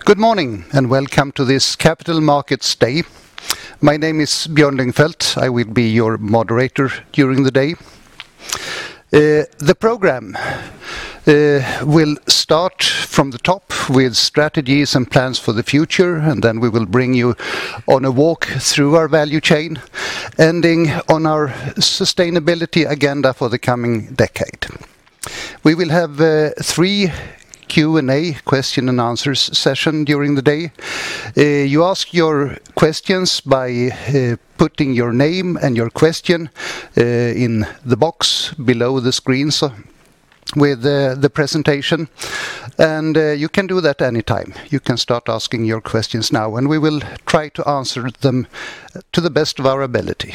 Good morning, welcome to this Capital Markets Day. My name is Björn Lyngfelt. I will be your moderator during the day. The program will start from the top with strategies and plans for the future, then we will bring you on a walk through our value chain, ending on our sustainability agenda for the coming decade. We will have three Q&A, question-and-answers, session during the day. You ask your questions by putting your name and your question in the box below the screens with the presentation. You can do that anytime. You can start asking your questions now, we will try to answer them to the best of our ability.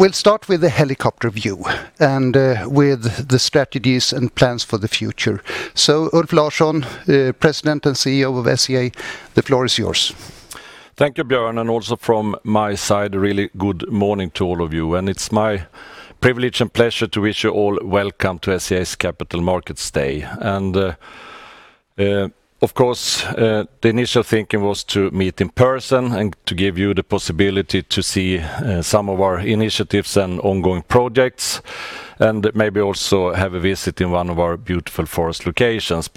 We'll start with a helicopter view with the strategies and plans for the future. Ulf Larsson, President and CEO of SCA, the floor is yours. Thank you, Björn. Also from my side, a really good morning to all of you. It's my privilege and pleasure to wish you all welcome to SCA's Capital Markets Day. Of course, the initial thinking was to meet in person and to give you the possibility to see some of our initiatives and ongoing projects, and maybe also have a visit in one of our beautiful forest locations.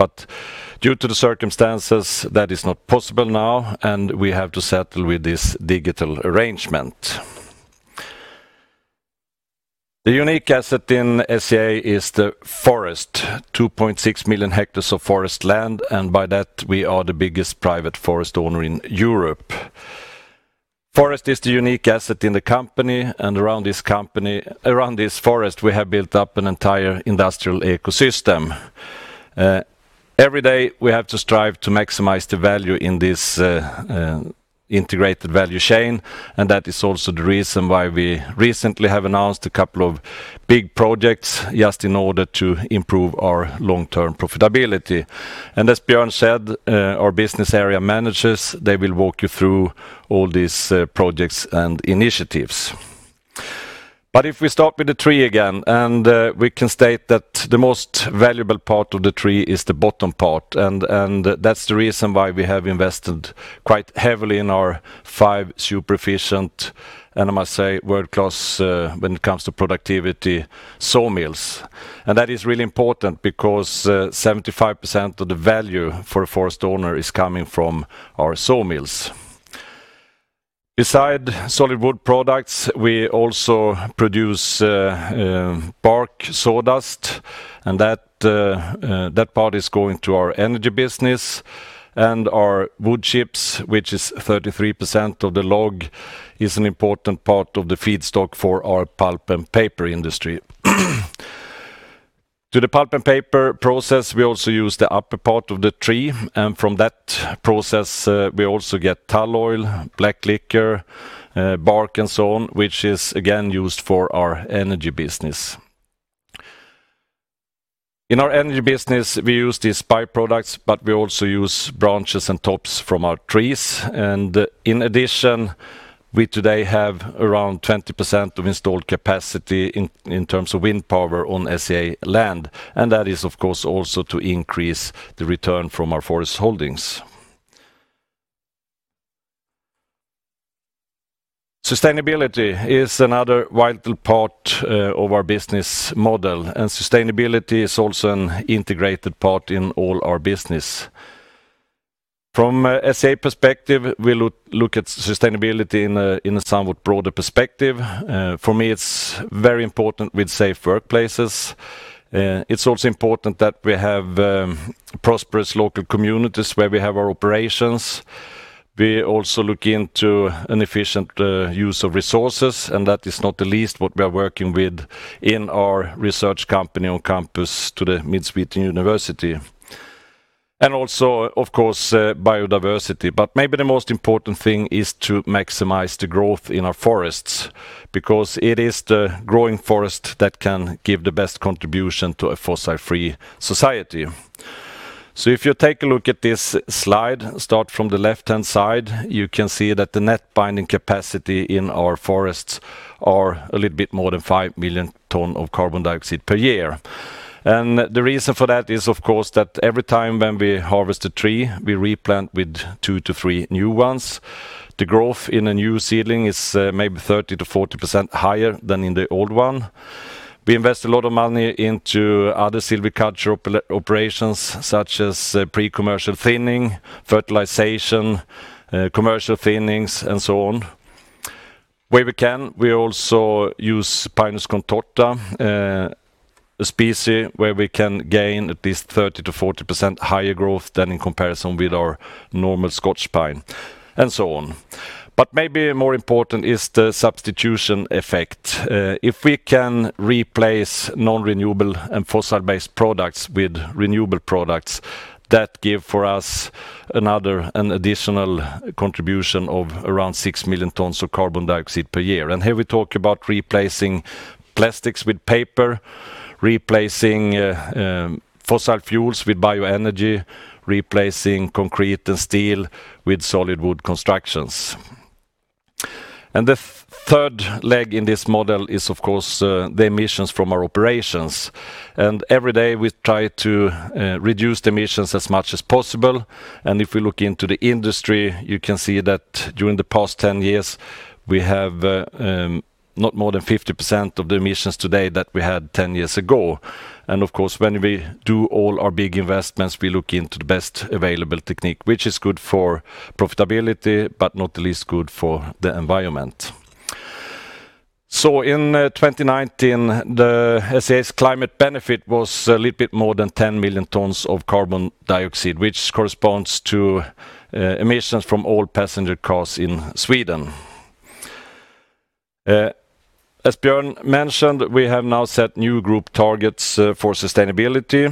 Due to the circumstances, that is not possible now, and we have to settle with this digital arrangement. The unique asset in SCA is the forest, 2.6 million hectares of forest land, and by that we are the biggest private forest owner in Europe. Forest is the unique asset in the company and around this forest we have built up an entire industrial ecosystem. Every day, we have to strive to maximize the value in this integrated value chain. That is also the reason why we recently have announced a couple of big projects just in order to improve our long-term profitability. As Björn said, our business area managers, they will walk you through all these projects and initiatives. If we start with the tree again, we can state that the most valuable part of the tree is the bottom part. That's the reason why we have invested quite heavily in our five super efficient, and I must say world-class when it comes to productivity, sawmills. That is really important because 75% of the value for a forest owner is coming from our sawmills. Beside solid wood products, we also produce bark, sawdust, and that part is going to our energy business, and our wood chips, which is 33% of the log, is an important part of the feedstock for our pulp and paper industry. To the pulp and paper process, we also use the upper part of the tree, and from that process, we also get tall oil, black liquor, bark and so on, which is again used for our energy business. In our energy business, we use these byproducts, but we also use branches and tops from our trees. In addition, we today have around 20% of installed capacity in terms of wind power on SCA land, and that is, of course, also to increase the return from our forest holdings. Sustainability is another vital part of our business model, and sustainability is also an integrated part in all our business. From a SCA perspective, we look at sustainability in a somewhat broader perspective. For me, it's very important with safe workplaces. It's also important that we have prosperous local communities where we have our operations. We also look into an efficient use of resources, that is not the least what we are working with in our research company on campus to the Mid Sweden University. Also, of course, biodiversity. Maybe the most important thing is to maximize the growth in our forests, because it is the growing forest that can give the best contribution to a fossil-free society. If you take a look at this slide, start from the left-hand side, you can see that the net binding capacity in our forests are a little bit more than 5 million tons of carbon dioxide per year. The reason for that is, of course, that every time when we harvest a tree, we replant with 2 to 3 new ones. The growth in a new seedling is maybe 30%-40% higher than in the old one. We invest a lot of money into other silviculture operations, such as pre-commercial thinning, fertilization, commercial thinnings, and so on. Where we can, we also use Pinus contorta, a species where we can gain at least 30%-40% higher growth than in comparison with our normal Scots pine, and so on. Maybe more important is the substitution effect. If we can replace non-renewable and fossil-based products with renewable products, that give for us another, an additional contribution of around 6 million tons of carbon dioxide per year. Here we talk about replacing plastics with paper, replacing fossil fuels with bioenergy, replacing concrete and steel with solid wood constructions. The third leg in this model is, of course, the emissions from our operations. Every day we try to reduce the emissions as much as possible. If we look into the industry, you can see that during the past 10 years, we have not more than 50% of the emissions today that we had 10 years ago. Of course, when we do all our big investments, we look into the best available technique, which is good for profitability, but not least good for the environment. In 2019, the SCA climate benefit was a little bit more than 10 million tons of carbon dioxide, which corresponds to emissions from all passenger cars in Sweden. As Björn mentioned, we have now set new group targets for sustainability,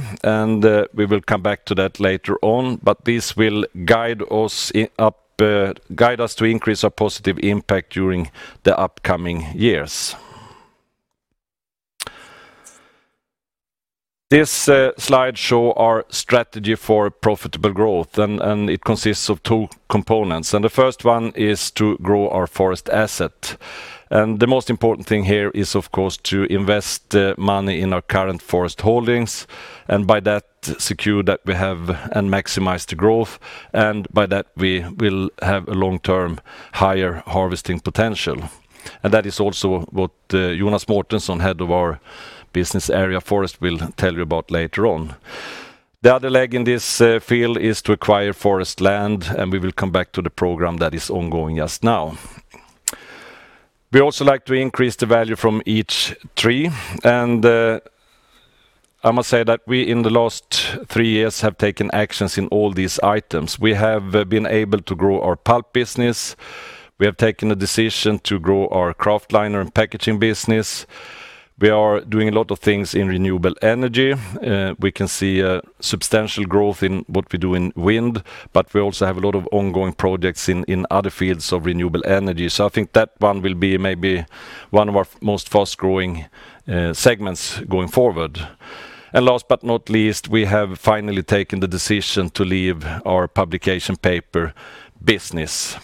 we will come back to that later on. This will guide us to increase our positive impact during the upcoming years. This slide show our strategy for profitable growth, it consists of two components, the first one is to grow our forest asset. The most important thing here is, of course, to invest money in our current forest holdings, by that secure that we have and maximize the growth, by that, we will have a long-term higher harvesting potential. That is also what Jonas Mårtensson, head of our Business Area Forest, will tell you about later on. The other leg in this field is to acquire forest land, we will come back to the program that is ongoing just now. We also like to increase the value from each tree, and I must say that we in the last three years have taken actions in all these items. We have been able to grow our pulp business. We have taken a decision to grow our Kraftliner and packaging business. We are doing a lot of things in renewable energy. We can see a substantial growth in what we do in wind, but we also have a lot of ongoing projects in other fields of renewable energy. I think that one will be maybe one of our most fast-growing segments going forward. Last but not least, we have finally taken the decision to leave our publication paper business.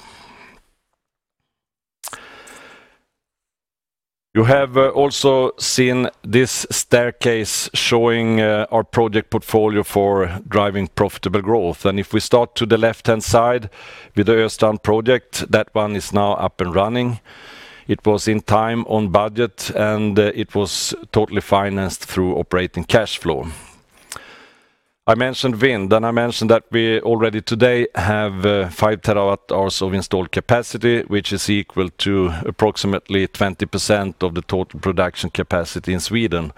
You have also seen this staircase showing our project portfolio for driving profitable growth. If we start to the left-hand side with the Östrand project, that one is now up and running. It was in time, on budget, and it was totally financed through operating cash flow. I mentioned wind, and I mentioned that we already today have 5 TWh of installed capacity, which is equal to approximately 20% of the total production capacity in Sweden.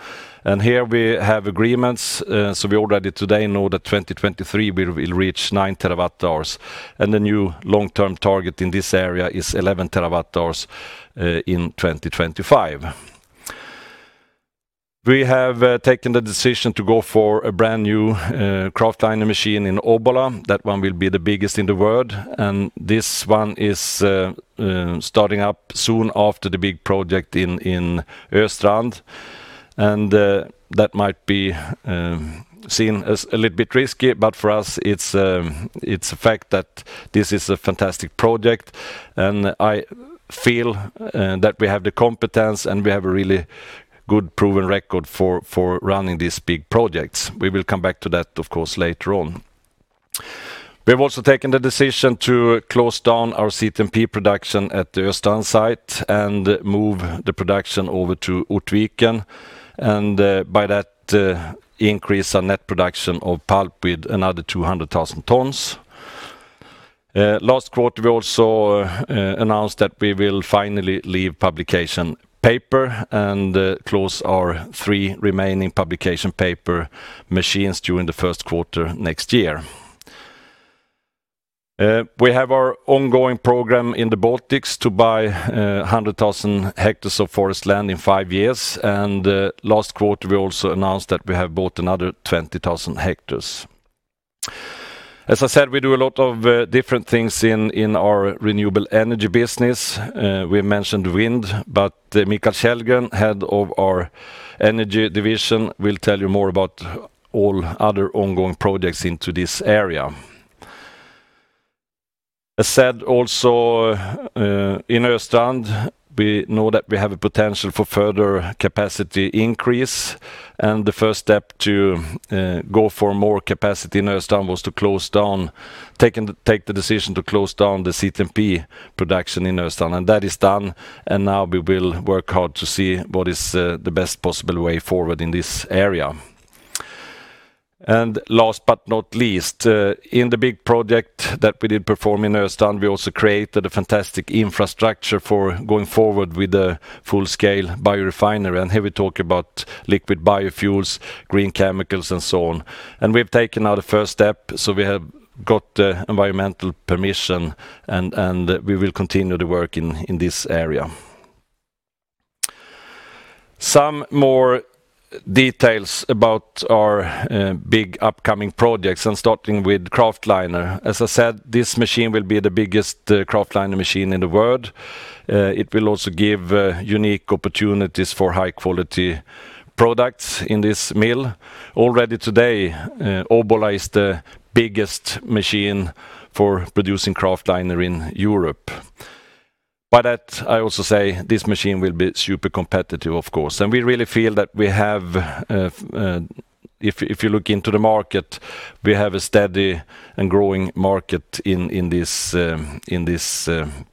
Here we have agreements, so we already today know that 2023, we will reach 9 TWh. The new long-term target in this area is 11 TWh in 2025. We have taken the decision to go for a brand new Kraftliner machine in Obbola. That one will be the biggest in the world, and this one is starting up soon after the big project in Östrand. That might be seen as a little bit risky, but for us, it's a fact that this is a fantastic project, and I feel that we have the competence and we have a really good proven record for running these big projects. We will come back to that, of course, later on. We have also taken the decision to close down our CTMP production at the Östrand site and move the production over to Ortviken, and by that, increase our net production of pulp with another 200,000 tons. Last quarter, we also announced that we will finally leave publication paper and close our three remaining publication paper machines during the first quarter next year. We have our ongoing program in the Baltics to buy 100,000 hectares of forest land in five years. Last quarter, we also announced that we have bought another 20,000 hectares. As I said, we do a lot of different things in our renewable energy business. We mentioned wind, but Mikael Kjellgren, head of our energy division, will tell you more about all other ongoing projects into this area. I said also in Östrand, we know that we have a potential for further capacity increase, and the first step to go for more capacity in Östrand was to take the decision to close down the CTMP production in Östrand, and that is done, and now we will work hard to see what is the best possible way forward in this area. Last but not least, in the big project that we did perform in Östrand, we also created a fantastic infrastructure for going forward with the full-scale biorefinery, and here we talk about liquid biofuels, green chemicals, and so on. We've taken now the first step, so we have got the environmental permission, and we will continue the work in this area. Some more details about our big upcoming projects, and starting with Kraftliner. As I said, this machine will be the biggest Kraftliner machine in the world. It will also give unique opportunities for high-quality products in this mill. Already today, Obbola is the biggest machine for producing Kraftliner in Europe. By that, I also say this machine will be super competitive, of course. We really feel that if you look into the market, we have a steady and growing market in this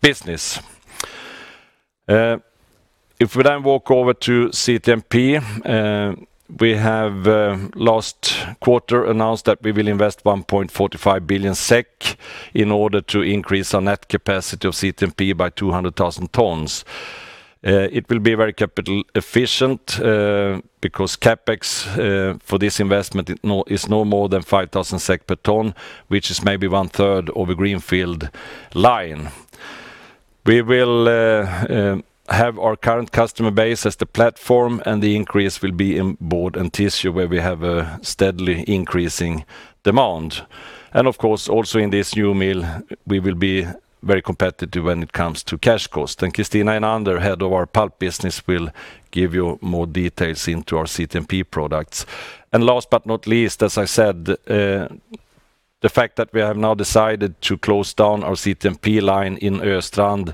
business. If we then walk over to CTMP, we have last quarter announced that we will invest 1.45 billion SEK in order to increase our net capacity of CTMP by 200,000 tons. It will be very capital efficient, because CapEx for this investment is no more than 5,000 SEK per ton, which is maybe one third of a greenfield line. We will have our current customer base as the platform, the increase will be in board and tissue, where we have a steadily increasing demand. Of course, also in this new mill, we will be very competitive when it comes to cash cost. Kristina Enander, head of our pulp business, will give you more details into our CTMP products. Last but not least, as I said, the fact that we have now decided to close down our CTMP line in Östrand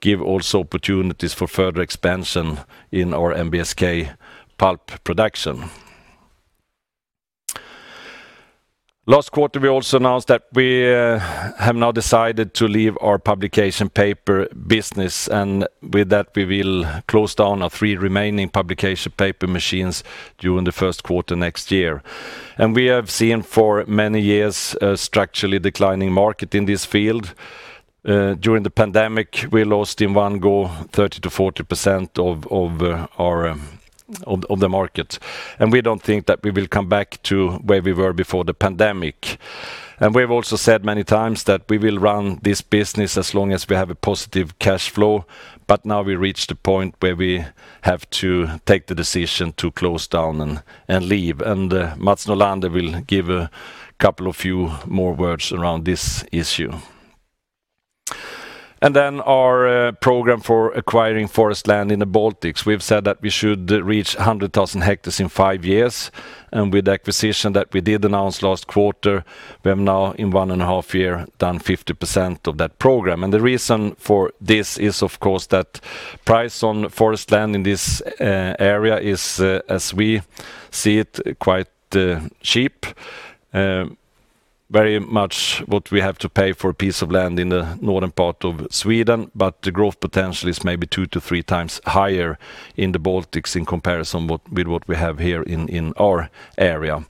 give also opportunities for further expansion in our NBSK pulp production. Last quarter, we also announced that we have now decided to leave our publication paper business. With that, we will close down our three remaining publication paper machines during the first quarter next year. We have seen for many years a structurally declining market in this field. During the pandemic, we lost in one go 30%-40% of the market. We don't think that we will come back to where we were before the pandemic. We've also said many times that we will run this business as long as we have a positive cash flow. Now we reach the point where we have to take the decision to close down and leave. Mats Nordlander will give a couple of few more words around this issue. Our program for acquiring forest land in the Baltics. We've said that we should reach 100,000 hectares in five years. With the acquisition that we did announce last quarter, we have now in one and a half year done 50% of that program. The reason for this is, of course, that price on forest land in this area is, as we see it, quite cheap. Very much what we have to pay for a piece of land in the northern part of Sweden, but the growth potential is maybe two to three times higher in the Baltics in comparison with what we have here in our area.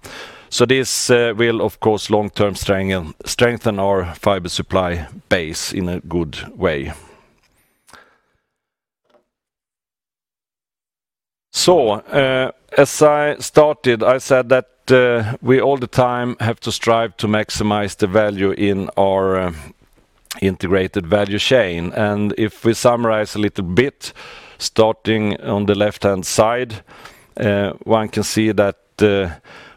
This will, of course, long-term strengthen our fiber supply base in a good way. As I started, I said that we all the time have to strive to maximize the value in our integrated value chain. If we summarize a little bit, starting on the left-hand side, one can see that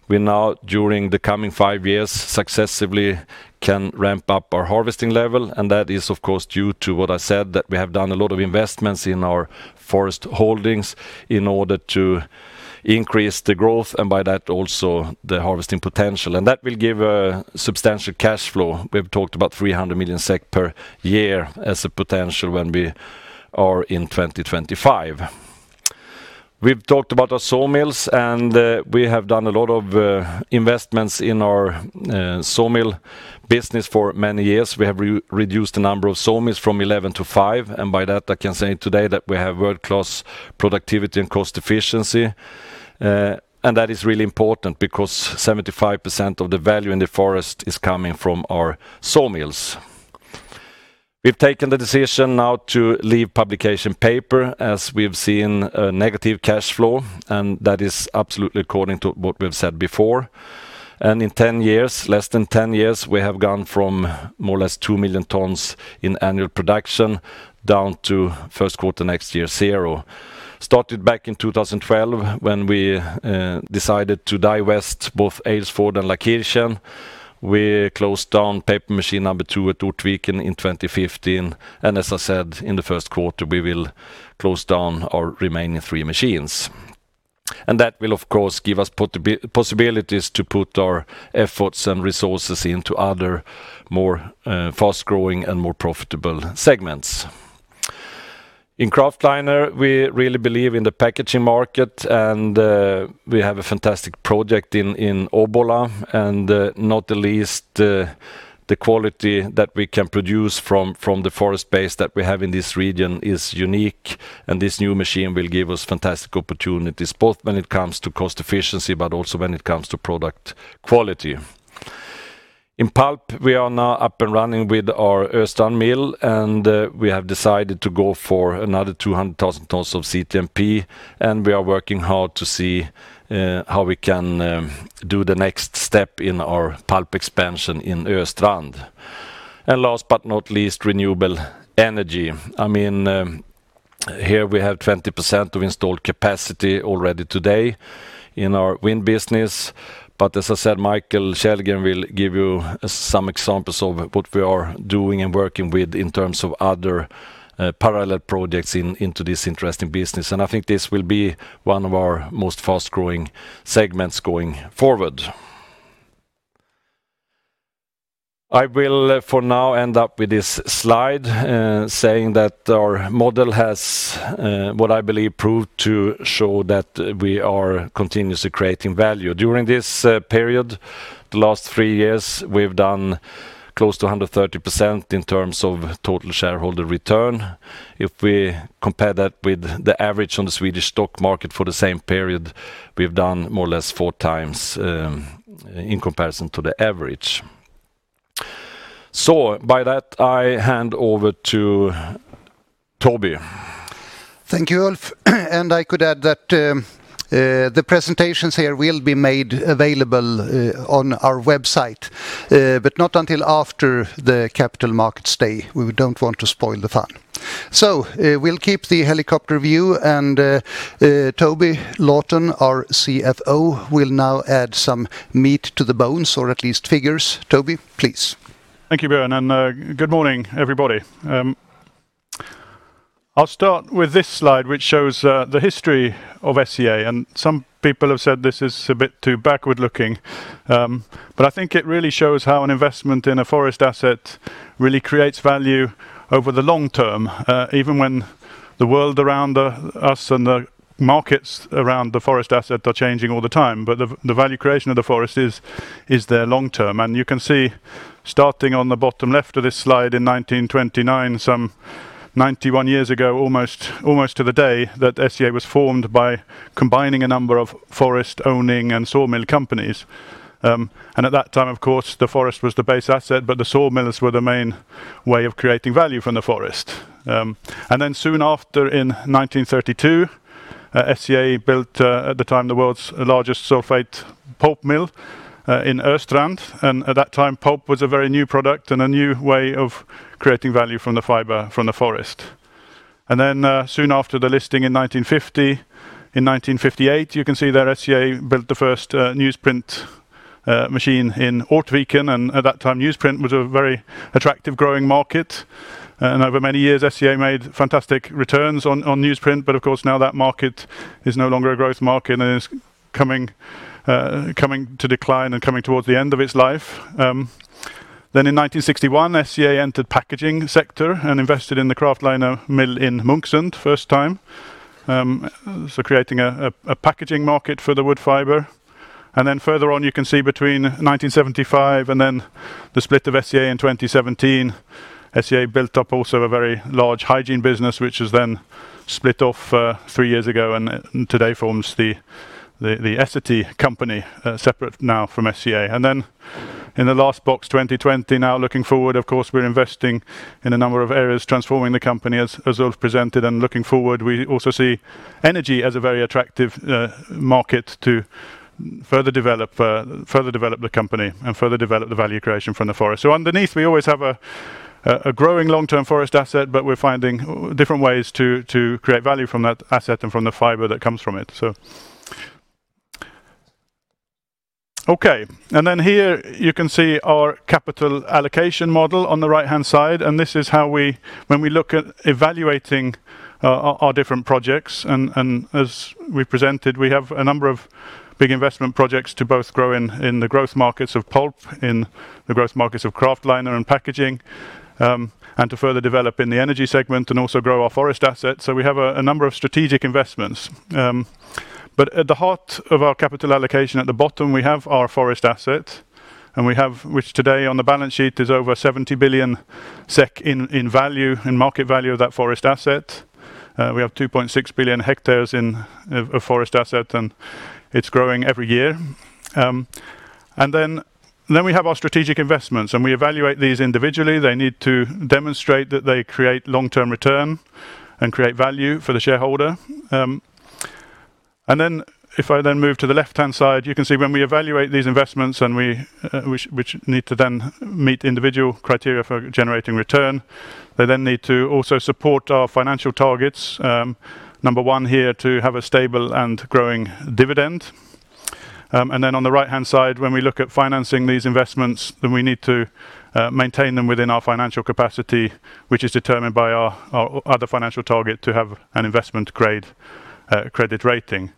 we now, during the coming five years, successively can ramp up our harvesting level. That is, of course, due to what I said, that we have done a lot of investments in our forest holdings in order to increase the growth, and by that, also the harvesting potential. That will give a substantial cash flow. We've talked about 300 million SEK per year as a potential when we are in 2025. We've talked about our sawmills, and we have done a lot of investments in our sawmill business for many years. We have reduced the number of sawmills from 11 to five, and by that, I can say today that we have world-class productivity and cost efficiency. That is really important because 75% of the value in the forest is coming from our sawmills. We've taken the decision now to leave publication paper as we've seen a negative cash flow, that is absolutely according to what we've said before. In less than 10 years, we have gone from more or less 2 million tons in annual production down to first quarter next year, zero. Started back in 2012 when we decided to divest both Aylesford and Laakirchen. We closed down paper machine number two at Ortviken in 2015, as I said, in the first quarter, we will close down our remaining three machines. That will, of course, give us possibilities to put our efforts and resources into other, more fast-growing and more profitable segments. In Kraftliner, we really believe in the packaging market, and we have a fantastic project in Obbola, and not the least, the quality that we can produce from the forest base that we have in this region is unique, and this new machine will give us fantastic opportunities, both when it comes to cost efficiency, but also when it comes to product quality. In pulp, we are now up and running with our Östrand mill, and we have decided to go for another 200,000 tons of CTMP, and we are working hard to see how we can do the next step in our pulp expansion in Östrand. Last but not least, renewable energy. Here we have 20% of installed capacity already today in our wind business. As I said, Mikael Kjellgren will give you some examples of what we are doing and working with in terms of other parallel projects into this interesting business. I think this will be one of our most fast-growing segments going forward. I will for now end up with this slide saying that our model has what I believe proved to show that we are continuously creating value. During this period, the last three years, we've done close to 130% in terms of total shareholder return. If we compare that with the average on the Swedish stock market for the same period, we've done more or less four times in comparison to the average. By that, I hand over to Toby. Thank you, Ulf. I could add that the presentations here will be made available on our website, but not until after the Capital Markets Day. We don't want to spoil the fun. We'll keep the helicopter view and Toby Lawton, our CFO, will now add some meat to the bones or at least figures. Toby, please. Thank you, Björn. Good morning, everybody. I'll start with this slide, which shows the history of SCA. Some people have said this is a bit too backward-looking. I think it really shows how an investment in a forest asset really creates value over the long term, even when the world around us and the markets around the forest asset are changing all the time. The value creation of the forest is there long term. You can see starting on the bottom left of this slide in 1929, some 91 years ago, almost to the day, that SCA was formed by combining a number of forest-owning and sawmill companies. At that time, of course, the forest was the base asset. The sawmills were the main way of creating value from the forest. Soon after, in 1932, SCA built, at the time, the world's largest sulfate pulp mill in Östrand. At that time, pulp was a very new product and a new way of creating value from the fiber, from the forest. Soon after the listing in 1950, in 1958, you can see that SCA built the first newsprint machine in Ortviken, and at that time, newsprint was a very attractive growing market. Over many years, SCA made fantastic returns on newsprint, but of course, now that market is no longer a growth market and is coming to decline and coming towards the end of its life. In 1961, SCA entered the packaging sector and invested in the Kraftliner mill in Munksund for the first time, so creating a packaging market for the wood fiber. Further on, you can see between 1975 and then the split of SCA in 2017, SCA built up also a very large hygiene business, which has then split off three years ago and today forms the Essity company separate now from SCA. In the last box, 2020, now looking forward, of course, we're investing in a number of areas, transforming the company as Ulf presented. Looking forward, we also see energy as a very attractive market to further develop the company and further develop the value creation from the forest. Underneath, we always have a growing long-term forest asset, but we're finding different ways to create value from that asset and from the fiber that comes from it. Okay. Here you can see our capital allocation model on the right-hand side. This is how when we look at evaluating our different projects, as we presented, we have a number of big investment projects to both grow in the growth markets of pulp, in the growth markets of Kraftliner and packaging, and to further develop in the energy segment and also grow our forest asset. We have a number of strategic investments. At the heart of our capital allocation, at the bottom, we have our forest asset, and we have, which today on the balance sheet is over 70 billion SEK in market value of that forest asset. We have 2.6 million hectares in a forest asset, and it's growing every year. We have our strategic investments, we evaluate these individually. They need to demonstrate that they create long-term return and create value for the shareholder. If I then move to the left-hand side, you can see when we evaluate these investments and which need to then meet individual criteria for generating return, they then need to also support our financial targets. Number one here to have a stable and growing dividend. On the right-hand side, when we look at financing these investments, then we need to maintain them within our financial capacity, which is determined by our other financial target to have an investment-grade credit rating.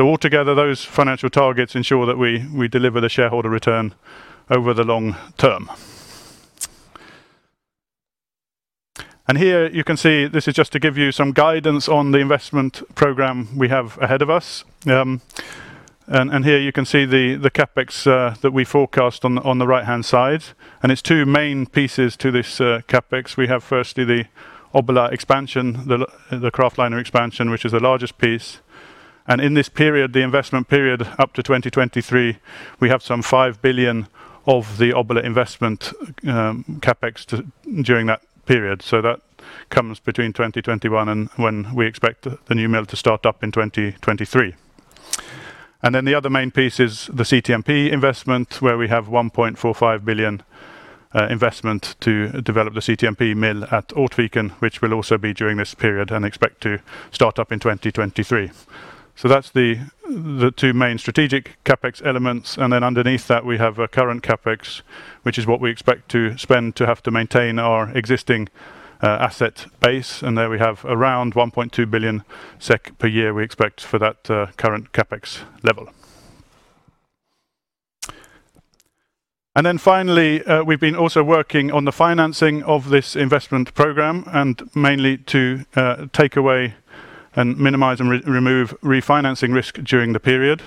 Altogether, those financial targets ensure that we deliver the shareholder return over the long term. Here you can see this is just to give you some guidance on the investment program we have ahead of us. Here you can see the CapEx that we forecast on the right-hand side, and it's two main pieces to this CapEx. We have, firstly, the Obbola expansion, the Kraftliner expansion, which is the largest piece. In this period, the investment period up to 2023, we have some 5 billion of the Obbola investment CapEx during that period. That comes between 2021 and when we expect the new mill to start up in 2023. The other main piece is the CTMP investment, where we have 1.45 billion investment to develop the CTMP mill at Ortviken, which will also be during this period and expect to start up in 2023. That's the two main strategic CapEx elements. Underneath that, we have a current CapEx, which is what we expect to spend to maintain our existing asset base. There we have around 1.2 billion SEK per year we expect for that current CapEx level. Finally, we've been also working on the financing of this investment program, and mainly to take away and minimize and remove refinancing risk during the period.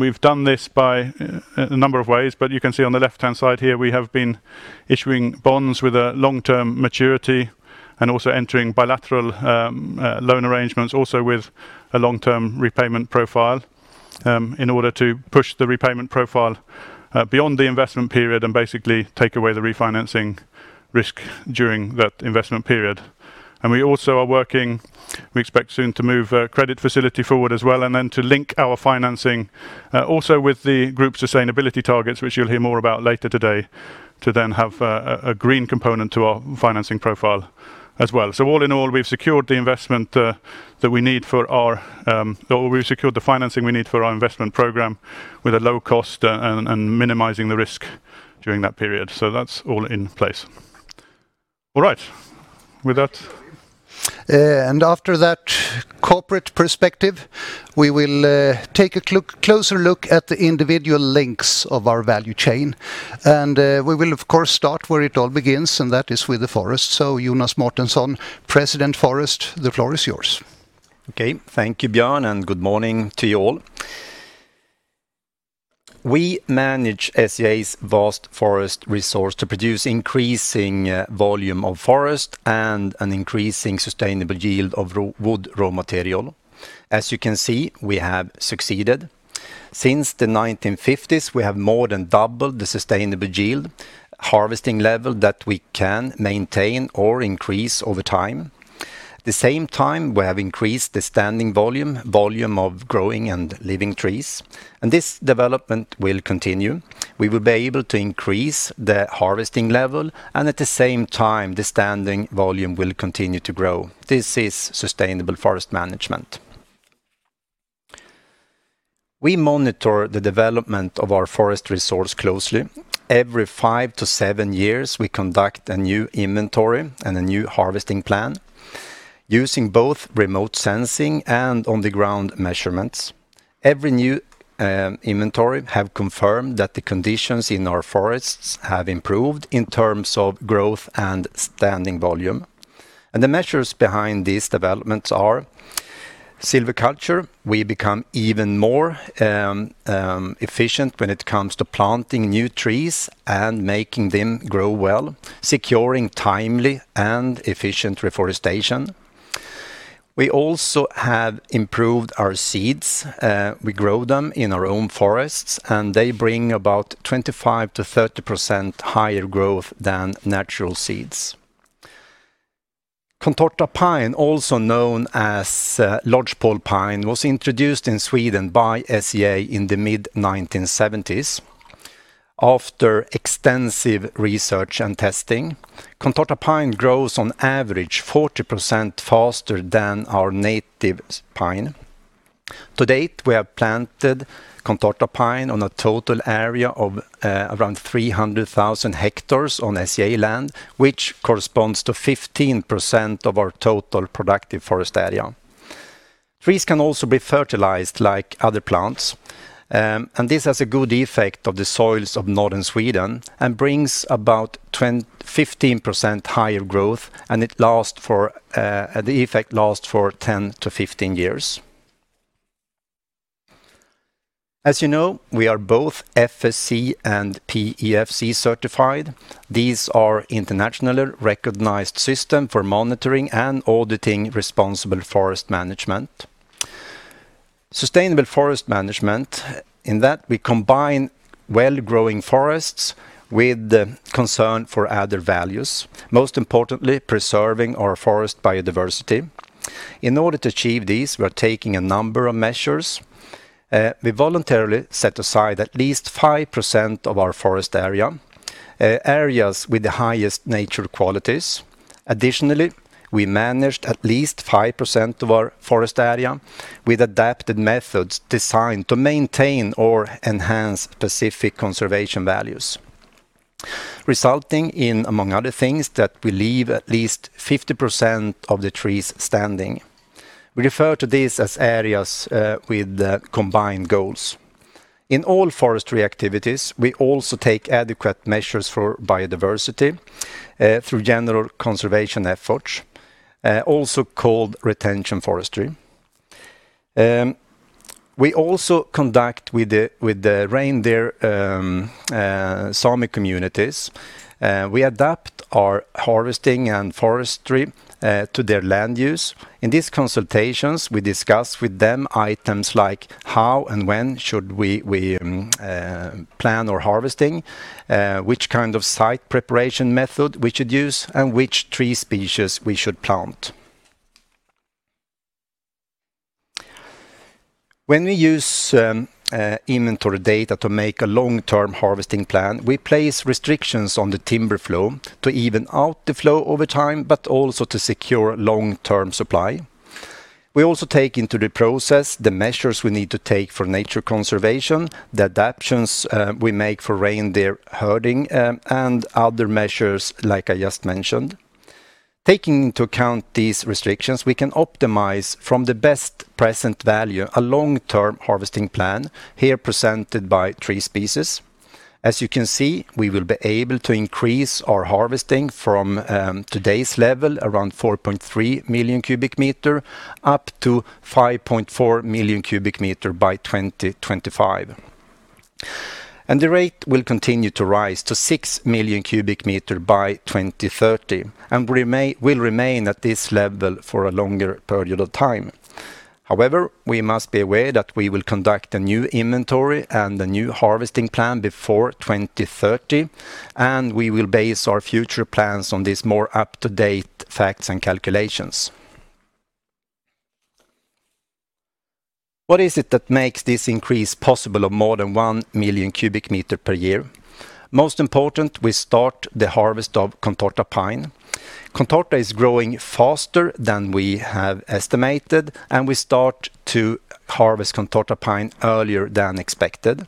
We've done this by a number of ways, but you can see on the left-hand side here, we have been issuing bonds with a long-term maturity and also entering bilateral loan arrangements, also with a long-term repayment profile, in order to push the repayment profile beyond the investment period and basically take away the refinancing risk during that investment period. We expect soon to move a credit facility forward as well, to link our financing also with the group sustainability targets, which you'll hear more about later today, to have a green component to our financing profile as well. All in all, we've secured the financing we need for our investment program with a low cost and minimizing the risk during that period. That's all in place. All right. With that. After that corporate perspective, we will take a closer look at the individual links of our value chain. We will, of course, start where it all begins, and that is with the forest. Jonas Mårtensson, President Forest, the floor is yours. Okay. Thank you, Björn, good morning to you all. We manage SCA's vast forest resource to produce increasing volume of forest and an increasing sustainable yield of wood raw material. As you can see, we have succeeded. Since the 1950s, we have more than doubled the sustainable yield harvesting level that we can maintain or increase over time. The same time, we have increased the standing volume of growing and living trees, and this development will continue. We will be able to increase the harvesting level, and at the same time, the standing volume will continue to grow. This is sustainable forest management. We monitor the development of our forest resource closely. Every five to seven years, we conduct a new inventory and a new harvesting plan using both remote sensing and on-the-ground measurements. Every new inventory have confirmed that the conditions in our forests have improved in terms of growth and standing volume. The measures behind these developments are silviculture. We become even more efficient when it comes to planting new trees and making them grow well, securing timely and efficient reforestation. We also have improved our seeds. We grow them in our own forests, and they bring about 25%-30% higher growth than natural seeds. contorta pine, also known as lodgepole pine, was introduced in Sweden by SCA in the mid-1970s after extensive research and testing. contorta pine grows on average 40% faster than our native pine. To date, we have planted contorta pine on a total area of around 300,000 hectares on SCA land, which corresponds to 15% of our total productive forest area. Trees can also be fertilized like other plants, and this has a good effect of the soils of Northern Sweden and brings about 15% higher growth, and the effect lasts for 10-15 years. As you know, we are both FSC and PEFC certified. These are internationally recognized system for monitoring and auditing responsible forest management. Sustainable forest management, in that we combine well-growing forests with concern for other values, most importantly, preserving our forest biodiversity. In order to achieve this, we are taking a number of measures. We voluntarily set aside at least 5% of our forest area, areas with the highest nature qualities. Additionally, we managed at least 5% of our forest area with adapted methods designed to maintain or enhance specific conservation values, resulting in, among other things, that we leave at least 50% of the trees standing. We refer to these as areas with combined goals. In all forestry activities, we also take adequate measures for biodiversity through general conservation efforts, also called retention forestry. We also conduct with the reindeer Sami communities, we adapt our harvesting and forestry to their land use. In these consultations, we discuss with them items like how and when should we plan our harvesting, which kind of site preparation method we should use, and which tree species we should plant. When we use inventory data to make a long-term harvesting plan, we place restrictions on the timber flow to even out the flow over time, but also to secure long-term supply. We also take into the process the measures we need to take for nature conservation, the adaptations we make for reindeer herding, and other measures like I just mentioned. Taking into account these restrictions, we can optimize from the best present value, a long-term harvesting plan, here presented by tree species. As you can see, we will be able to increase our harvesting from today's level, around 4.3 million cubic meters, up to 5.4 million cubic meters by 2025. The rate will continue to rise to six million cubic meters by 2030, and will remain at this level for a longer period of time. However, we must be aware that we will conduct a new inventory and a new harvesting plan before 2030, and we will base our future plans on these more up-to-date facts and calculations. What is it that makes this increase possible of more than 1 million cubic meter per year? Most important, we start the harvest of contorta pine. Contorta is growing faster than we have estimated, and we start to harvest contorta pine earlier than expected.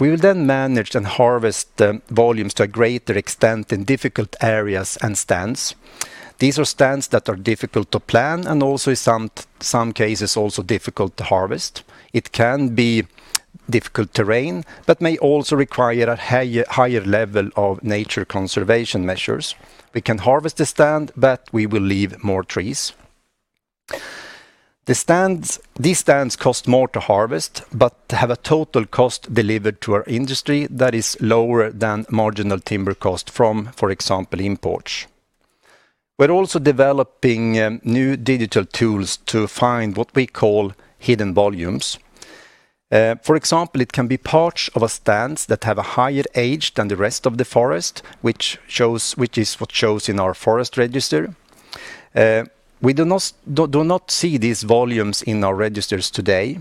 We will then manage and harvest the volumes to a greater extent in difficult areas and stands. These are stands that are difficult to plan and also in some cases also difficult to harvest. It can be difficult terrain, but may also require a higher level of nature conservation measures. We can harvest the stand, but we will leave more trees. These stands cost more to harvest, but have a total cost delivered to our industry that is lower than marginal timber cost from, for example, imports. We're also developing new digital tools to find what we call hidden volumes. For example, it can be parts of a stand that have a higher age than the rest of the forest, which is what shows in our forest register. We do not see these volumes in our registers today.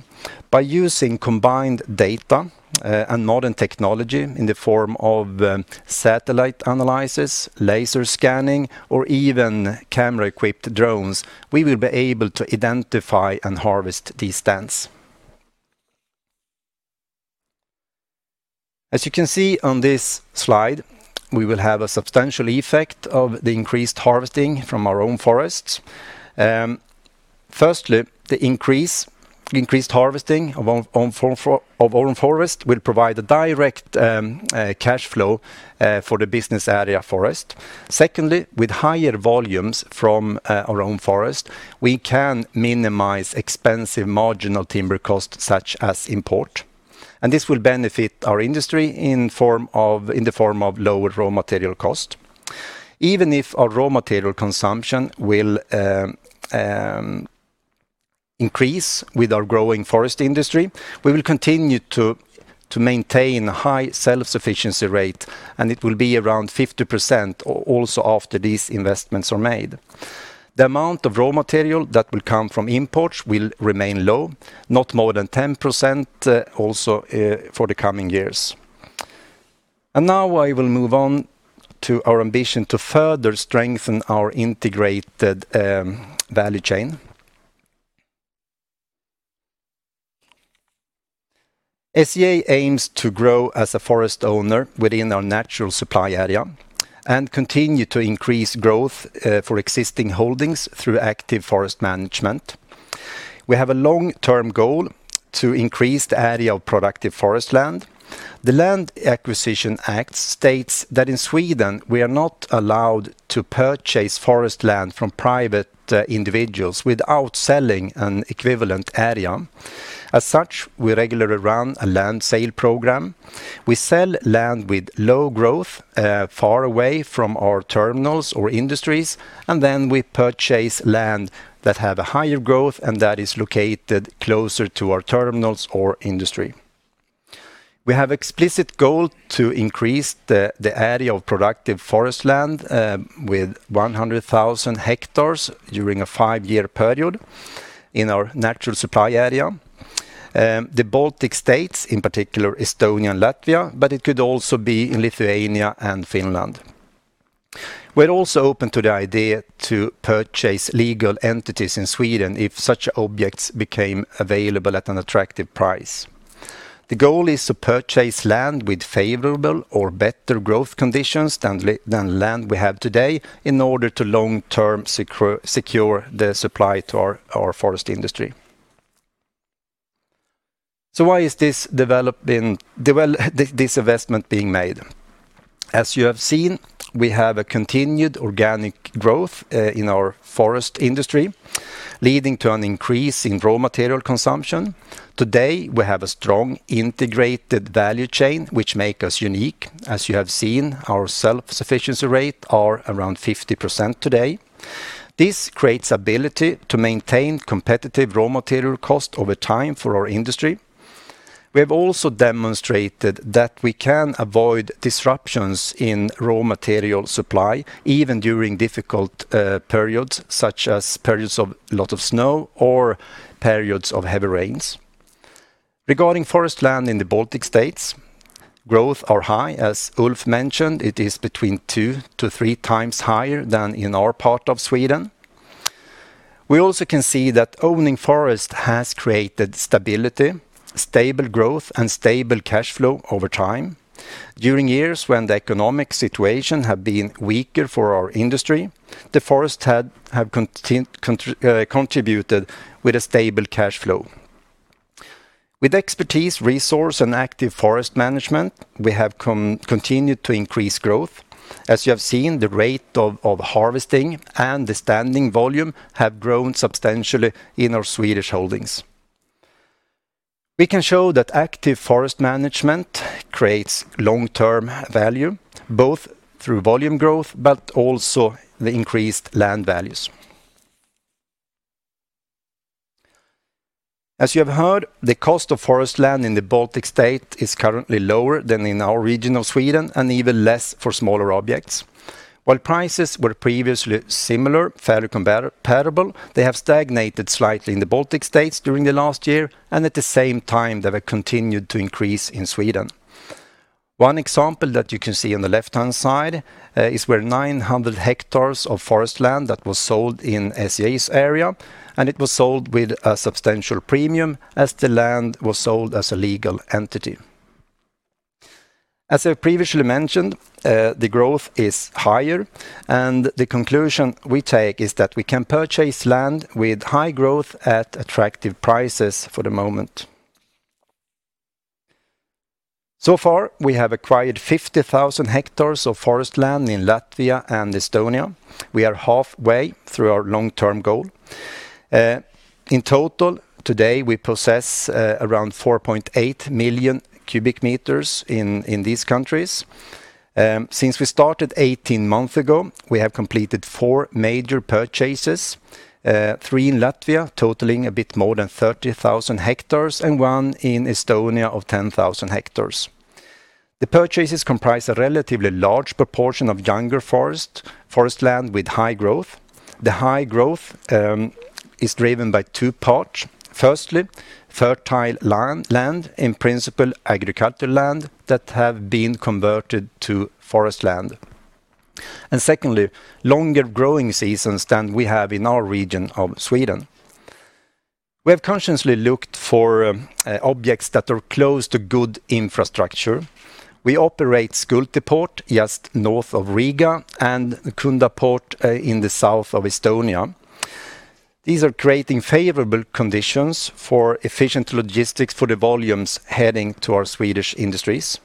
By using combined data and modern technology in the form of satellite analysis, laser scanning, or even camera-equipped drones, we will be able to identify and harvest these stands. As you can see on this slide, we will have a substantial effect of the increased harvesting from our own forests. Firstly, the increased harvesting of own forest will provide a direct cash flow for the Business Area Forest. Secondly, with higher volumes from our own forest, we can minimize expensive marginal timber costs such as import. This will benefit our industry in the form of lower raw material cost. Even if our raw material consumption will increase with our growing forest industry, we will continue to maintain high self-sufficiency rate, and it will be around 50% also after these investments are made. The amount of raw material that will come from imports will remain low, not more than 10% also for the coming years. Now I will move on to our ambition to further strengthen our integrated value chain. SCA aims to grow as a forest owner within our natural supply area and continue to increase growth for existing holdings through active forest management. We have a long-term goal to increase the area of productive forest land. The Land Acquisition Act states that in Sweden, we are not allowed to purchase forest land from private individuals without selling an equivalent area. As such, we regularly run a land sale program. We sell land with low growth far away from our terminals or industries. Then we purchase land that have a higher growth and that is located closer to our terminals or industry. We have explicit goal to increase the area of productive forest land with 100,000 hectares during a five-year period in our natural supply area. The Baltic States, in particular Estonia and Latvia. It could also be in Lithuania and Finland. We're also open to the idea to purchase legal entities in Sweden if such objects became available at an attractive price. The goal is to purchase land with favorable or better growth conditions than land we have today in order to long-term secure the supply to our forest industry. Why is this investment being made? As you have seen, we have a continued organic growth in our forest industry, leading to an increase in raw material consumption. Today, we have a strong integrated value chain which make us unique. As you have seen, our self-sufficiency rate are around 50% today. This creates ability to maintain competitive raw material cost over time for our industry. We have also demonstrated that we can avoid disruptions in raw material supply, even during difficult periods, such as periods of lot of snow or periods of heavy rains. Regarding forest land in the Baltic states, growth are high. As Ulf mentioned, it is between two to three times higher than in our part of Sweden. We also can see that owning forest has created stability, stable growth, and stable cash flow over time. During years when the economic situation has been weaker for our industry, the forest had contributed with a stable cash flow. With expertise, resource, and active forest management, we have continued to increase growth. As you have seen, the rate of harvesting and the standing volume have grown substantially in our Swedish holdings. We can show that active forest management creates long-term value, both through volume growth, but also the increased land values. As you have heard, the cost of forest land in the Baltic states is currently lower than in our region of Sweden and even less for smaller objects. While prices were previously similar, fairly comparable, they have stagnated slightly in the Baltic states during the last year, and at the same time, they have continued to increase in Sweden. One example that you can see on the left-hand side is where 900 hectares of forest land that was sold in SCA's area, and it was sold with a substantial premium as the land was sold as a legal entity. As I previously mentioned, the growth is higher, and the conclusion we take is that we can purchase land with high growth at attractive prices for the moment. So far, we have acquired 50,000 hectares of forest land in Latvia and Estonia. We are halfway through our long-term goal. In total, today, we possess around 4.8 million cubic meters in these countries. Since we started 18 months ago, we have completed four major purchases, three in Latvia, totaling a bit more than 30,000 hectares and one in Estonia of 10,000 hectares. The purchases comprise a relatively large proportion of younger forest land with high growth. The high growth is driven by two parts. Firstly, fertile land, in principle, agricultural land that has been converted to forest land. Secondly, longer growing seasons than we have in our region of Sweden. We have consciously looked for objects that are close to good infrastructure. We operate Skulte Port, just north of Riga and Kunda Port in the south of Estonia. These are creating favorable conditions for efficient logistics for the volumes heading to our Swedish industries.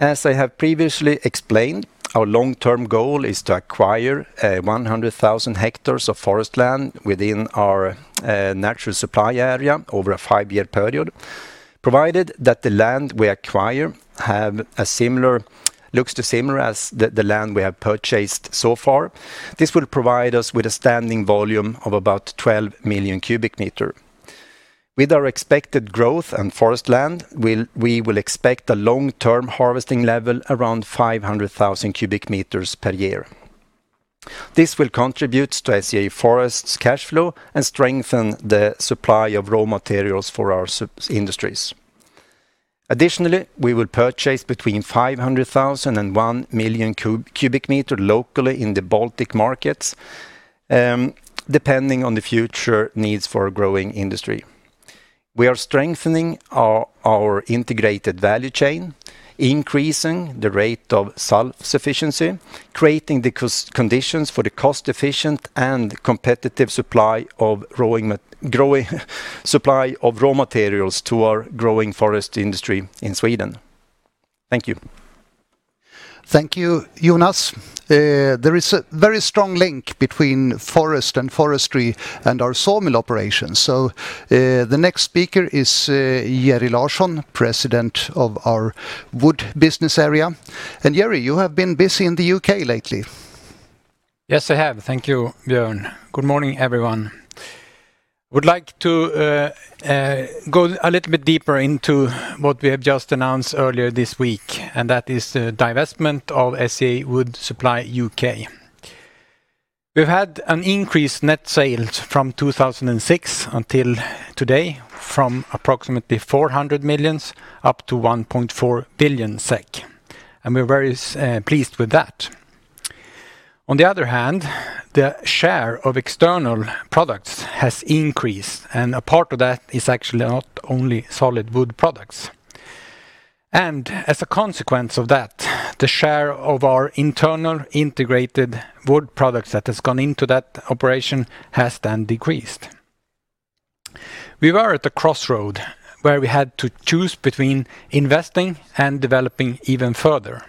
As I have previously explained, our long-term goal is to acquire 100,000 hectares of forest land within our natural supply area over a five-year period, provided that the land we acquire looks similar to the land we have purchased so far. This will provide us with a standing volume of about 12 million cubic meters. With our expected growth and forest land, we will expect a long-term harvesting level around 500,000 cubic meters per year. This will contribute to SCA Forest's cash flow and strengthen the supply of raw materials for our industries. Additionally, we will purchase between 500,000 and 1 million cubic meters locally in the Baltic markets, depending on the future needs for a growing industry. We are strengthening our integrated value chain, increasing the rate of self-sufficiency, creating the conditions for the cost-efficient and competitive supply of raw materials to our growing forest industry in Sweden. Thank you. Thank you, Jonas. There is a very strong link between forest and forestry and our sawmill operations. The next speaker is Jerry Larsson, President of our Wood business area. Jerry, you have been busy in the U.K. lately. Yes, I have. Thank you, Björn. Good morning, everyone. Would like to go a little bit deeper into what we have just announced earlier this week, and that is the divestment of SCA Wood Supply U.K. We've had an increased net sales from 2006 until today from approximately 400 million up to 1.4 billion SEK, and we're very pleased with that. On the other hand, the share of external products has increased, and a part of that is actually not only solid wood products. As a consequence of that, the share of our internal integrated wood products that has gone into that operation has then decreased. We were at a crossroad where we had to choose between investing and developing even further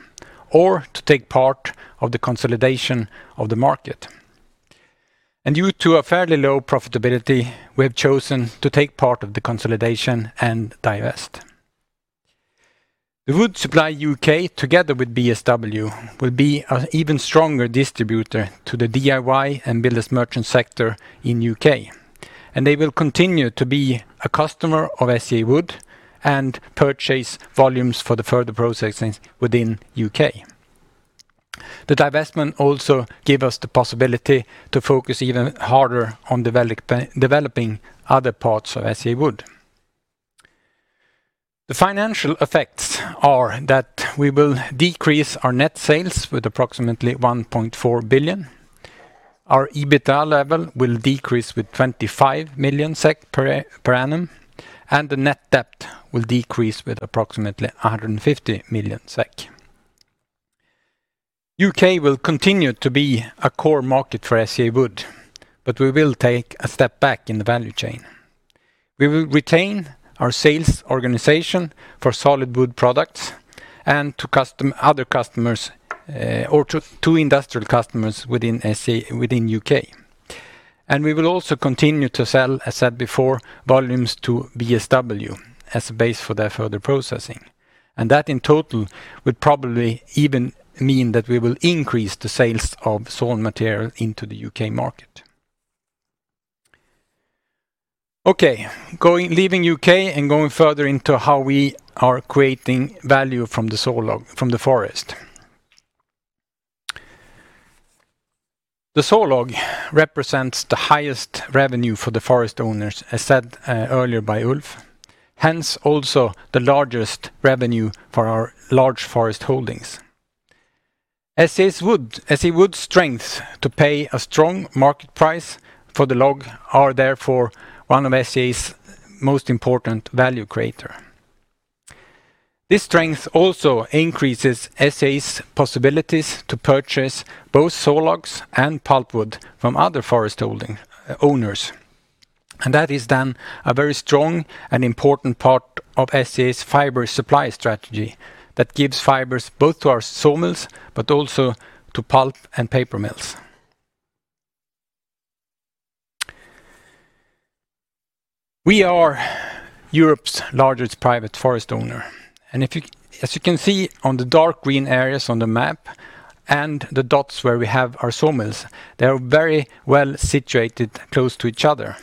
or to take part of the consolidation of the market. Due to a fairly low profitability, we have chosen to take part of the consolidation and divest. The Wood Supply U.K. together with BSW will be an even stronger distributor to the DIY and builders merchant sector in U.K., and they will continue to be a customer of SCA Wood and purchase volumes for the further processing within U.K. The divestment also give us the possibility to focus even harder on developing other parts of SCA Wood. The financial effects are that we will decrease our net sales with approximately 1.4 billion. Our EBITDA level will decrease with 25 million SEK per annum, and the net debt will decrease with approximately 150 million SEK. U.K. will continue to be a core market for SCA Wood, but we will take a step back in the value chain. We will retain our sales organization for solid wood products and to other customers or to industrial customers within U.K. We will also continue to sell, as said before, volumes to BSW as a base for their further processing. That in total would probably even mean that we will increase the sales of sawn material into the U.K. market. Leaving U.K. and going further into how we are creating value from the forest. The sawlog represents the highest revenue for the forest owners, as said earlier by Ulf, hence also the largest revenue for our large forest holdings. SCA Wood's strength to pay a strong market price for the log are therefore one of SCA's most important value creator. This strength also increases SCA's possibilities to purchase both sawlogs and pulpwood from other forest owners. That is then a very strong and important part of SCA's fiber supply strategy that gives fibers both to our sawmills, but also to pulp and paper mills. We are Europe's largest private forest owner, and as you can see on the dark green areas on the map and the dots where we have our sawmills, they are very well situated close to each other.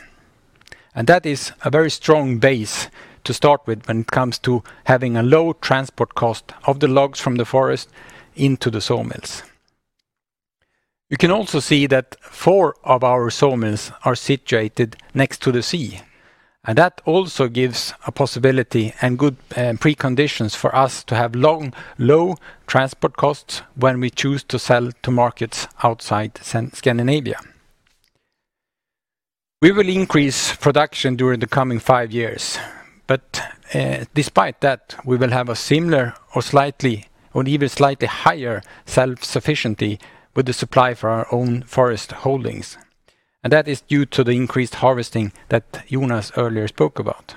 That is a very strong base to start with when it comes to having a low transport cost of the logs from the forest into the sawmills. You can also see that four of our sawmills are situated next to the sea, and that also gives a possibility and good preconditions for us to have low transport costs when we choose to sell to markets outside Scandinavia. We will increase production during the coming five years, but despite that, we will have a similar or even slightly higher self-sufficiency with the supply for our own forest holdings. That is due to the increased harvesting that Jonas earlier spoke about.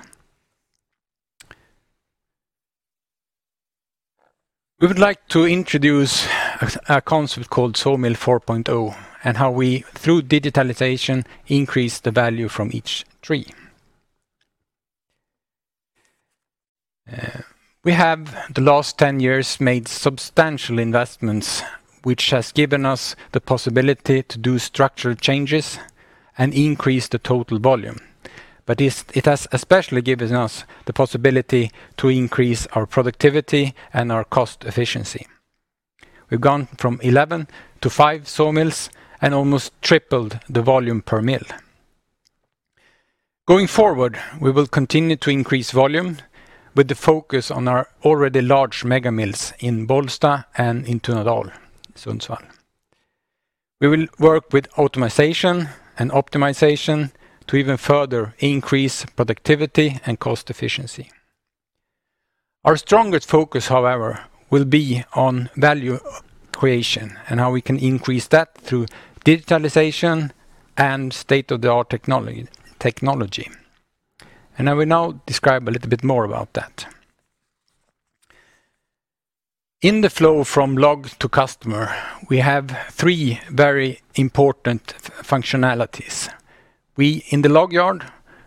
We would like to introduce a concept called sawmill 4.0 and how we, through digitalization, increase the value from each tree. We have, the last 10 years, made substantial investments, which has given us the possibility to do structural changes and increase the total volume. It has especially given us the possibility to increase our productivity and our cost efficiency. We've gone from 11 to five sawmills and almost tripled the volume per mill. Going forward, we will continue to increase volume with the focus on our already large mega mills in Bollsta and in Tunadal, Sundsvall. We will work with automatization and optimization to even further increase productivity and cost efficiency. Our strongest focus, however, will be on value creation and how we can increase that through digitalization and state-of-the-art technology. I will now describe a little bit more about that. In the flow from log to customer, we have three very important functionalities. In the log yard,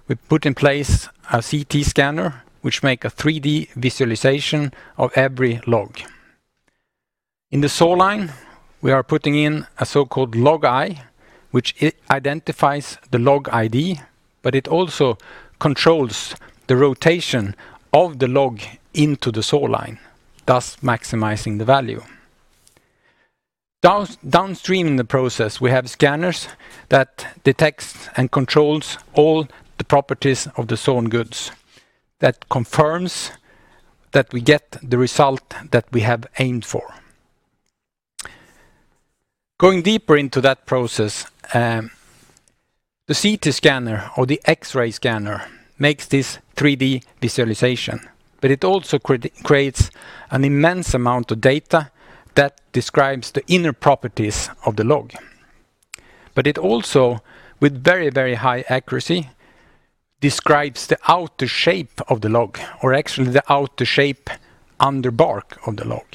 we put in place a CT scanner, which make a 3D visualization of every log. In the sawline, we are putting in a so-called Logeye, which identifies the log ID, but it also controls the rotation of the log into the sawline, thus maximizing the value. Downstream in the process, we have scanners that detects and controls all the properties of the sawn goods that confirms that we get the result that we have aimed for. Going deeper into that process, the CT scanner or the X-ray scanner makes this 3D visualization, but it also creates an immense amount of data that describes the inner properties of the log. It also, with very high accuracy, describes the outer shape of the log, or actually the outer shape under bark of the log.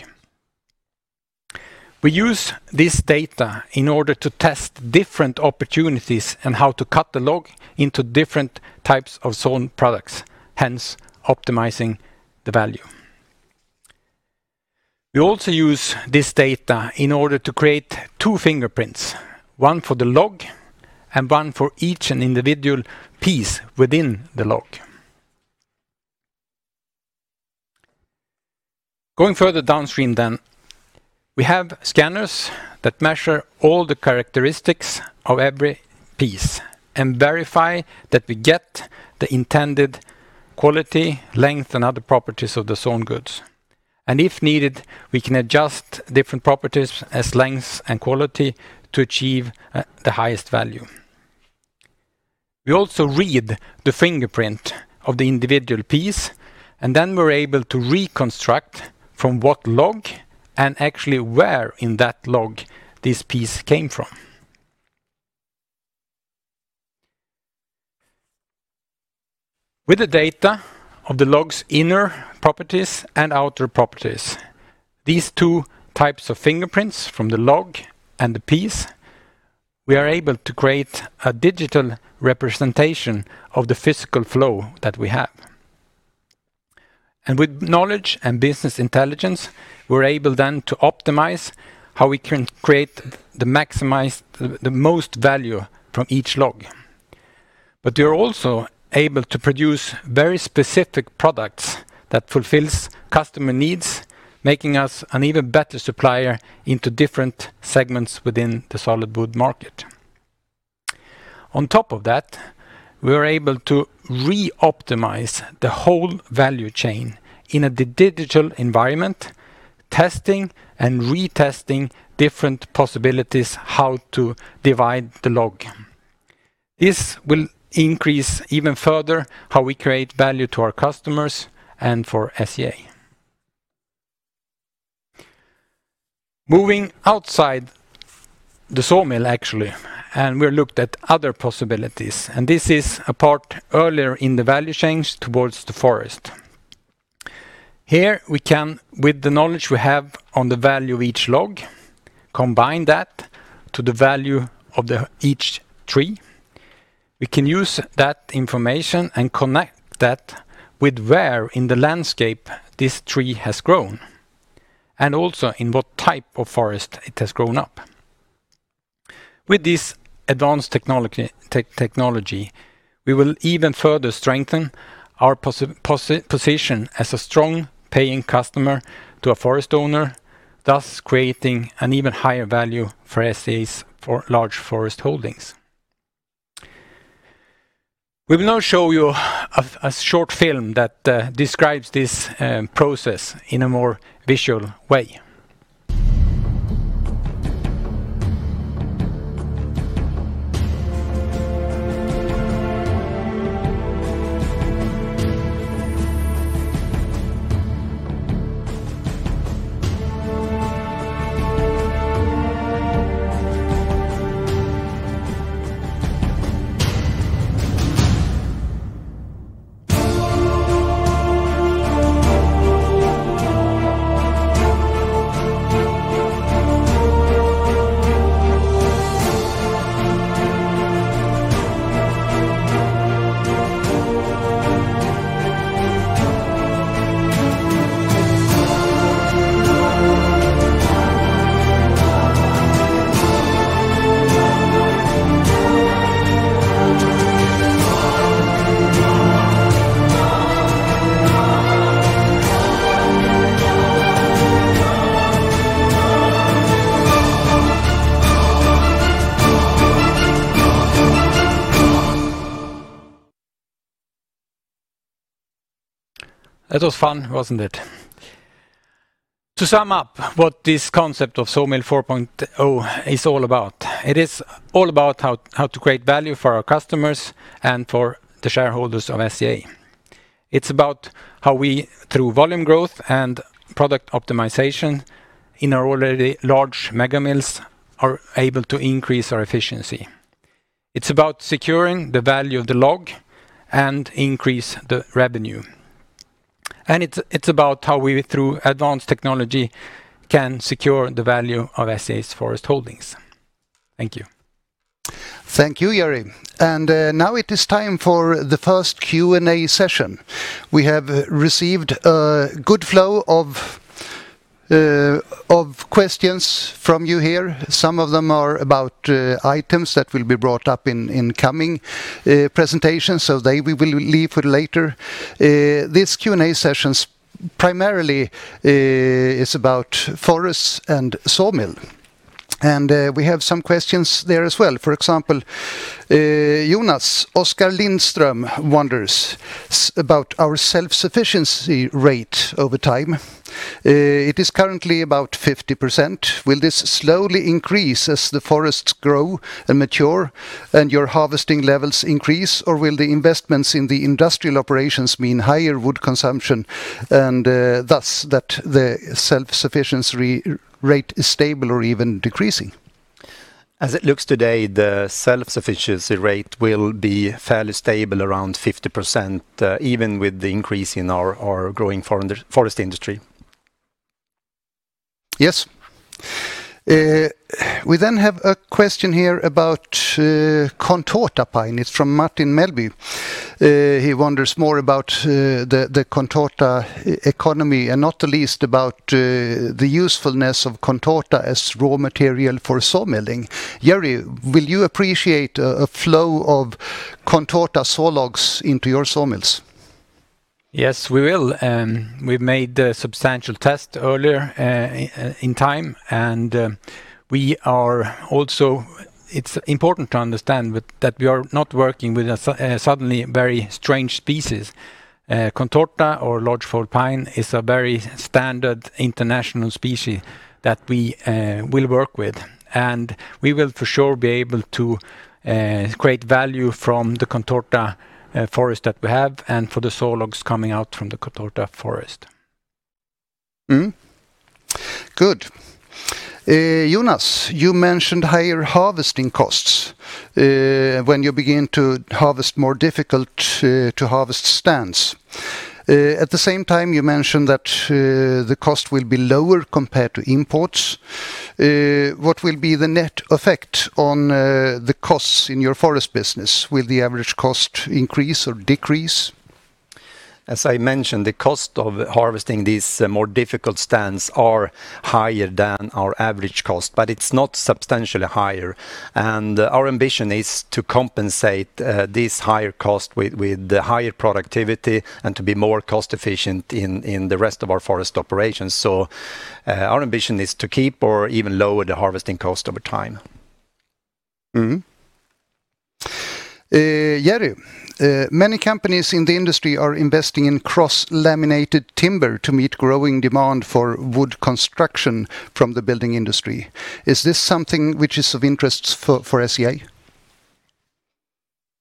We use this data in order to test different opportunities on how to cut the log into different types of sawn products, hence optimizing the value. We also use this data in order to create two fingerprints, one for the log and one for each individual piece within the log. Going further downstream then. We have scanners that measure all the characteristics of every piece and verify that we get the intended quality, length, and other properties of the sawn goods. If needed, we can adjust different properties as length and quality to achieve the highest value. We also read the fingerprint of the individual piece, then we're able to reconstruct from what log and actually where in that log this piece came from. With the data of the log's inner properties and outer properties, these two types of fingerprints from the log and the piece, we are able to create a digital representation of the physical flow that we have. With knowledge and business intelligence, we're able then to optimize how we can create the most value from each log. We are also able to produce very specific products that fulfills customer needs, making us an even better supplier into different segments within the solid wood market. On top of that, we are able to re-optimize the whole value chain in a digital environment, testing and retesting different possibilities how to divide the log. This will increase even further how we create value to our customers and for SCA. Moving outside the sawmill, actually, and we looked at other possibilities, and this is a part earlier in the value chains towards the forest. Here we can, with the knowledge we have on the value of each log, combine that to the value of each tree. We can use that information and connect that with where in the landscape this tree has grown, and also in what type of forest it has grown up. With this advanced technology, we will even further strengthen our position as a strong paying customer to a forest owner, thus creating an even higher value for SCA's large forest holdings. We will now show you a short film that describes this process in a more visual way. That was fun, wasn't it? To sum up what this concept of sawmill 4.0 is all about, it is all about how to create value for our customers and for the shareholders of SCA. It's about how we, through volume growth and product optimization in our already large mega mills, are able to increase our efficiency. It's about securing the value of the log and increase the revenue. It's about how we, through advanced technology, can secure the value of SCA's forest holdings. Thank you. Thank you, Jerry. Now it is time for the first Q&A session. We have received a good flow of questions from you here. Some of them are about items that will be brought up in coming presentations, they we will leave for later. This Q&A session primarily is about forests and sawmill. We have some questions there as well. For example, Jonas, Oskar Lindström wonders about our self-sufficiency rate over time. It is currently about 50%. Will this slowly increase as the forests grow and mature and your harvesting levels increase, or will the investments in the industrial operations mean higher wood consumption and thus that the self-sufficiency rate is stable or even decreasing? As it looks today, the self-sufficiency rate will be fairly stable around 50%, even with the increase in our growing forest industry. Yes. We have a question here about contorta pine. It is from Martin Melbye. He wonders more about the contorta economy and not the least about the usefulness of contorta as raw material for sawmilling. Jerry, will you appreciate a flow of contorta saw logs into your sawmills? Yes, we will. We made a substantial test earlier in time. It is important to understand that we are not working with a suddenly very strange species. Contorta or lodgepole pine is a very standard international species that we will work with, and we will for sure be able to create value from the Contorta forest that we have and for the sawlogs coming out from the Contorta forest. Good. Jonas, you mentioned higher harvesting costs when you begin to harvest more difficult to harvest stands. At the same time, you mentioned that the cost will be lower compared to imports. What will be the net effect on the costs in your Forest business? Will the average cost increase or decrease? As I mentioned, the cost of harvesting these more difficult stands are higher than our average cost, but it's not substantially higher. Our ambition is to compensate this higher cost with the higher productivity and to be more cost efficient in the rest of our forest operations. Our ambition is to keep or even lower the harvesting cost over time. Jerry, many companies in the industry are investing in cross-laminated timber to meet growing demand for wood construction from the building industry. Is this something which is of interest for SCA?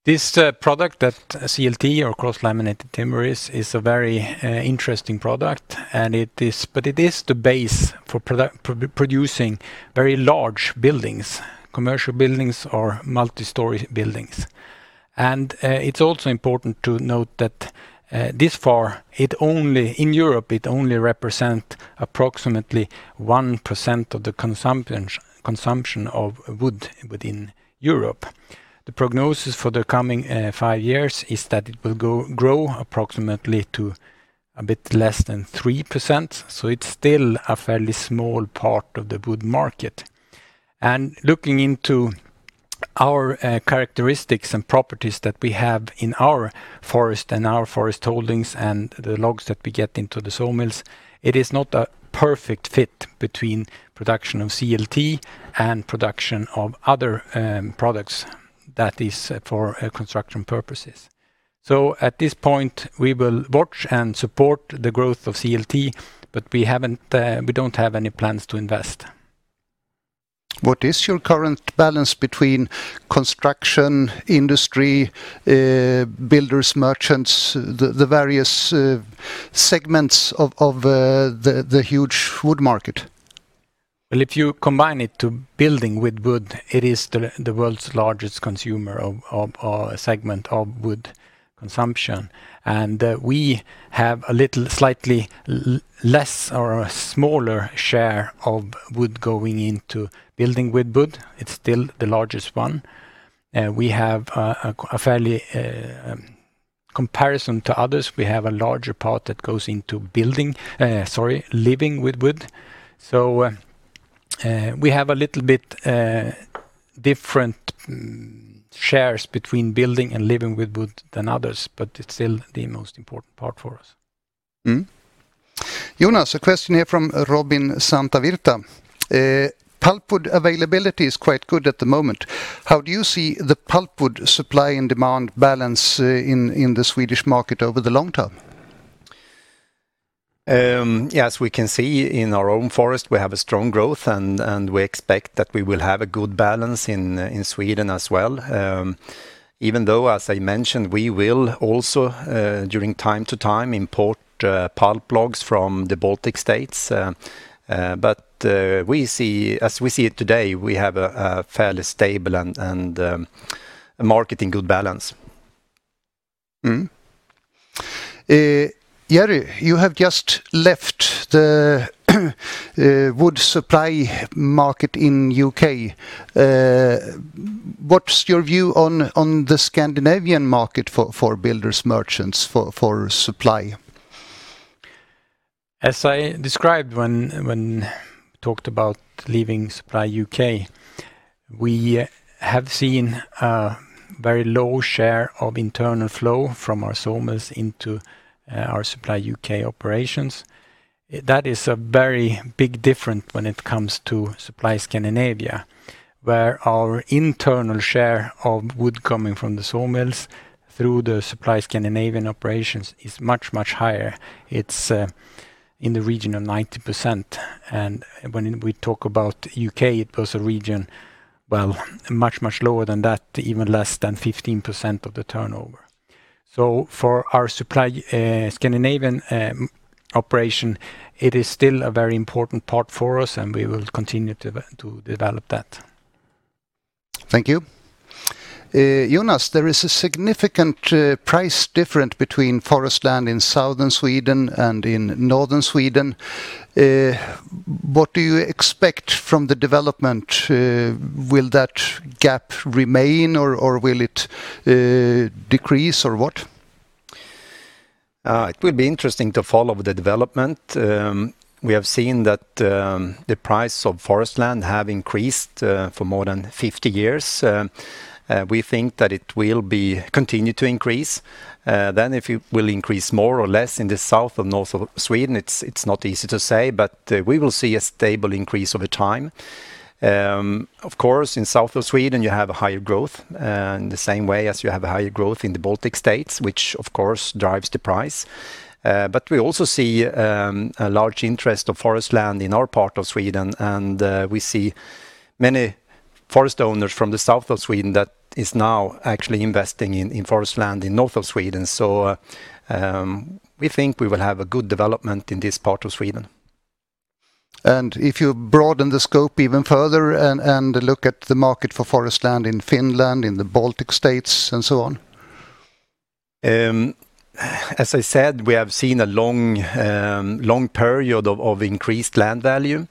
This product that CLT or cross-laminated timber is a very interesting product. It is the base for producing very large buildings, commercial buildings, or multi-story buildings. It's also important to note that this far in Europe, it only represent approximately 1% of the consumption of wood within Europe. The prognosis for the coming five years is that it will grow approximately to a bit less than 3%. It's still a fairly small part of the wood market. Looking into our characteristics and properties that we have in our forest and our forest holdings and the logs that we get into the sawmills, it is not a perfect fit between production of CLT and production of other products that is for construction purposes. At this point, we will watch and support the growth of CLT, but we don't have any plans to invest. What is your current balance between construction industry, builders merchants the various segments of the huge wood market? Well, if you combine it to building with wood, it is the world's largest consumer of a segment of wood consumption. We have a slightly less or a smaller share of wood going into building with wood. It's still the largest one. In comparison to others, we have a larger part that goes into living with wood. We have a little bit different shares between building and living with wood than others, but it's still the most important part for us. Jonas, a question here from Robin Santavirta. Pulp wood availability is quite good at the moment. How do you see the pulp wood supply and demand balance in the Swedish market over the long term? As we can see in our own forest, we have a strong growth and we expect that we will have a good balance in Sweden as well. Even though, as I mentioned, we will also from time to time import pulp logs from the Baltic States. As we see it today, we have a fairly stable and market in good balance. Jerry, you have just left the wood supply market in U.K. What's your view on the Scandinavian market for builders merchants for supply? As I described when talked about leaving Supply U.K., we have seen a very low share of internal flow from our sawmills into our Supply U.K. operations. That is a very big difference when it comes to Supply Scandinavia, where our internal share of wood coming from the sawmills through the Supply Scandinavian operations is much, much higher. It's in the region of 90%. When we talk about U.K., it was a region, well, much, much lower than that, even less than 15% of the turnover. For our Supply Scandinavian operation, it is still a very important part for us, and we will continue to develop that. Thank you. Jonas, there is a significant price difference between forest land in southern Sweden and in northern Sweden. What do you expect from the development? Will that gap remain or will it decrease or what? It will be interesting to follow the development. We have seen that the price of forest land have increased for more than 50 years. We think that it will continue to increase. If it will increase more or less in the south or north of Sweden, it's not easy to say, but we will see a stable increase over time. Of course, in south of Sweden you have a higher growth, in the same way as you have a higher growth in the Baltic States, which of course drives the price. We also see a large interest of forest land in our part of Sweden, and we see many forest owners from the south of Sweden that is now actually investing in forest land in north of Sweden. We think we will have a good development in this part of Sweden. If you broaden the scope even further and look at the market for forest land in Finland, in the Baltic states and so on? As I said, we have seen a long period of increased land value.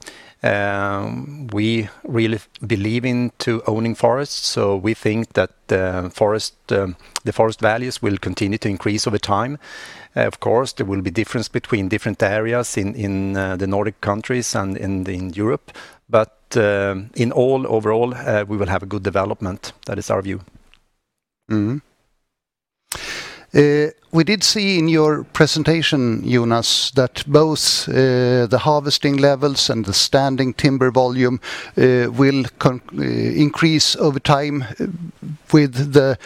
We really believe into owning forests, we think that the forest values will continue to increase over time. Of course, there will be difference between different areas in the Nordic countries and in Europe. In all, overall, we will have a good development. That is our view. We did see in your presentation, Jonas, that both the harvesting levels and the standing timber volume will increase over time with the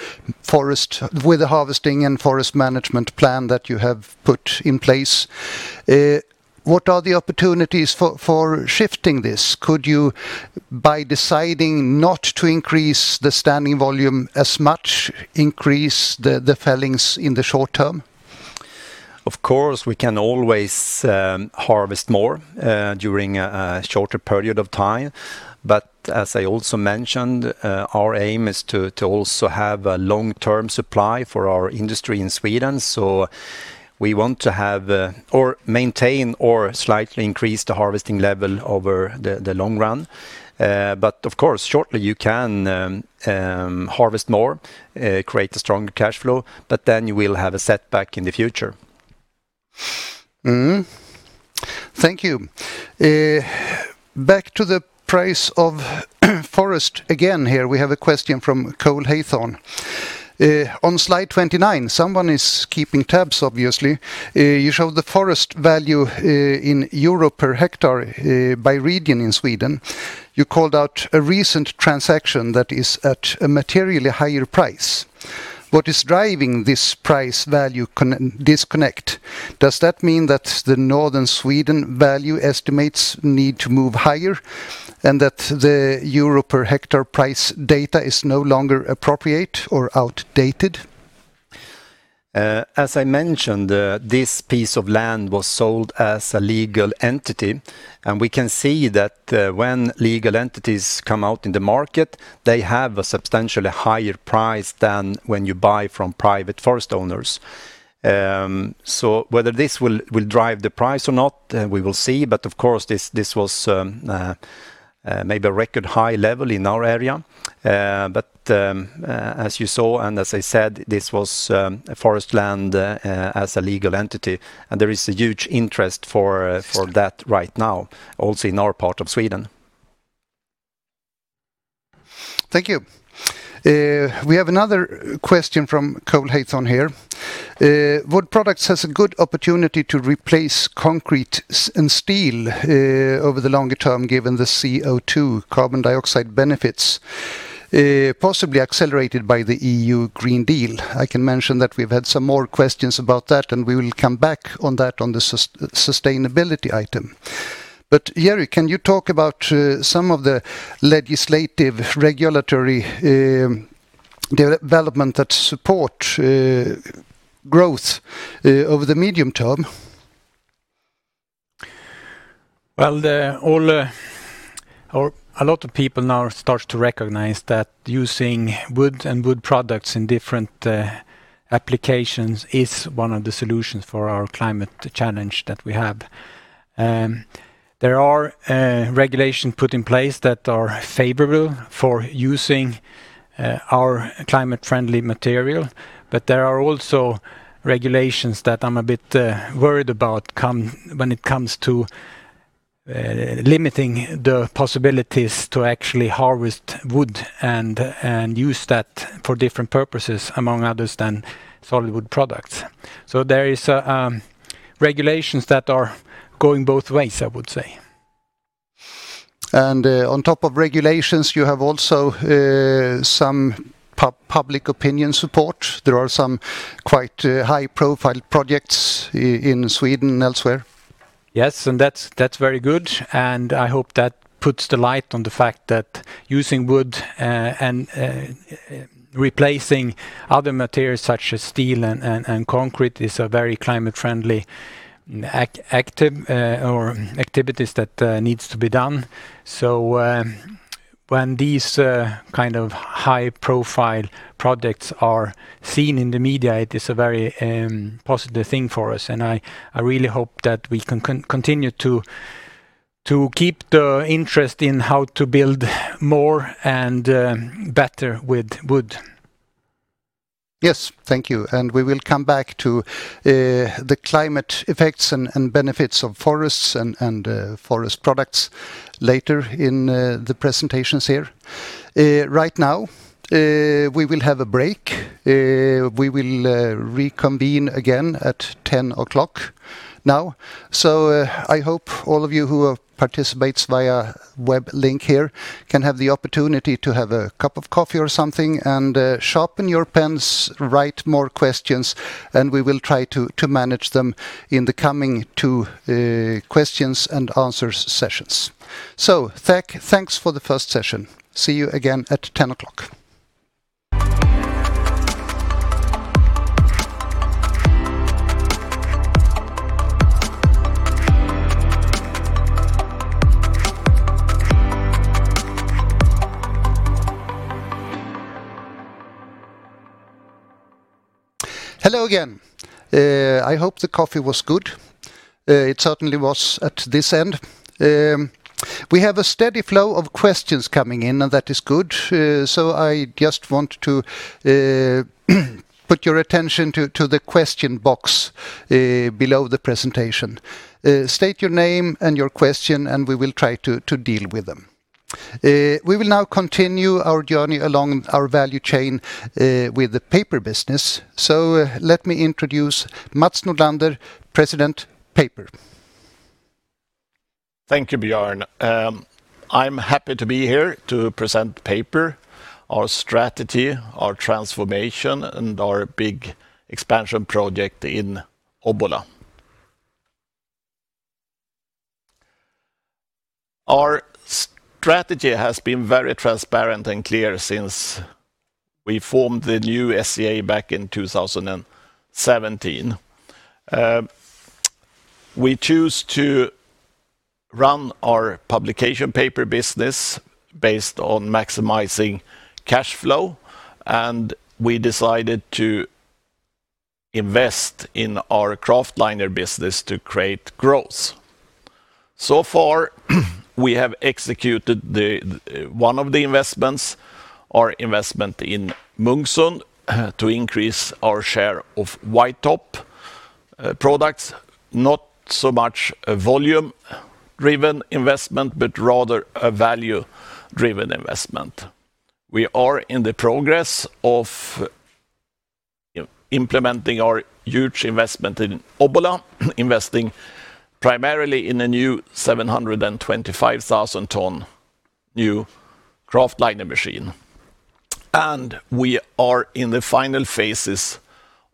harvesting and forest management plan that you have put in place. What are the opportunities for shifting this? Could you, by deciding not to increase the standing volume as much, increase the fellings in the short term? Of course, we can always harvest more during a shorter period of time, but as I also mentioned, our aim is to also have a long-term supply for our industry in Sweden. We want to have, or maintain or slightly increase the harvesting level over the long run. Of course, shortly you can harvest more, create a stronger cash flow, but then you will have a setback in the future. Thank you. Back to the price of forest again here, we have a question from Cole Hathorn. On slide 29, someone is keeping tabs obviously, you show the forest value in euro per hectare by region in Sweden. You called out a recent transaction that is at a materially higher price. What is driving this price value disconnect? Does that mean that the northern Sweden value estimates need to move higher and that the euro per hectare price data is no longer appropriate or outdated? As I mentioned, this piece of land was sold as a legal entity. We can see that when legal entities come out in the market, they have a substantially higher price than when you buy from private forest owners. Whether this will drive the price or not, we will see. Of course, this was maybe a record high level in our area. As you saw, as I said, this was forest land as a legal entity. There is a huge interest for that right now, also in our part of Sweden. Thank you. We have another question from Cole Hathorn here. Wood products has a good opportunity to replace concrete and steel over the longer term given the CO2 carbon dioxide benefits, possibly accelerated by the European Green Deal. I can mention that we've had some more questions about that, and we will come back on that on the sustainability item. Jerry, can you talk about some of the legislative regulatory development that support growth over the medium term? Well, a lot of people now start to recognize that using wood and wood products in different applications is one of the solutions for our climate challenge that we have. There are regulations put in place that are favorable for using our climate friendly material, there are also regulations that I'm a bit worried about when it comes to limiting the possibilities to actually harvest wood and use that for different purposes among others than solid wood products. There is regulations that are going both ways, I would say. On top of regulations, you have also some public opinion support. There are some quite high profile projects in Sweden and elsewhere. Yes, that's very good and I hope that puts the light on the fact that using wood and replacing other materials such as steel and concrete is a very climate-friendly activities that needs to be done. When these kind of high profile projects are seen in the media, it is a very positive thing for us and I really hope that we can continue to To keep the interest in how to build more and better with wood. Yes. Thank you. We will come back to the climate effects and benefits of forests and forest products later in the presentations here. Right now, we will have a break. We will reconvene again at 10:00 A.M. now. I hope all of you who participates via web link here can have the opportunity to have a cup of coffee or something and sharpen your pens, write more questions, and we will try to manage them in the coming two question-and-answers sessions. Thanks for the first session. See you again at 10:00 A.M. Hello again. I hope the coffee was good. It certainly was at this end. We have a steady flow of questions coming in, and that is good. I just want to put your attention to the question box below the presentation. State your name and your question, and we will try to deal with them. We will now continue our journey along our value chain with the Paper business. Let me introduce Mats Nordlander, President, Paper. Thank you, Björn. I'm happy to be here to present Paper, our strategy, our transformation, and our big expansion project in Obbola. Our strategy has been very transparent and clear since we formed the new SCA back in 2017. We choose to run our publication paper business based on maximizing cash flow. We decided to invest in our Kraftliner business to create growth. We have executed one of the investments, our investment in Munksund, to increase our share of white top products, not so much a volume-driven investment, but rather a value-driven investment. We are in the progress of implementing our huge investment in Obbola, investing primarily in a new 725,000 ton new Kraftliner machine. We are in the final phases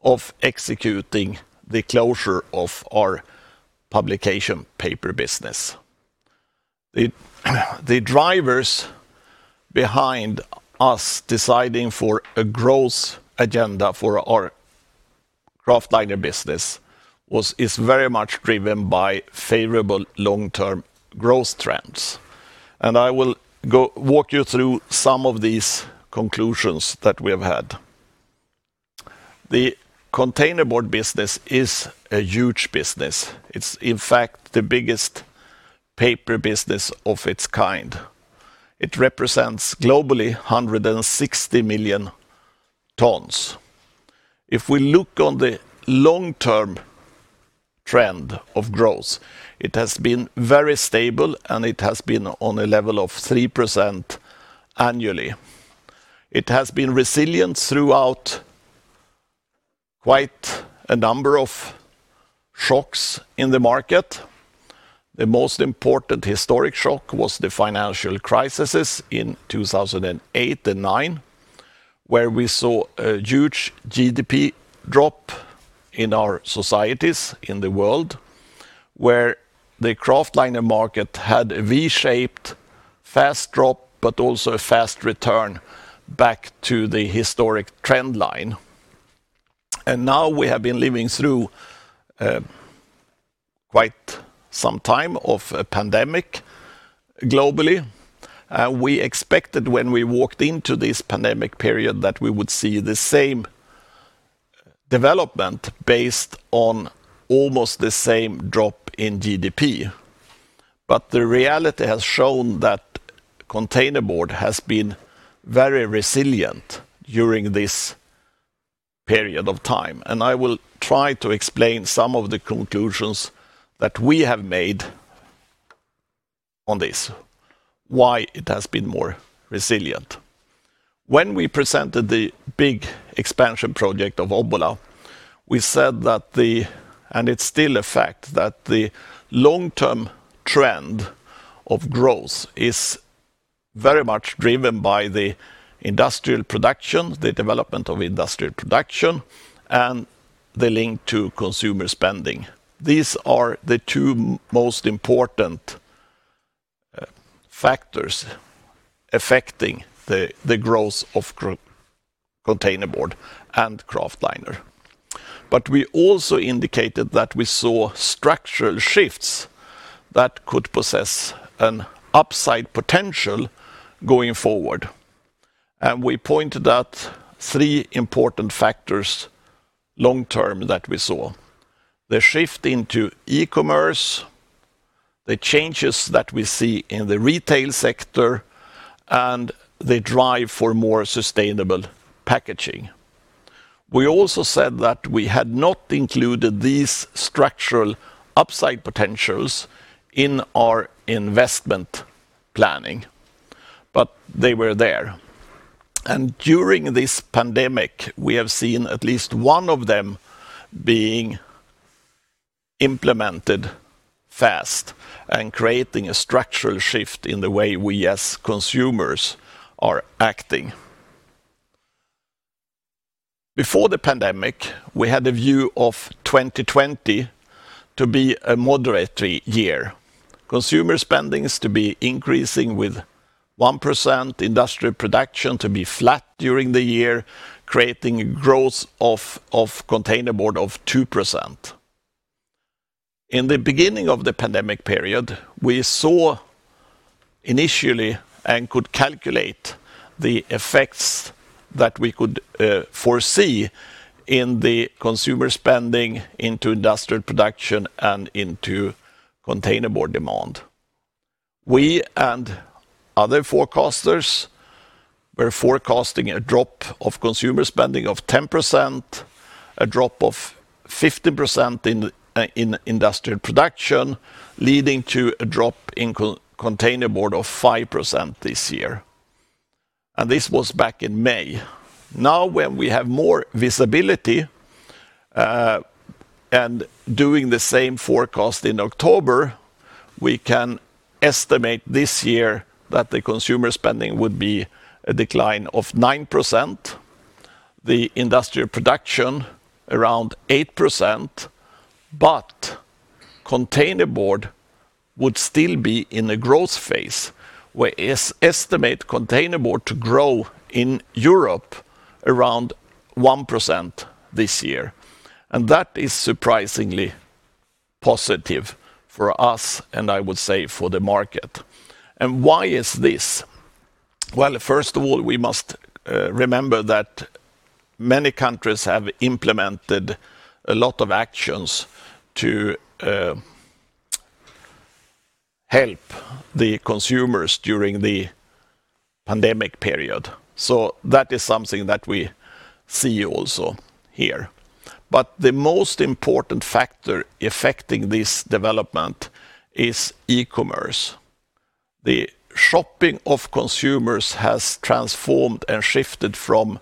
of executing the closure of our publication paper business. The drivers behind us deciding for a growth agenda for our Kraftliner business is very much driven by favorable long-term growth trends. I will walk you through some of these conclusions that we have had. The Containerboard business is a huge business. It's, in fact, the biggest paper business of its kind. It represents globally 160 million tons. If we look on the long-term trend of growth, it has been very stable, and it has been on a level of 3% annually. It has been resilient throughout quite a number of shocks in the market. The most important historic shock was the financial crisis in 2008 and 2009, where we saw a huge GDP drop in our societies in the world, where the Kraftliner market had a V-shaped fast drop, but also a fast return back to the historic trend line. Now we have been living through quite some time of a pandemic globally. We expected when we walked into this pandemic period that we would see the same development based on almost the same drop in GDP. The reality has shown that containerboard has been very resilient during this period of time. I will try to explain some of the conclusions that we have made on this, why it has been more resilient. When we presented the big expansion project of Obbola, we said that the, and it's still a fact, that the long-term trend of growth is very much driven by the industrial production, the development of industrial production, and the link to consumer spending. These are the two most important factors affecting the growth of containerboard and Kraftliner. We also indicated that we saw structural shifts that could possess an upside potential going forward. We pointed out three important factors long-term that we saw. The shift into e-commerce, the changes that we see in the retail sector, and the drive for more sustainable packaging. We also said that we had not included these structural upside potentials in our investment planning, but they were there. During this pandemic, we have seen at least one of them being implemented fast and creating a structural shift in the way we as consumers are acting. Before the pandemic, we had a view of 2020 to be a moderate year. Consumer spending is to be increasing with 1%, industrial production to be flat during the year, creating a growth of containerboard of 2%. In the beginning of the pandemic period, we saw initially and could calculate the effects that we could foresee in the consumer spending into industrial production and into containerboard demand. We and other forecasters were forecasting a drop of consumer spending of 10%, a drop of 50% in industrial production, leading to a drop in containerboard of 5% this year. This was back in May. When we have more visibility, and doing the same forecast in October, we can estimate this year that the consumer spending would be a decline of 9%, the industrial production around 8%. Containerboard would still be in a growth phase. We estimate containerboard to grow in Europe around 1% this year. That is surprisingly positive for us, I would say for the market. Why is this? First of all, we must remember that many countries have implemented a lot of actions to help the consumers during the pandemic period. That is something that we see also here. The most important factor affecting this development is e-commerce. The shopping of consumers has transformed and shifted from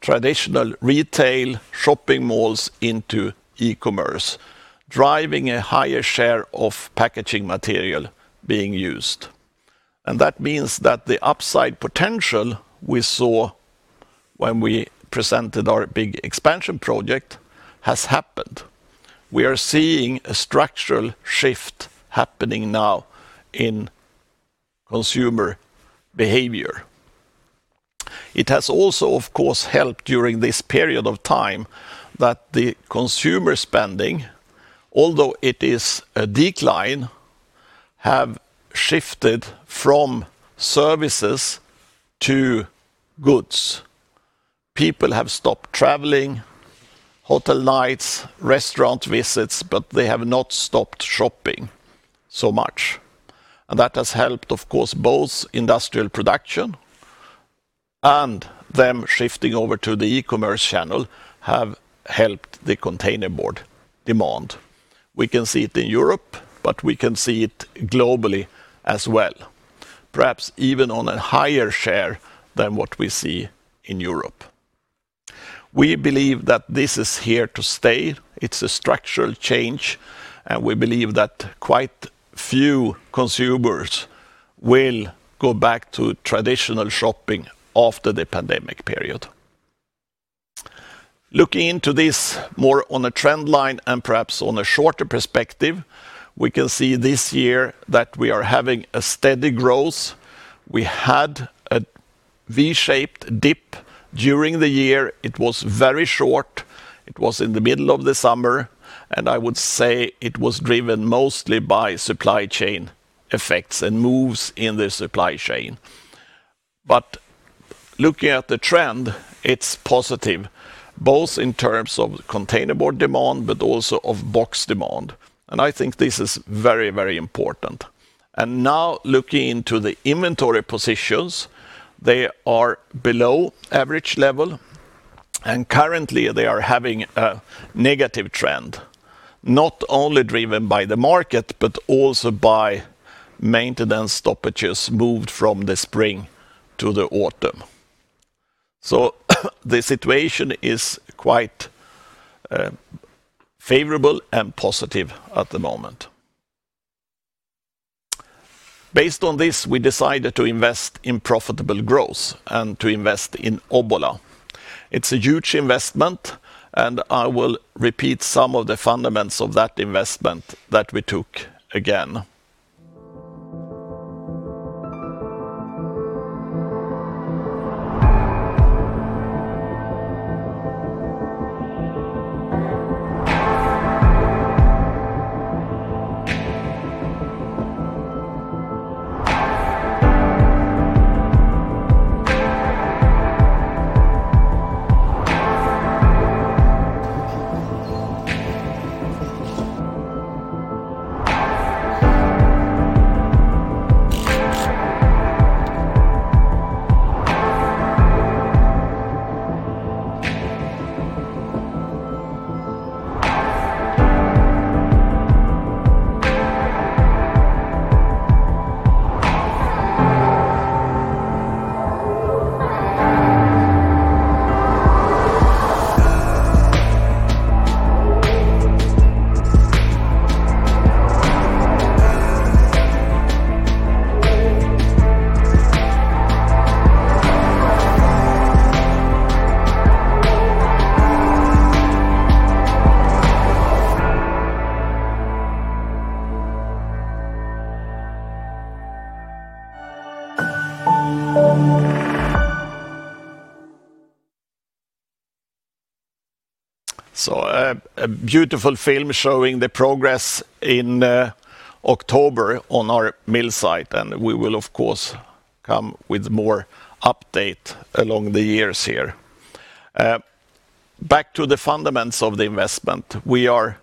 traditional retail shopping malls into e-commerce, driving a higher share of packaging material being used. That means that the upside potential we saw when we presented our big expansion project has happened. We are seeing a structural shift happening now in consumer behavior. It has also, of course, helped during this period of time that the consumer spending, although it is a decline, has shifted from services to goods. People have stopped traveling, hotel nights, restaurant visits, but they have not stopped shopping so much. That has helped, of course, both industrial production and them shifting over to the e-commerce channel have helped the containerboard demand. We can see it in Europe, but we can see it globally as well, perhaps even on a higher share than what we see in Europe. We believe that this is here to stay. It's a structural change, and we believe that quite few consumers will go back to traditional shopping after the pandemic period. Looking into this more on a trend line and perhaps on a shorter perspective, we can see this year that we are having a steady growth. We had a V-shaped dip during the year. It was very short. It was in the middle of the summer, and I would say it was driven mostly by supply chain effects and moves in the supply chain. Looking at the trend, it's positive, both in terms of containerboard demand, but also of box demand, and I think this is very important. Now looking into the inventory positions, they are below average level, and currently, they are having a negative trend, not only driven by the market, but also by maintenance stoppages moved from the spring to the autumn. The situation is quite favorable and positive at the moment. Based on this, we decided to invest in profitable growth and to invest in Obbola. It's a huge investment, and I will repeat some of the fundamentals of that investment that we took again. A beautiful film showing the progress in October on our mill site, and we will, of course, come with more update along the years here. Back to the fundamentals of the investment. We are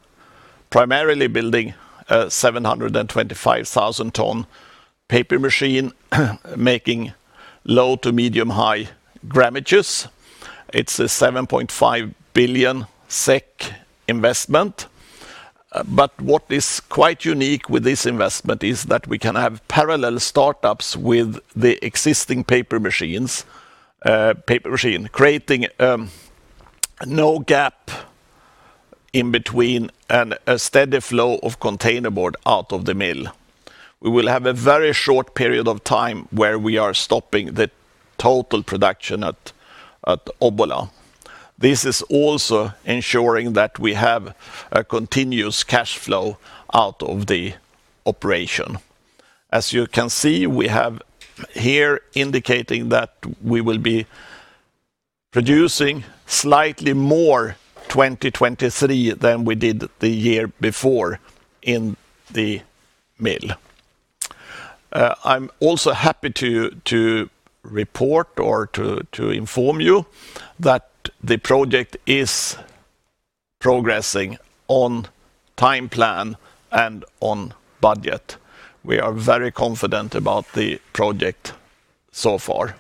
primarily building a 725,000 ton paper machine, making low to medium high grammages. It's a 7.5 billion SEK investment. What is quite unique with this investment is that we can have parallel startups with the existing paper machine, creating no gap in between and a steady flow of containerboard out of the mill. We will have a very short period of time where we are stopping the total production at Obbola. This is also ensuring that we have a continuous cash flow out of the operation. As you can see, we have here indicating that we will be producing slightly more 2023 than we did the year before in the mill. I'm also happy to report or to inform you that the project is progressing on time plan and on budget. We are very confident about the project so far.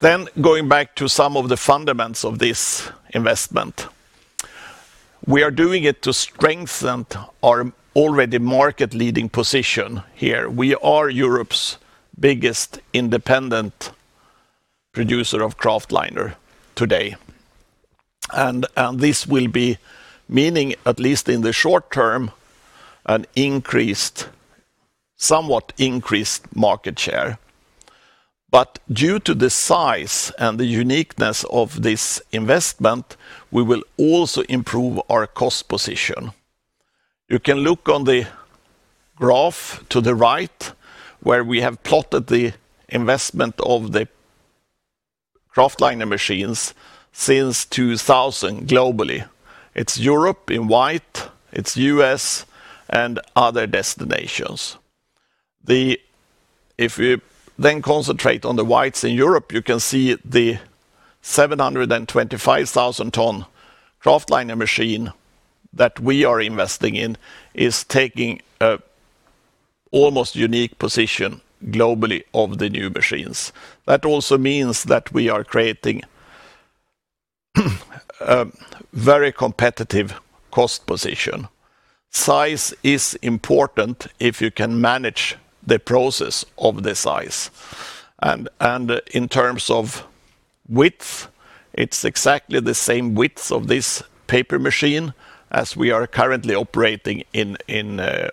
Going back to some of the fundamentals of this investment. We are doing it to strengthen our already market leading position here. We are Europe's biggest independent producer of Kraftliner today, and this will be meaning, at least in the short term, a somewhat increased market share. Due to the size and the uniqueness of this investment, we will also improve our cost position. You can look on the graph to the right where we have plotted the investment of the Kraftliner machines since 2000 globally. It's Europe in white, it's U.S., and other destinations. If we then concentrate on the whites in Europe, you can see the 725,000 ton Kraftliner machine that we are investing in is taking a almost unique position globally of the new machines. That also means that we are creating a very competitive cost position. Size is important if you can manage the process of the size, and in terms of width, it's exactly the same width of this paper machine as we are currently operating in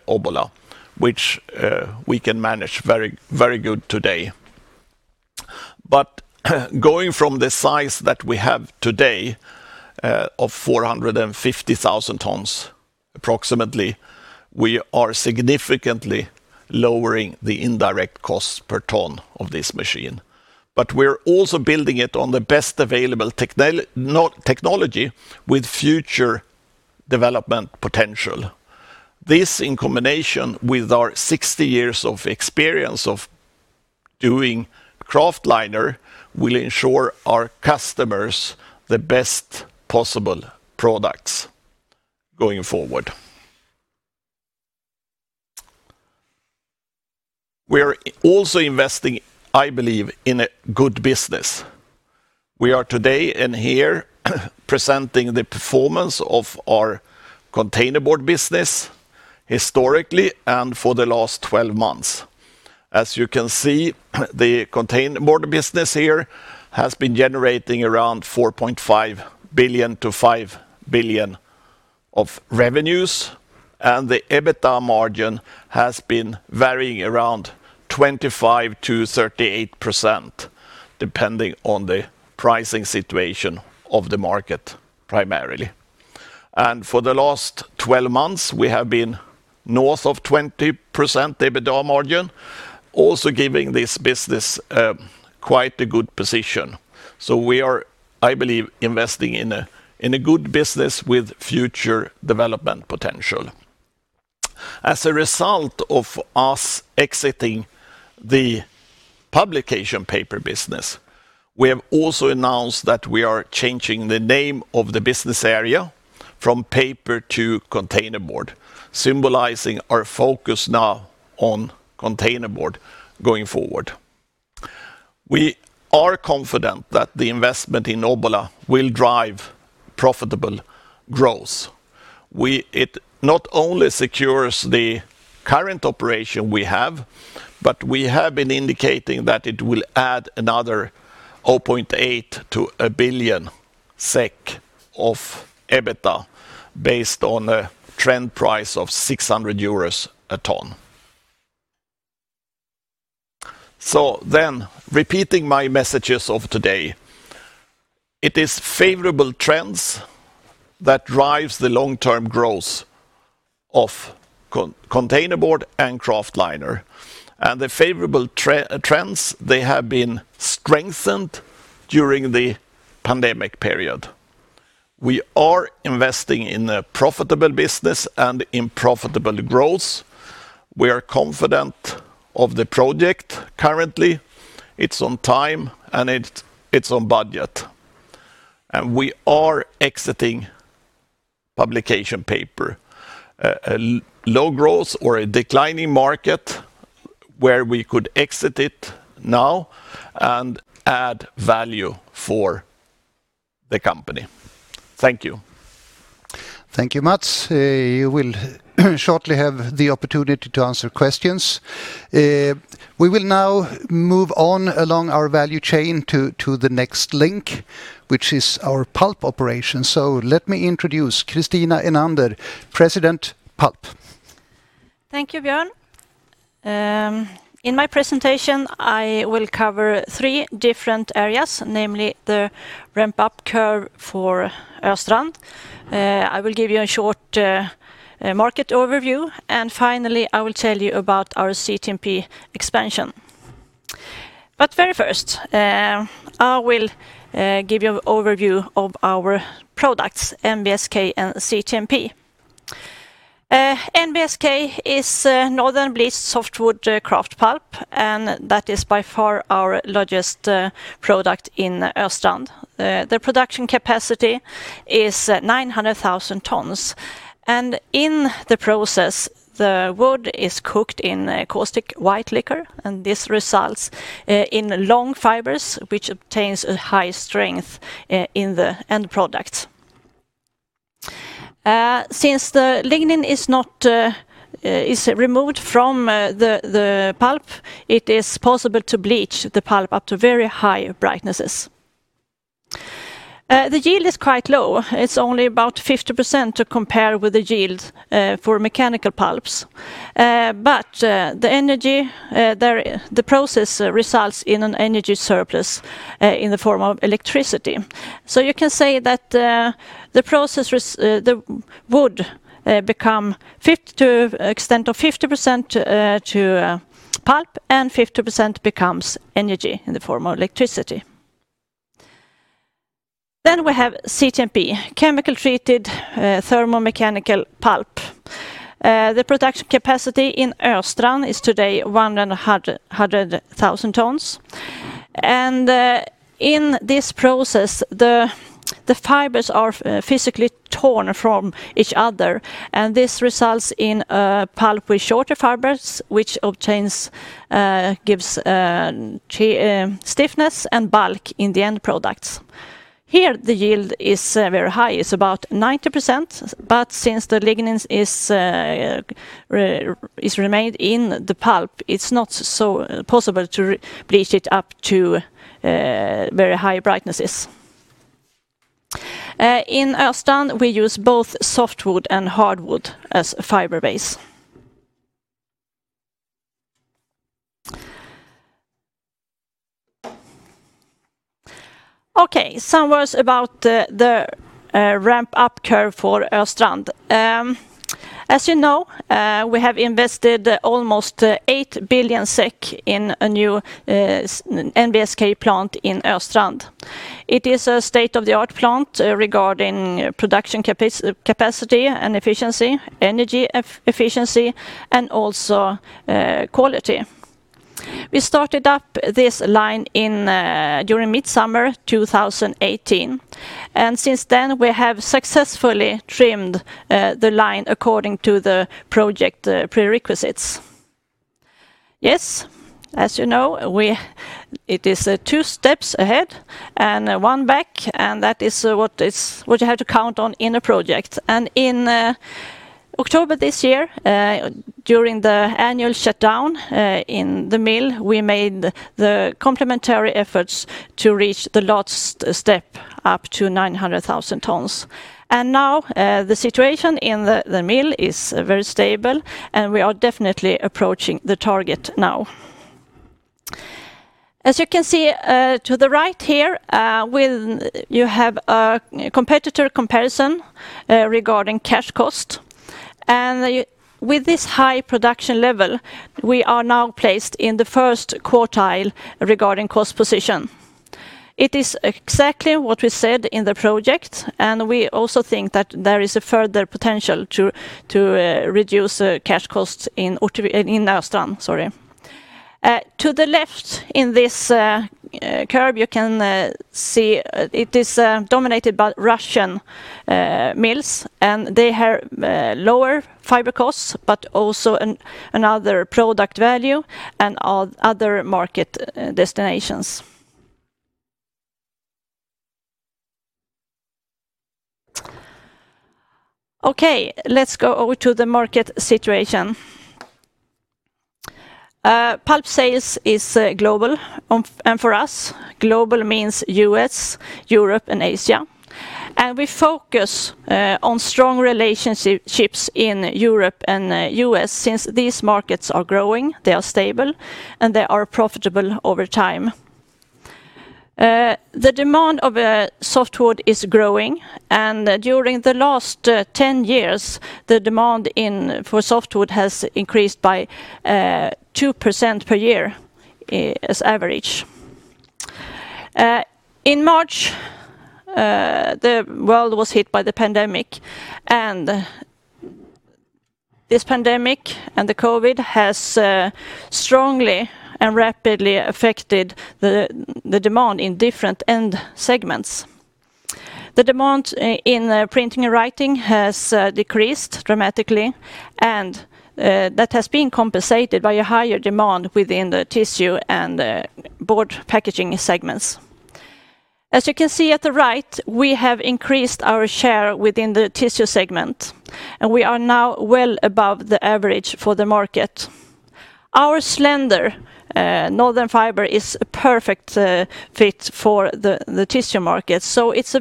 Obbola, which we can manage very good today. Going from the size that we have today of 450,000 tons approximately, we are significantly lowering the indirect cost per ton of this machine. We're also building it on the best available technology with future development potential. This, in combination with our 60 years of experience of doing Kraftliner, will ensure our customers the best possible products going forward. We're also investing, I believe, in a good business. We are today in here presenting the performance of our Containerboard business historically and for the last 12 months. As you can see, the Containerboard business here has been generating around 4.5 billion-5 billion of revenues, and the EBITDA margin has been varying around 25%-38%, depending on the pricing situation of the market primarily. For the last 12 months, we have been north of 20% EBITDA margin, also giving this business quite a good position. We believe investing in a good business with future development potential. As a result of us exiting the publication paper business, we have also announced that we are changing the name of the business area from Paper to Containerboard, symbolizing our focus now on containerboard going forward. We are confident that the investment in Obbola will drive profitable growth. It not only secures the current operation we have, but we have been indicating that it will add another 0.8 to 1 billion SEK of EBITDA based on a trend price of 600 euros a ton. Repeating my messages of today, it is favorable trends that drives the long-term growth of containerboard and Kraftliner. The favorable trends, they have been strengthened during the pandemic period. We are investing in a profitable business and in profitable growth. We are confident of the project currently. It's on time and it's on budget, we are exiting publication paper, a low growth or a declining market where we could exit it now and add value for the company. Thank you. Thank you, Mats. You will shortly have the opportunity to answer questions. We will now move on along our value chain to the next link, which is our pulp operation. Let me introduce Kristina Enander, President Pulp. Thank you, Björn. In my presentation, I will cover three different areas, namely the ramp-up curve for Östrand. I will give you a short market overview, and finally, I will tell you about our CTMP expansion. Very first, I will give you an overview of our products, NBSK and CTMP. NBSK is Northern Bleached Softwood Kraft Pulp, and that is by far our largest product in Östrand. The production capacity is 900,000 tons, and in the process, the wood is cooked in caustic white liquor, and this results in long fibers, which obtains a high strength in the end product. Since the lignin is removed from the pulp, it is possible to bleach the pulp up to very high brightnesses. The yield is quite low. It's only about 50% to compare with the yield for mechanical pulps. The process results in an energy surplus in the form of electricity. You can say that the wood become to extent of 50% to pulp and 50% becomes energy in the form of electricity. We have CTMP, Chemi-thermomechanical Pulp. The production capacity in Östrand is today 100,000 tons. In this process, the fibers are physically torn from each other, and this results in a pulp with shorter fibers, which gives stiffness and bulk in the end products. Here, the yield is very high. It's about 90%, but since the lignin is retained in the pulp, it's not so possible to bleach it up to very high brightnesses. In Östrand, we use both softwood and hardwood as a fiber base. Some words about the ramp-up curve for Östrand. As you know, we have invested almost 8 billion SEK in a new NBSK plant in Östrand. It is a state-of-the-art plant regarding production capacity and efficiency, energy efficiency, and also quality. We started up this line during mid-summer 2018. Since then, we have successfully trimmed the line according to the project prerequisites. Yes. As you know, it is two steps ahead and one back, and that is what you have to count on in a project. In October this year, during the annual shutdown in the mill, we made the complementary efforts to reach the last step up to 900,000 tons. Now, the situation in the mill is very stable, and we are definitely approaching the target now. As you can see to the right here, you have a competitor comparison regarding cash cost. With this high production level, we are now placed in the first quartile regarding cost position. It is exactly what we said in the project. We also think that there is a further potential to reduce cash costs in Östrand. To the left in this curve, you can see it is dominated by Russian mills. They have lower fiber costs, but also another product value and other market destinations. Okay, let's go over to the market situation. Pulp sales is global. For us global means U.S., Europe, and Asia. We focus on strong relationships in Europe and U.S. since these markets are growing, they are stable, and they are profitable over time. The demand of softwood is growing, and during the last 10 years, the demand for softwood has increased by 2% per year as average. In March, the world was hit by the pandemic, and this pandemic and the COVID has strongly and rapidly affected the demand in different end segments. The demand in printing and writing has decreased dramatically, and that has been compensated by a higher demand within the tissue and the board packaging segments. As you can see at the right, we have increased our share within the tissue segment, and we are now well above the average for the market. Our slender northern fiber is a perfect fit for the tissue market, so it's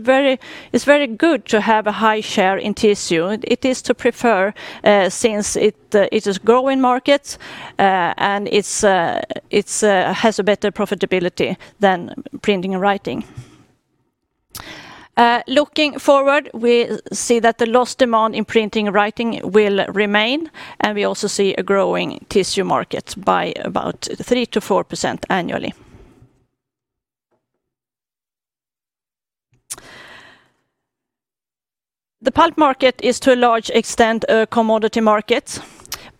very good to have a high share in tissue, and it is to prefer since it is a growing market and it has a better profitability than printing and writing. Looking forward, we see that the lost demand in printing and writing will remain, and we also see a growing tissue market by about 3%-4% annually. The pulp market is to a large extent a commodity market,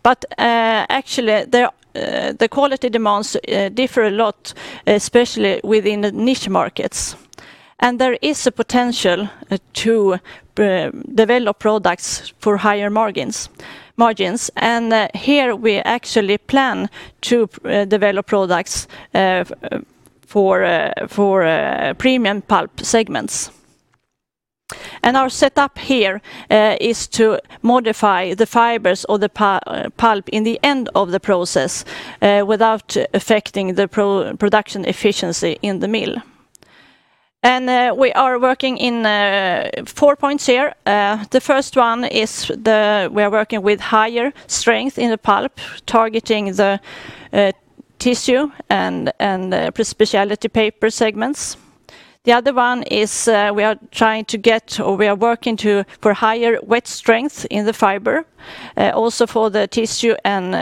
but actually, the quality demands differ a lot, especially within the niche markets. There is a potential to develop products for higher margins. Here we actually plan to develop products for premium pulp segments. Our setup here is to modify the fibers or the pulp in the end of the process without affecting the production efficiency in the mill. We are working in four points here. The first one is we are working with higher strength in the pulp, targeting the tissue and the specialty paper segments. The other one is we are working for higher wet strength in the fiber, also for the tissue and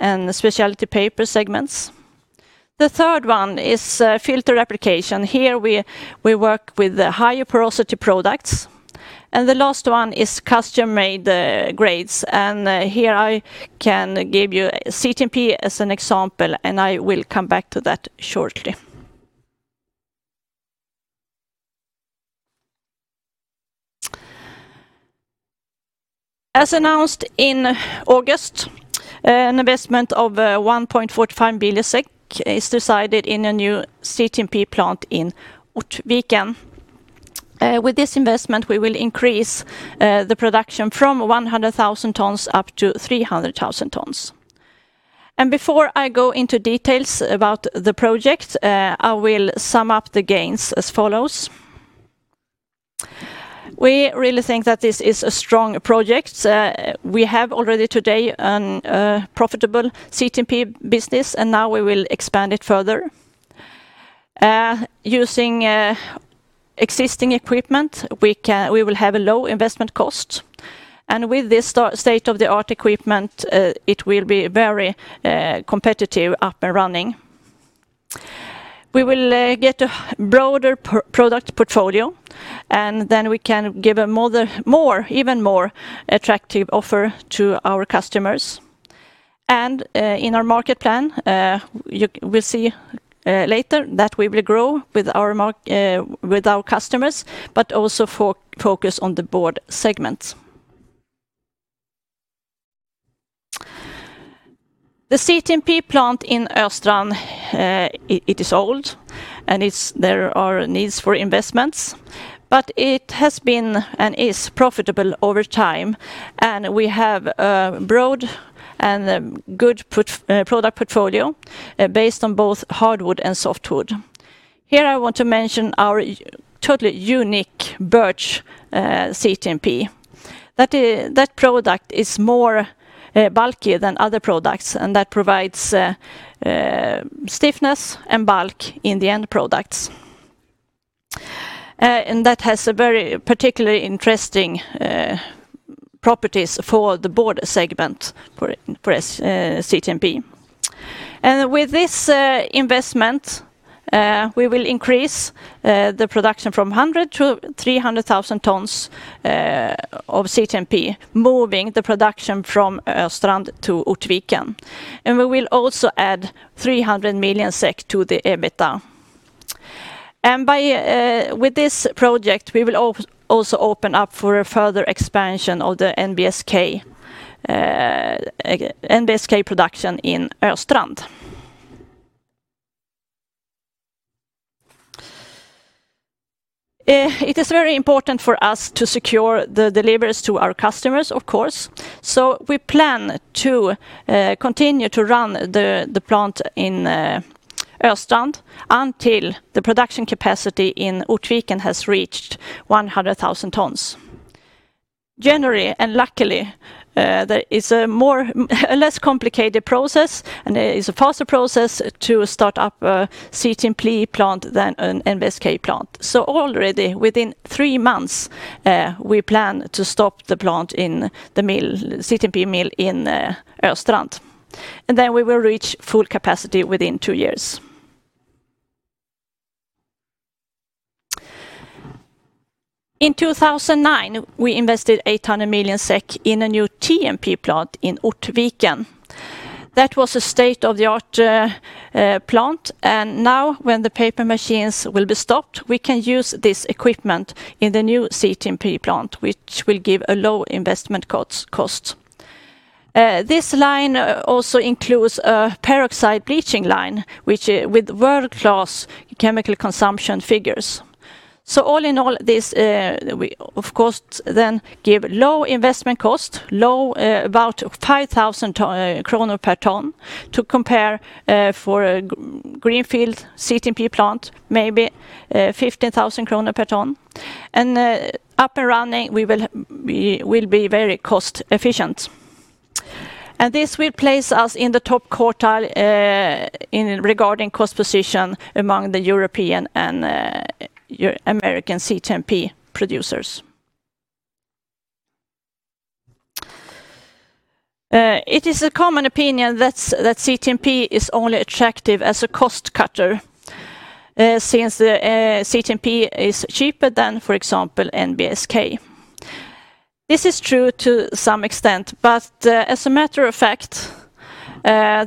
the specialty paper segments. The third one is filter application. Here we work with the higher porosity products. The last one is custom-made grades. Here I can give you CTMP as an example, and I will come back to that shortly. As announced in August, an investment of 1.45 billion SEK is decided in a new CTMP plant in Ortviken. With this investment, we will increase the production from 100,000 tons up to 300,000 tons. Before I go into details about the project, I will sum up the gains as follows. We really think that this is a strong project. We have already today a profitable CTMP business, and now we will expand it further. Using existing equipment, we will have a low investment cost, and with this state-of-the-art equipment, it will be very competitive up and running. We will get a broader product portfolio, and then we can give even more attractive offer to our customers. In our market plan, we'll see later that we will grow with our customers, but also focus on the board segments. The CTMP plant in Östrand, it is old and there are needs for investments, but it has been and is profitable over time, and we have a broad and good product portfolio based on both hardwood and softwood. Here I want to mention our totally unique birch CTMP. That product is more bulky than other products, and that provides stiffness and bulk in the end products. That has very particularly interesting properties for the board segment for CTMP. With this investment, we will increase the production from 100 to 300,000 tons of CTMP, moving the production from Östrand to Ortviken. We will also add 300 million SEK to the EBITDA. With this project, we will also open up for a further expansion of the NBSK production in Östrand. It is very important for us to secure the deliveries to our customers, of course. We plan to continue to run the plant in Östrand until the production capacity in Ortviken has reached 100,000 tons. Generally, and luckily, there is a less complicated process, and it is a faster process to start up a CTMP plant than an NBSK plant. Already within three months, we plan to stop the CTMP mill in Östrand. Then we will reach full capacity within two years. In 2009, we invested 800 million SEK in a new TMP plant in Ortviken. That was a state-of-the-art plant, and now when the paper machines will be stopped, we can use this equipment in the new CTMP plant, which will give a low investment cost. This line also includes a peroxide bleaching line with world-class chemical consumption figures. All in all, this will of course then give low investment cost, low about 5,000 kronor per ton. To compare, for a greenfield CTMP plant, maybe 15,000 kronor per ton. Up and running, we will be very cost efficient. This will place us in the top quartile regarding cost position among the European and American CTMP producers. It is a common opinion that CTMP is only attractive as a cost cutter, since CTMP is cheaper than, for example, NBSK. This is true to some extent. As a matter of fact,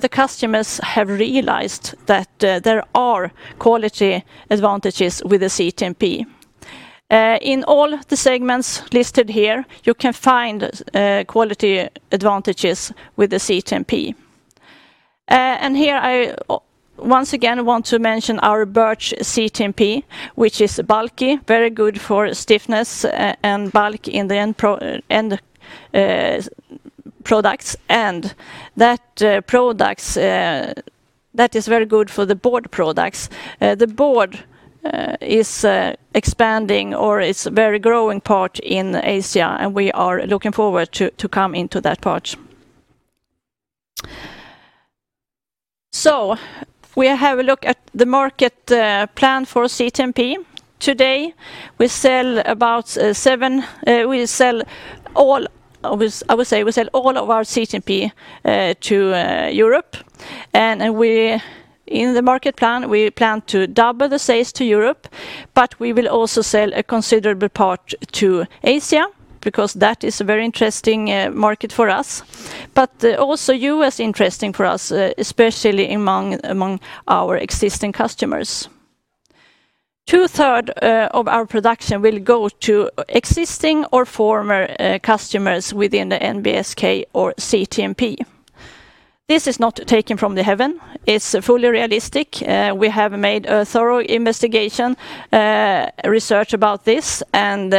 the customers have realized that there are quality advantages with the CTMP. In all the segments listed here, you can find quality advantages with the CTMP. Here I once again want to mention our birch CTMP, which is bulky, very good for stiffness and bulk in the end products. That is very good for the board products. The board is expanding, or it's a very growing part in Asia, and we are looking forward to coming into that part. We have a look at the market plan for CTMP. Today, we sell all of our CTMP to Europe. In the market plan, we plan to double the sales to Europe, but we will also sell a considerable part to Asia, because that is a very interesting market for us. Also U.S. interesting for us, especially among our existing customers. Two third of our production will go to existing or former customers within the NBSK or CTMP. This is not taken from the heaven. It's fully realistic. We have made a thorough investigation, research about this, and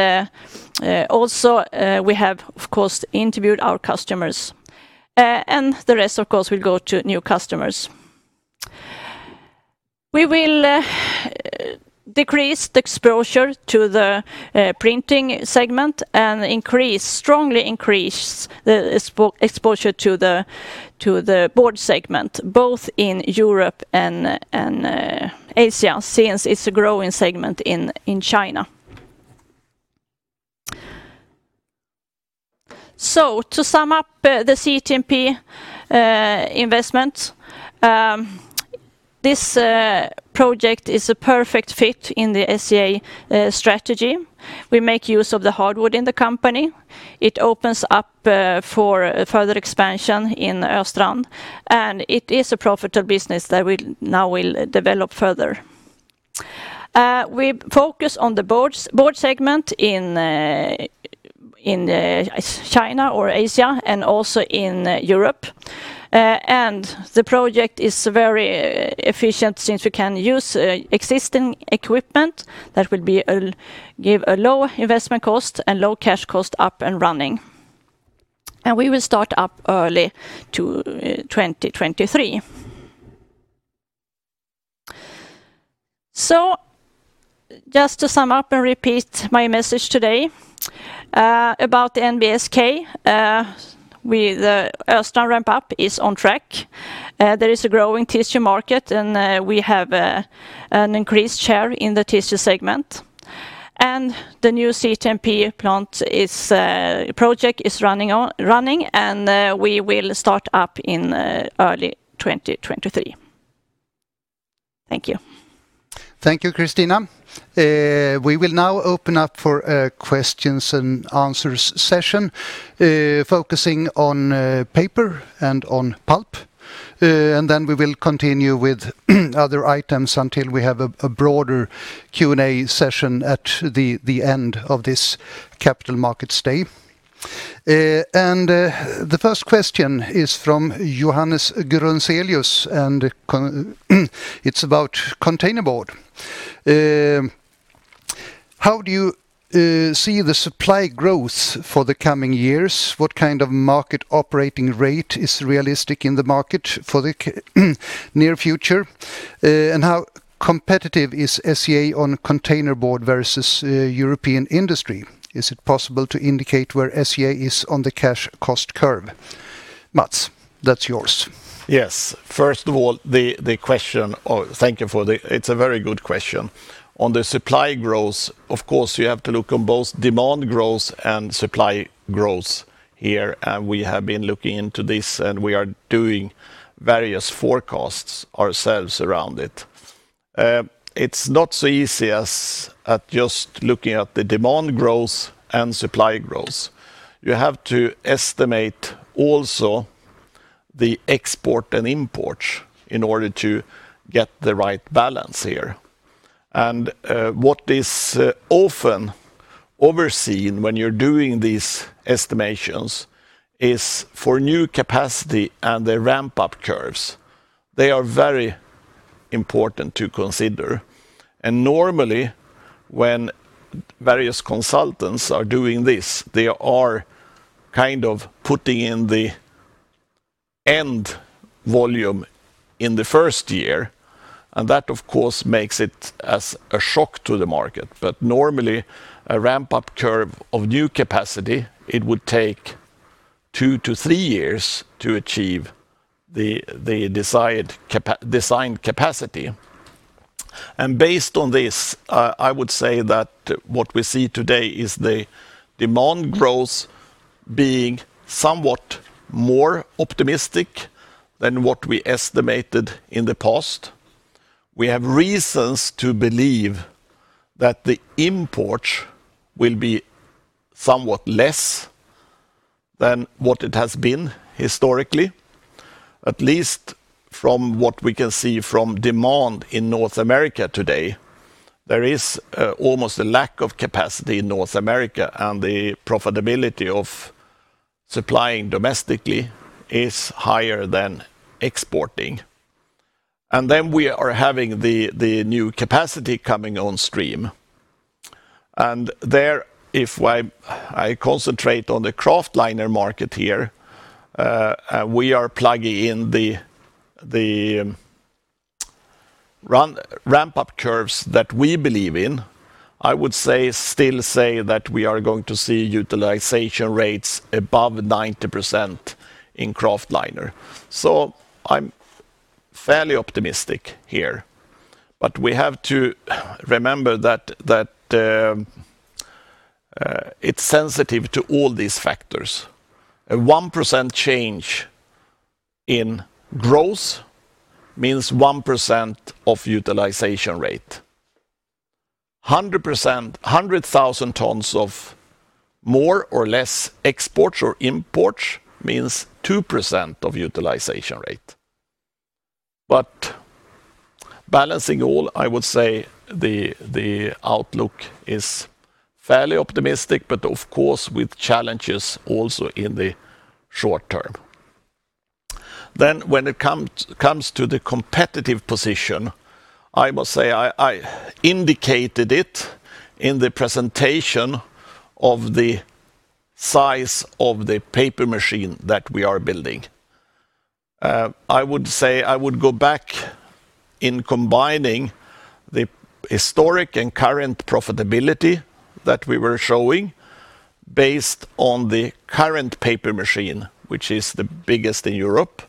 also we have, of course, interviewed our customers. The rest, of course, will go to new customers. We will decrease the exposure to the printing segment and strongly increase the exposure to the board segment, both in Europe and Asia, since it's a growing segment in China. To sum up the CTMP investment, this project is a perfect fit in the SCA strategy. We make use of the hardwood in the company. It opens up for further expansion in Östrand, and it is a profitable business that we now will develop further. We focus on the board segment in China or Asia and also in Europe. The project is very efficient since we can use existing equipment that will give a low investment cost and low cash cost up and running. We will start up early 2023. Just to sum up and repeat my message today. About the NBSK, the Östrand ramp-up is on track. There is a growing tissue market, and we have an increased share in the tissue segment. The new CTMP plant project is running, and we will start up in early 2023. Thank you. Thank you, Kristina. We will now open up for a question-and-answers session, focusing on paper and on pulp. Then we will continue with other items until we have a broader Q&A session at the end of this Capital Market Day. The first question is from Johannes Grunselius, and it's about containerboard. How do you see the supply growth for the coming years? What kind of market operating rate is realistic in the market for the near future? How competitive is SCA on containerboard versus European industry? Is it possible to indicate where SCA is on the cash cost curve? Mats, that's yours. Yes. First of all, thank you, it's a very good question. On the supply growth, of course, you have to look on both demand growth and supply growth here. We have been looking into this, and we are doing various forecasts ourselves around it. It's not so easy as at just looking at the demand growth and supply growth. You have to estimate also the export and import in order to get the right balance here. What is often overseen when you're doing these estimations is for new capacity and the ramp-up curves, they are very important to consider. Normally, when various consultants are doing this, they are putting in the end volume in the first year, and that, of course, makes it as a shock to the market. Normally, a ramp-up curve of new capacity, it would take two to three years to achieve the designed capacity. Based on this, I would say that what we see today is the demand growth being somewhat more optimistic than what we estimated in the past. We have reasons to believe that the imports will be somewhat less than what it has been historically, at least from what we can see from demand in North America today. There is almost a lack of capacity in North America, and the profitability of supplying domestically is higher than exporting. Then we are having the new capacity coming on stream. There, if I concentrate on the Kraftliner market here, we are plugging in the ramp-up curves that we believe in. I would still say that we are going to see utilization rates above 90% in Kraftliner. I'm fairly optimistic here, but we have to remember that it's sensitive to all these factors. A 1% change in growth means 1% of utilization rate, 100,000 tons of more or less exports or imports means 2% of utilization rate. Balancing all, I would say the outlook is fairly optimistic, but of course, with challenges also in the short term. When it comes to the competitive position, I must say, I indicated it in the presentation of the size of the paper machine that we are building. I would say, I would go back in combining the historic and current profitability that we were showing based on the current paper machine, which is the biggest in Europe.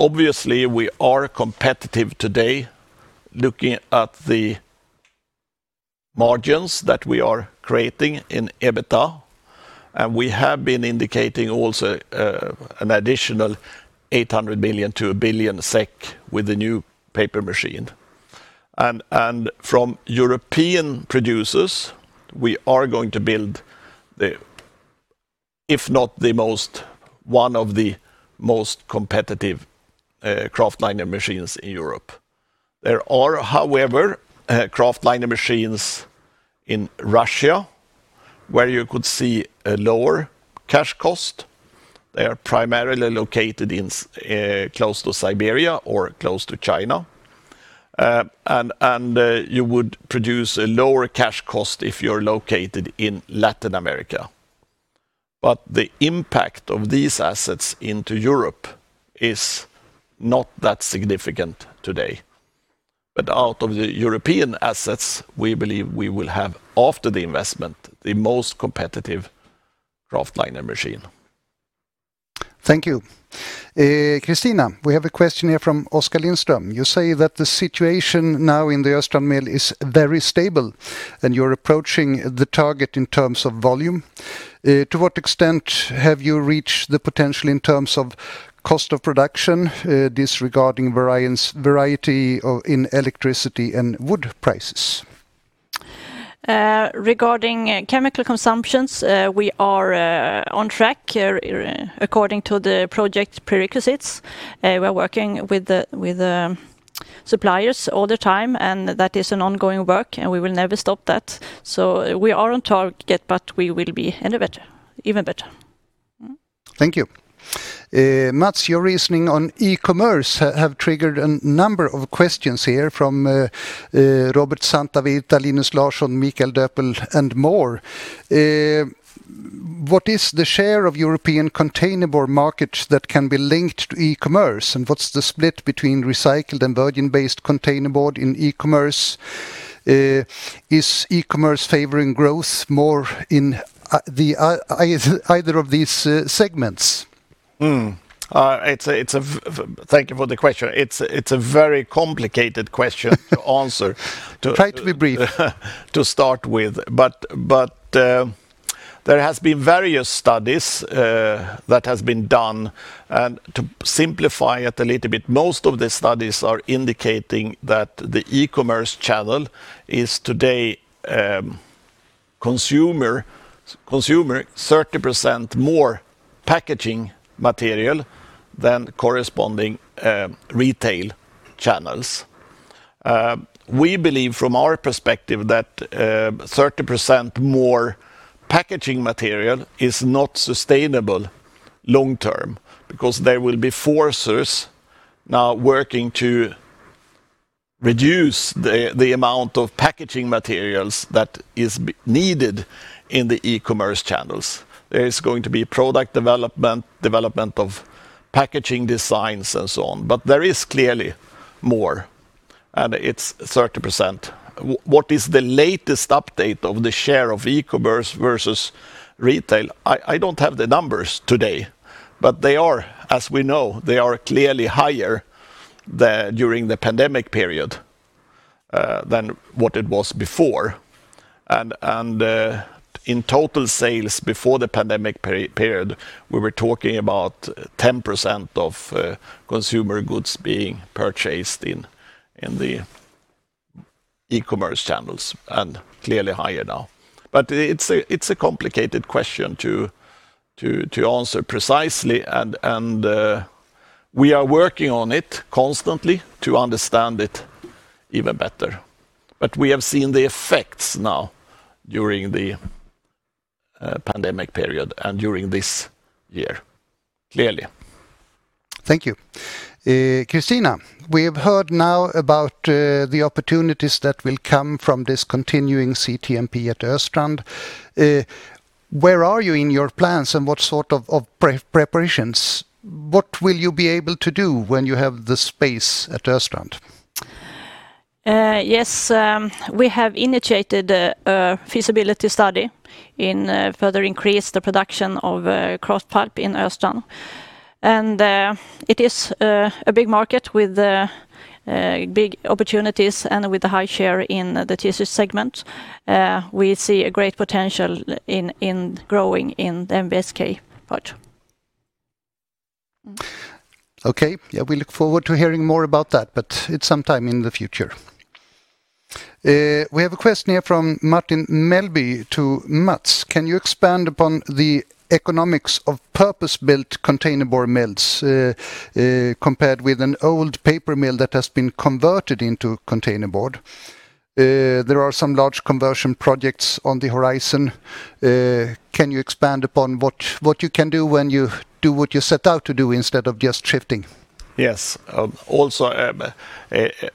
Obviously, we are competitive today looking at the margins that we are creating in EBITDA, and we have been indicating also an additional 800 million to 1 billion SEK with the new paper machine. From European producers, we are going to build, if not the most, one of the most competitive Kraftliner machines in Europe. There are, however, Kraftliner machines in Russia, where you could see a lower cash cost. They are primarily located close to Siberia or close to China. You would produce a lower cash cost if you're located in Latin America. The impact of these assets into Europe is not that significant today. Out of the European assets, we believe we will have, after the investment, the most competitive Kraftliner machine. Thank you. Kristina, we have a question here from Oskar Lindström. You say that the situation now in the Östrand mill is very stable, and you're approaching the target in terms of volume. To what extent have you reached the potential in terms of cost of production, disregarding variety in electricity and wood prices? Regarding chemical consumptions, we are on track according to the project prerequisites. We are working with suppliers all the time, and that is an ongoing work, and we will never stop that. We are on target, but we will be even better. Thank you. Mats, your reasoning on e-commerce has triggered a number of questions here from Robin Santavirta, Linus Larsson, Mikael Doepel, and more. What is the share of European containerboard markets that can be linked to e-commerce, and what's the split between recycled and virgin-based containerboard in e-commerce? Is e-commerce favoring growth more in either of these segments? Thank you for the question. It is a very complicated question to answer. Try to be brief. To start with, there has been various studies that have been done. To simplify it a little bit, most of the studies are indicating that the e-commerce channel is today consuming 30% more packaging material than corresponding retail channels. We believe from our perspective that 30% more packaging material is not sustainable long term because there will be forces now working to reduce the amount of packaging materials that is needed in the e-commerce channels. There is going to be product development of packaging designs, and so on. There is clearly more, and it's 30%. What is the latest update of the share of e-commerce versus retail? I don't have the numbers today, but they are, as we know, clearly higher during the pandemic period than what it was before. In total sales before the pandemic period, we were talking about 10% of consumer goods being purchased in the e-commerce channels, and clearly higher now. It's a complicated question to answer precisely, and we are working on it constantly to understand it even better. We have seen the effects now during the pandemic period and during this year, clearly. Thank you. Kristina, we have heard now about the opportunities that will come from this continuing CTMP at Östrand. Where are you in your plans, and what sort of preparations? What will you be able to do when you have the space at Östrand? Yes, we have initiated a feasibility study to further increase the production of kraft pulp in Östrand. It is a big market with big opportunities and with a high share in the tissue segment. We see a great potential in growing in the NBSK part. Okay. Yeah, we look forward to hearing more about that, but it's sometime in the future. We have a question here from Martin Melbye to Mats. Can you expand upon the economics of purpose-built containerboard mills compared with an old paper mill that has been converted into a containerboard? There are some large conversion projects on the horizon. Can you expand upon what you can do when you do what you set out to do instead of just shifting? Yes.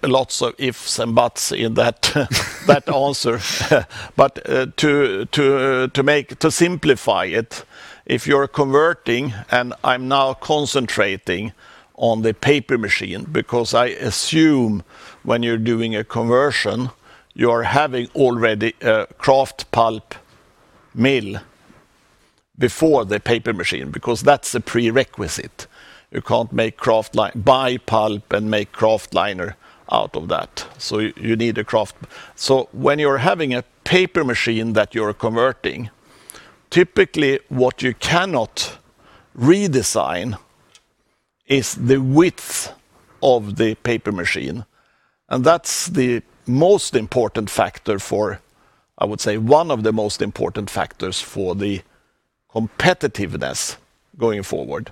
Lots of ifs and buts in that answer. To simplify it, if you're converting, and I'm now concentrating on the paper machine because I assume when you're doing a conversion, you are having already a kraft pulp mill before the paper machine, because that's a prerequisite. You can't buy pulp and make Kraftliner out of that. You need a kraft. When you're having a paper machine that you're converting, typically what you cannot redesign is the width of the paper machine, and that's the most important factor for, I would say, one of the most important factors for the competitiveness going forward.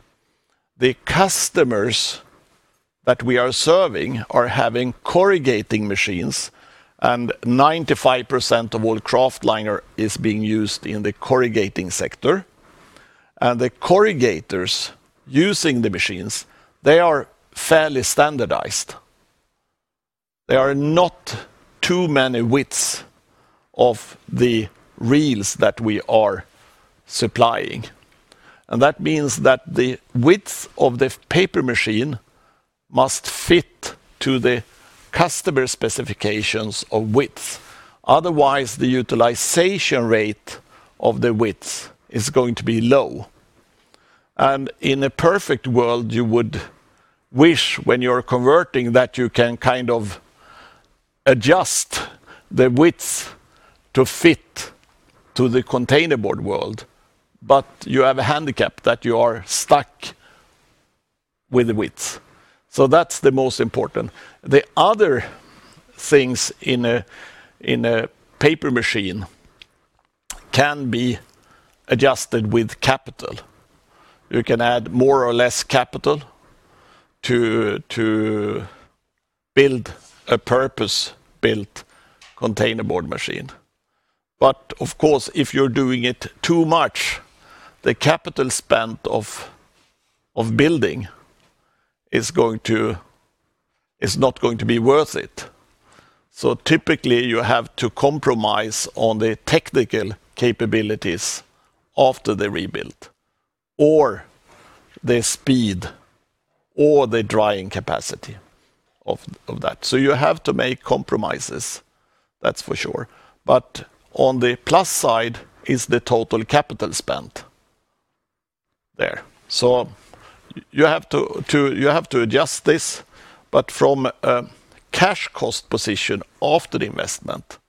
The customers that we are serving are having corrugating machines, and 95% of all Kraftliner is being used in the corrugating sector. The corrugators using the machines, they are fairly standardized. There are not too many widths of the reels that we are supplying. That means that the width of the paper machine must fit to the customer specifications of width. Otherwise, the utilization rate of the width is going to be low. In a perfect world, you would wish when you're converting that you can kind of adjust the width to fit to the containerboard world, but you have a handicap that you are stuck with the width. That's the most important. The other things in a paper machine can be adjusted with capital. You can add more or less capital to build a purpose-built containerboard machine. Of course, if you're doing it too much, the capital spent of building is not going to be worth it. Typically you have to compromise on the technical capabilities after the rebuild, or the speed, or the drying capacity of that. You have to make compromises, that's for sure. On the plus side is the total capital spent there. You have to adjust this, but from a cash cost position after the investment,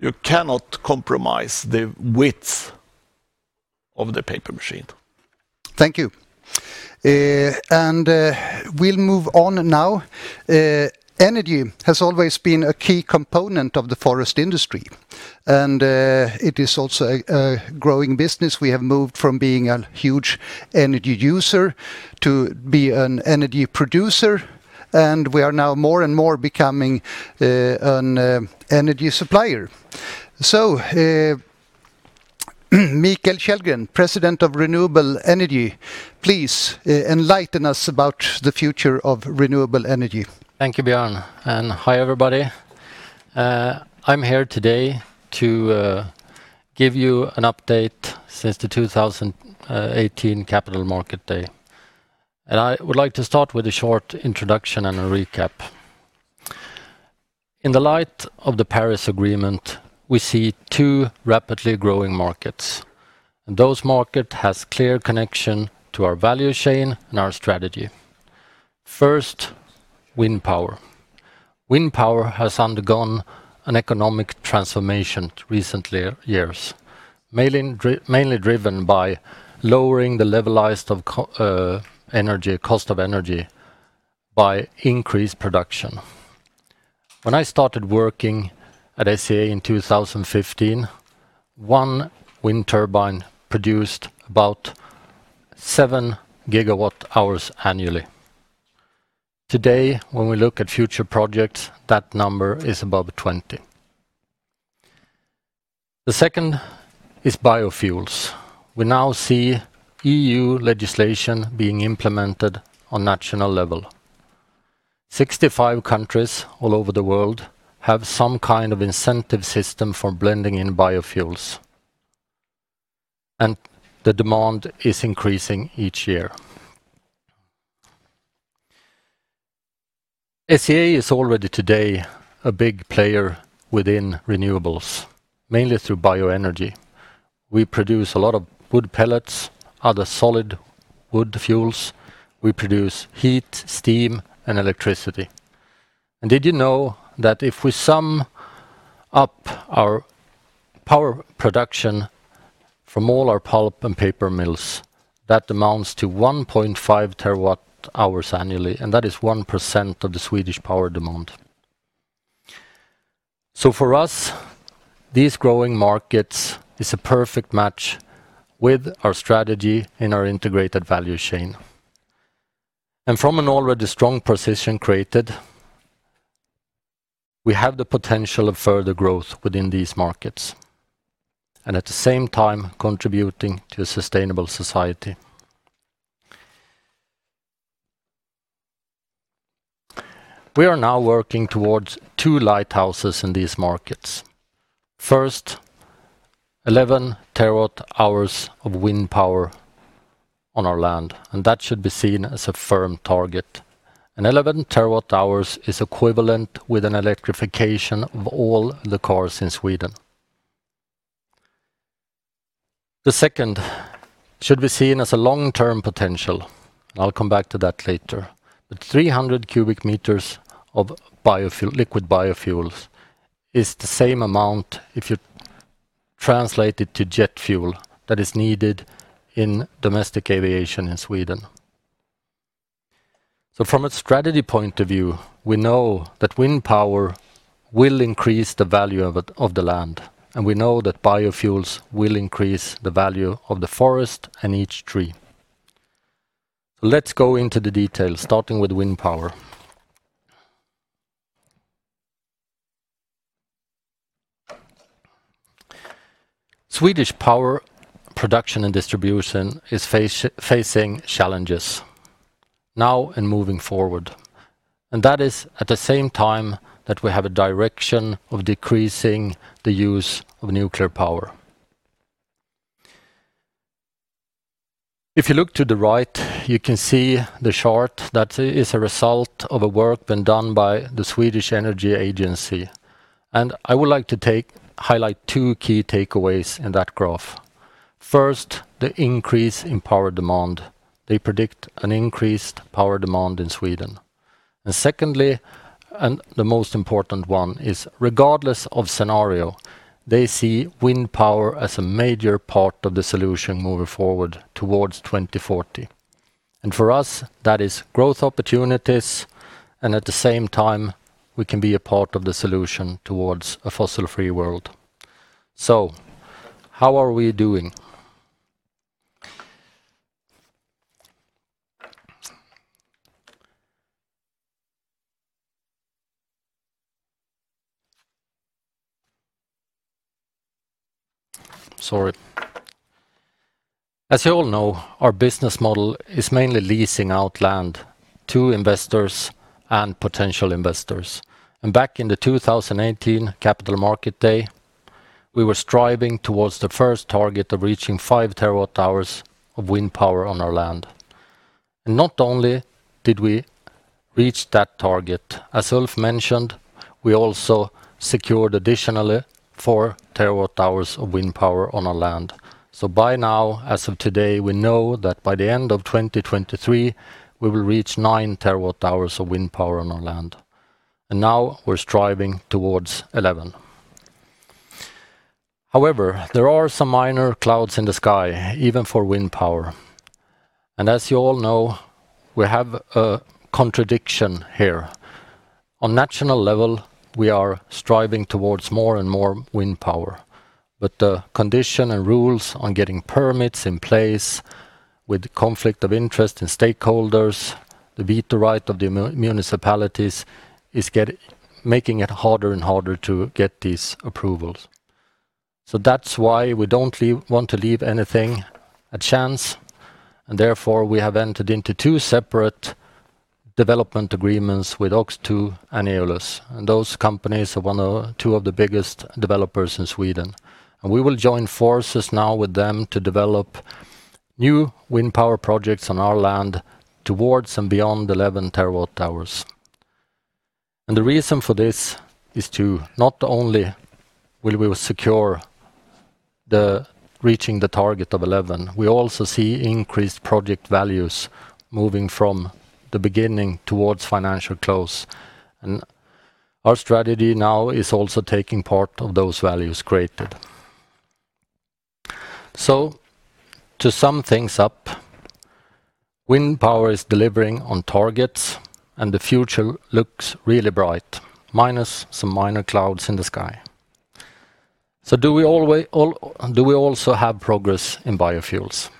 you cannot compromise the width of the paper machine. Thank you. We'll move on now. Energy has always been a key component of the forest industry, and it is also a growing business. We have moved from being a huge energy user to be an energy producer, and we are now more and more becoming an energy supplier. Mikael Kjellgren, President of Renewable Energy, please enlighten us about the future of renewable energy. Thank you, Björn. Hi, everybody. I'm here today to give you an update since the 2018 Capital Market Day. I would like to start with a short introduction and a recap. In the light of the Paris Agreement, we see two rapidly growing markets, and those market has clear connection to our value chain and our strategy. First, wind power. Wind power has undergone an economic transformation recently years, mainly driven by lowering the levelized cost of energy by increased production. When I started working at SCA in 2015, one wind turbine produced about seven GWh annually. Today, when we look at future projects, that number is above 20. The second is biofuels. We now see EU legislation being implemented on national level. 65 countries all over the world have some kind of incentive system for blending in biofuels, and the demand is increasing each year. SCA is already today a big player within renewables, mainly through bioenergy. We produce a lot of wood pellets, other solid wood fuels. We produce heat, steam, and electricity. Did you know that if we sum up our power production from all our pulp and paper mills, that amounts to 1.5 TWh annually, that is 1% of the Swedish power demand. For us, these growing markets is a perfect match with our strategy and our integrated value chain. From an already strong position created, we have the potential of further growth within these markets, at the same time contributing to a sustainable society. We are now working towards two lighthouses in these markets. First, 11 TWh of wind power on our land, that should be seen as a firm target. 11 TWh is equivalent with an electrification of all the cars in Sweden. The second should be seen as a long-term potential, and I'll come back to that later. 300 cubic meters of liquid biofuels is the same amount, if you translate it to jet fuel, that is needed in domestic aviation in Sweden. From a strategy point of view, we know that wind power will increase the value of the land, and we know that biofuels will increase the value of the forest and each tree. Let's go into the details, starting with wind power. Swedish power production and distribution is facing challenges now and moving forward. That is at the same time that we have a direction of decreasing the use of nuclear power. If you look to the right, you can see the chart that is a result of a work been done by the Swedish Energy Agency. I would like to highlight two key takeaways in that graph. First, the increase in power demand. They predict an increased power demand in Sweden. Secondly, and the most important one is regardless of scenario, they see wind power as a major part of the solution moving forward towards 2040. For us, that is growth opportunities, and at the same time, we can be a part of the solution towards a fossil-free world. How are we doing? Sorry. As you all know, our business model is mainly leasing out land to investors and potential investors. Back in the 2018 Capital Market Day, we were striving towards the first target of reaching five TWh of wind power on our land. Not only did we reach that target, as Ulf mentioned, we also secured additionally four TWh of wind power on our land. By now, as of today, we know that by the end of 2023, we will reach nine TWh of wind power on our land. Now we're striving towards 11. However, there are some minor clouds in the sky, even for wind power. As you all know, we have a contradiction here. On national level, we are striving towards more and more wind power, but the condition and rules on getting permits in place with the conflict of interest and stakeholders, the veto right of the municipalities is making it harder and harder to get these approvals. That's why we don't want to leave anything a chance, and therefore, we have entered into two separate development agreements with OX2 and Eolus. Those companies are two of the biggest developers in Sweden. We will join forces now with them to develop new wind power projects on our land towards and beyond 11 TWh. The reason for this is to not only will we secure reaching the target of 11, we also see increased project values moving from the beginning towards financial close, and our strategy now is also taking part of those values created. To sum things up, wind power is delivering on targets, and the future looks really bright, minus some minor clouds in the sky. Do we also have progress in biofuels?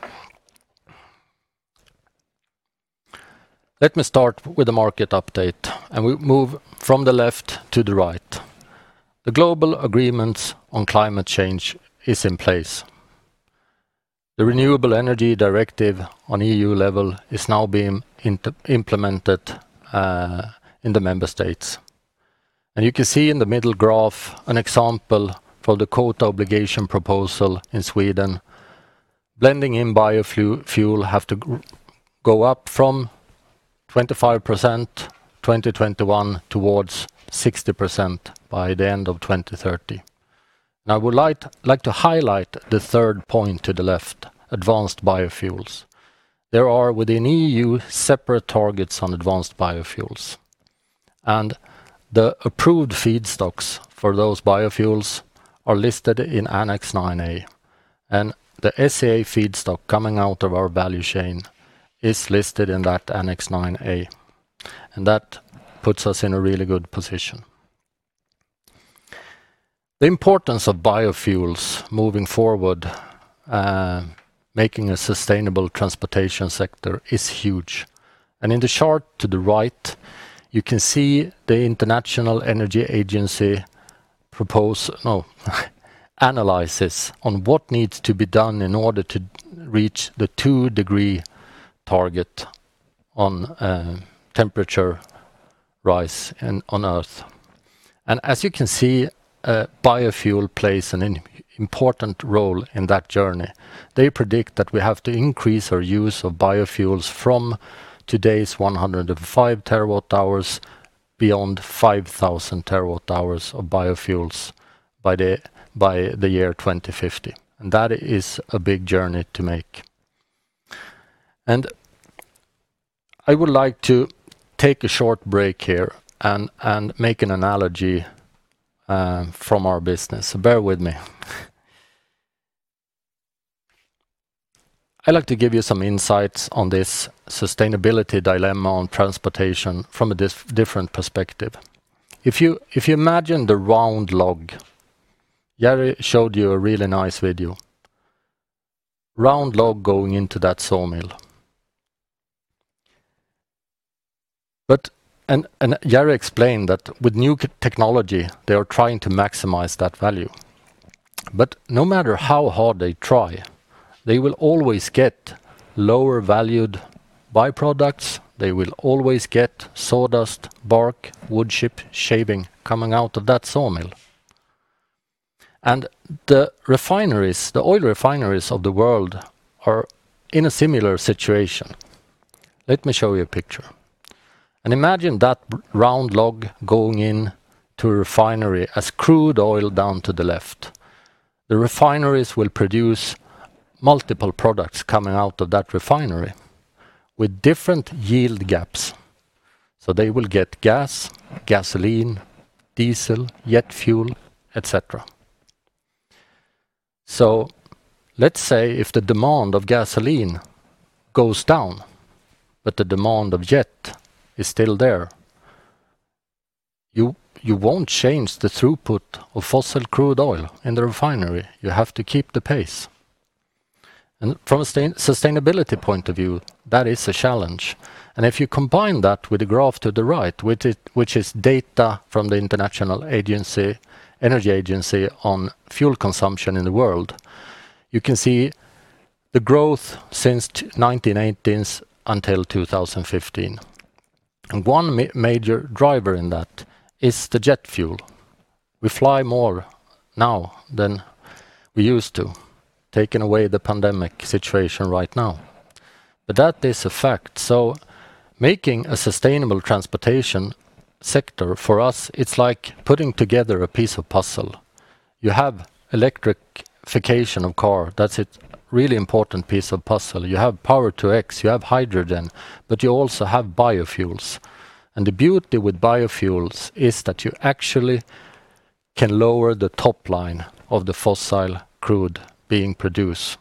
Let me start with the market update, and we move from the left to the right. The global agreements on climate change is in place. The Renewable Energy Directive on EU level is now being implemented in the member states. You can see in the middle graph an example for the quota obligation proposal in Sweden. Blending in biofuel have to go up from 25% in 2021 towards 60% by the end of 2030. I would like to highlight the third point to the left, advanced biofuels. There are, within EU, separate targets on advanced biofuels, and the approved feedstocks for those biofuels are listed in Annex IX-A, and the SCA feedstock coming out of our value chain is listed in that Annex IX-A, and that puts us in a really good position. The importance of biofuels moving forward making a sustainable transportation sector is huge. In the chart to the right, you can see the International Energy Agency analyses on what needs to be done in order to reach the two-degree target on temperature rise on Earth. As you can see, biofuel plays an important role in that journey. They predict that we have to increase our use of biofuels from today's 105 TWh beyond 5,000 TWh of biofuels by the year 2050. That is a big journey to make. I would like to take a short break here and make an analogy from our business. Bear with me. I'd like to give you some insights on this sustainability dilemma on transportation from a different perspective. If you imagine the round log, Jerry showed you a really nice video, round log going into that sawmill. Jerry explained that with new technology, they are trying to maximize that value. No matter how hard they try, they will always get lower valued byproducts. They will always get sawdust, bark, wood chip shaving coming out of that sawmill. The oil refineries of the world are in a similar situation. Let me show you a picture, and imagine that round log going into a refinery as crude oil down to the left. The refineries will produce multiple products coming out of that refinery with different yield gaps. They will get gas, gasoline, diesel, jet fuel, et cetera. Let's say if the demand of gasoline goes down, but the demand of jet is still there, you won't change the throughput of fossil crude oil in the refinery. You have to keep the pace. From a sustainability point of view, that is a challenge. If you combine that with the graph to the right, which is data from the International Energy Agency on fuel consumption in the world, you can see the growth since 1918 until 2015. One major driver in that is the jet fuel. We fly more now than we used to, taking away the pandemic situation right now. That is a fact. Making a sustainable transportation sector for us, it's like putting together a piece of puzzle. You have electrification of car. That's a really important piece of puzzle. You have power to X, you have hydrogen, but you also have biofuels. The beauty with biofuels is that you actually can lower the top line of the fossil crude being produced.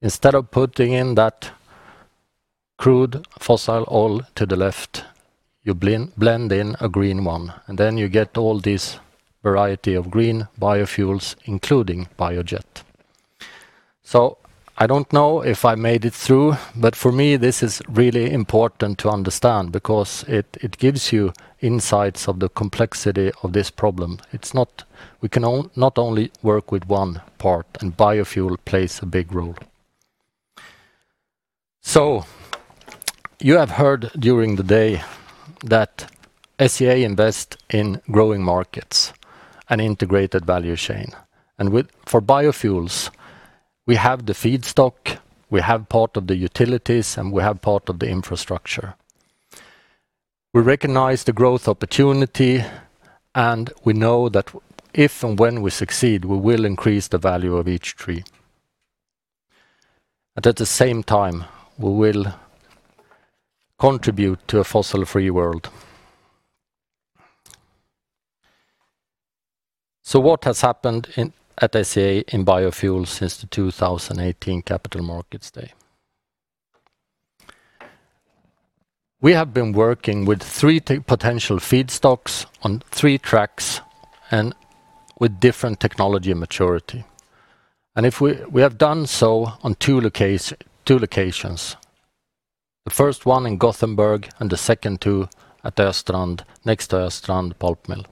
Instead of putting in that crude fossil oil to the left, you blend in a green one, and then you get all this variety of green biofuels, including biojet. I don't know if I made it through, but for me, this is really important to understand because it gives you insights of the complexity of this problem. We can not only work with one part, and biofuel plays a big role. You have heard during the day that SCA invest in growing markets and integrated value chain. For biofuels, we have the feedstock, we have part of the utilities, and we have part of the infrastructure. We recognize the growth opportunity, and we know that if and when we succeed, we will increase the value of each tree. At the same time, we will contribute to a fossil-free world. What has happened at SCA in biofuels since the 2018 Capital Markets Day? We have been working with three potential feedstocks on three tracks and with different technology maturity. We have done so on two locations. The first one in Gothenburg and the second two at Östrand, next to Östrand pulp mill.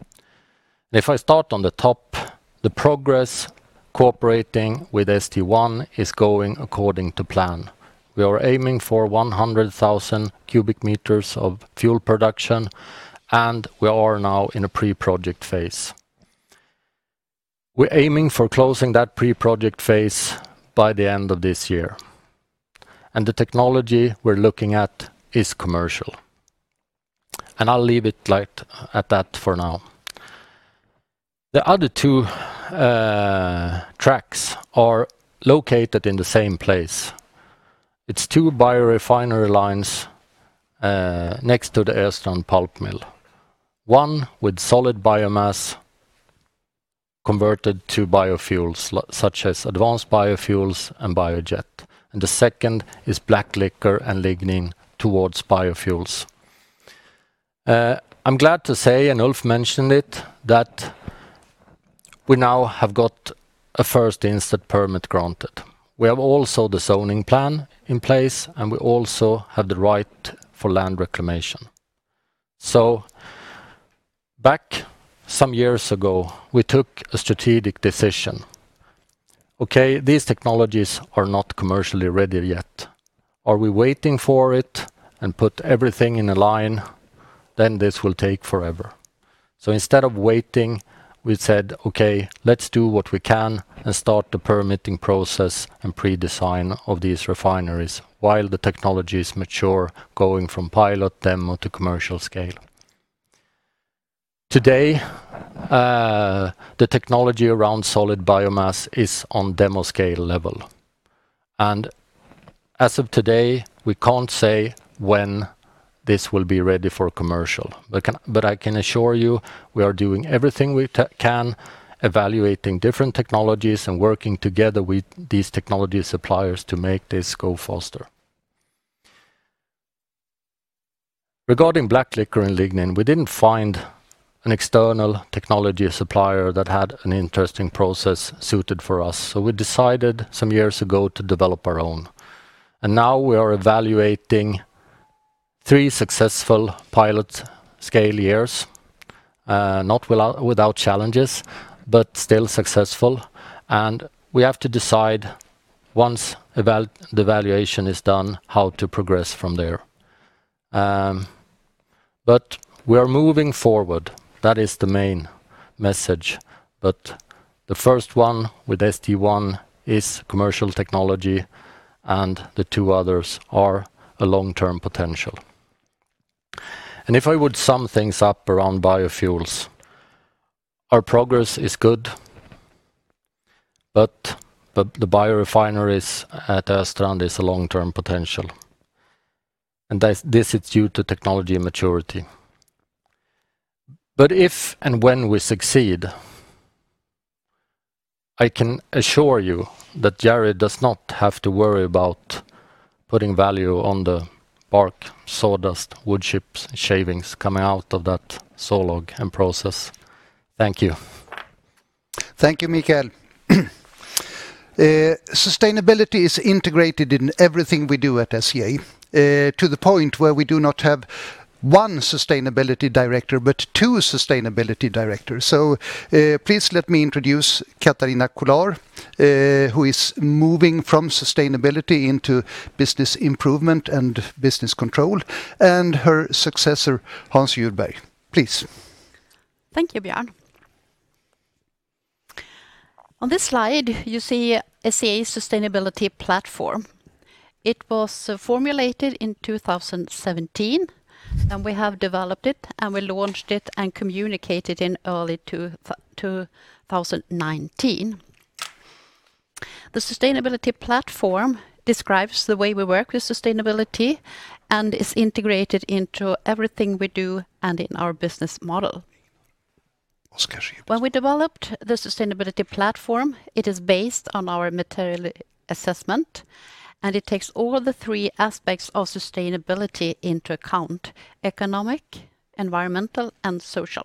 If I start on the top, the progress cooperating with St1 is going according to plan. We are aiming for 100,000 cubic meters of fuel production, and we are now in a pre-project phase. We're aiming for closing that pre-project phase by the end of this year. The technology we're looking at is commercial. I'll leave it at that for now. The other two tracks are located in the same place. It's two biorefinery lines next to the Östrand pulp mill, one with solid biomass converted to biofuels such as advanced biofuels and biojet. The second is black liquor and lignin towards biofuels. I'm glad to say, and Ulf mentioned it, that we now have got a first instant permit granted. We have also the zoning plan in place, and we also have the right for land reclamation. Back some years ago, we took a strategic decision. Okay, these technologies are not commercially ready yet. Are we waiting for it and put everything in a line, then this will take forever. Instead of waiting, we said, "Okay, let's do what we can and start the permitting process and pre-design of these refineries while the technology is mature, going from pilot, demo, to commercial scale." Today, the technology around solid biomass is on demo scale level. As of today, we can't say when this will be ready for commercial. I can assure you we are doing everything we can, evaluating different technologies and working together with these technology suppliers to make this go faster. Regarding black liquor and lignin, we didn't find an external technology supplier that had an interesting process suited for us. We decided some years ago to develop our own. Now we are evaluating three successful pilot scale years, not without challenges, but still successful. We have to decide, once the evaluation is done, how to progress from there. We are moving forward. That is the main message. The first one with St1 is commercial technology, and the two others are a long-term potential. If I would sum things up around biofuels, our progress is good. The biorefineries at Östrand is a long-term potential, and this is due to technology maturity. If and when we succeed, I can assure you that Jerry does not have to worry about putting value on the bark, sawdust, wood chips, shavings coming out of that saw log and process. Thank you. Thank you, Mikael. Sustainability is integrated in everything we do at SCA, to the point where we do not have one sustainability director, but two sustainability directors. Please let me introduce Katarina Kolar, who is moving from sustainability into business improvement and business control, and her successor, Hans Jordberg. Please. Thank you, Björn. On this slide, you see SCA Sustainability Platform. It was formulated in 2017, we have developed it, we launched it and communicated in early 2019. The Sustainability Platform describes the way we work with sustainability and is integrated into everything we do and in our business model. When we developed the Sustainability Platform, it is based on our material assessment, it takes all the three aspects of sustainability into account: economic, environmental, and social.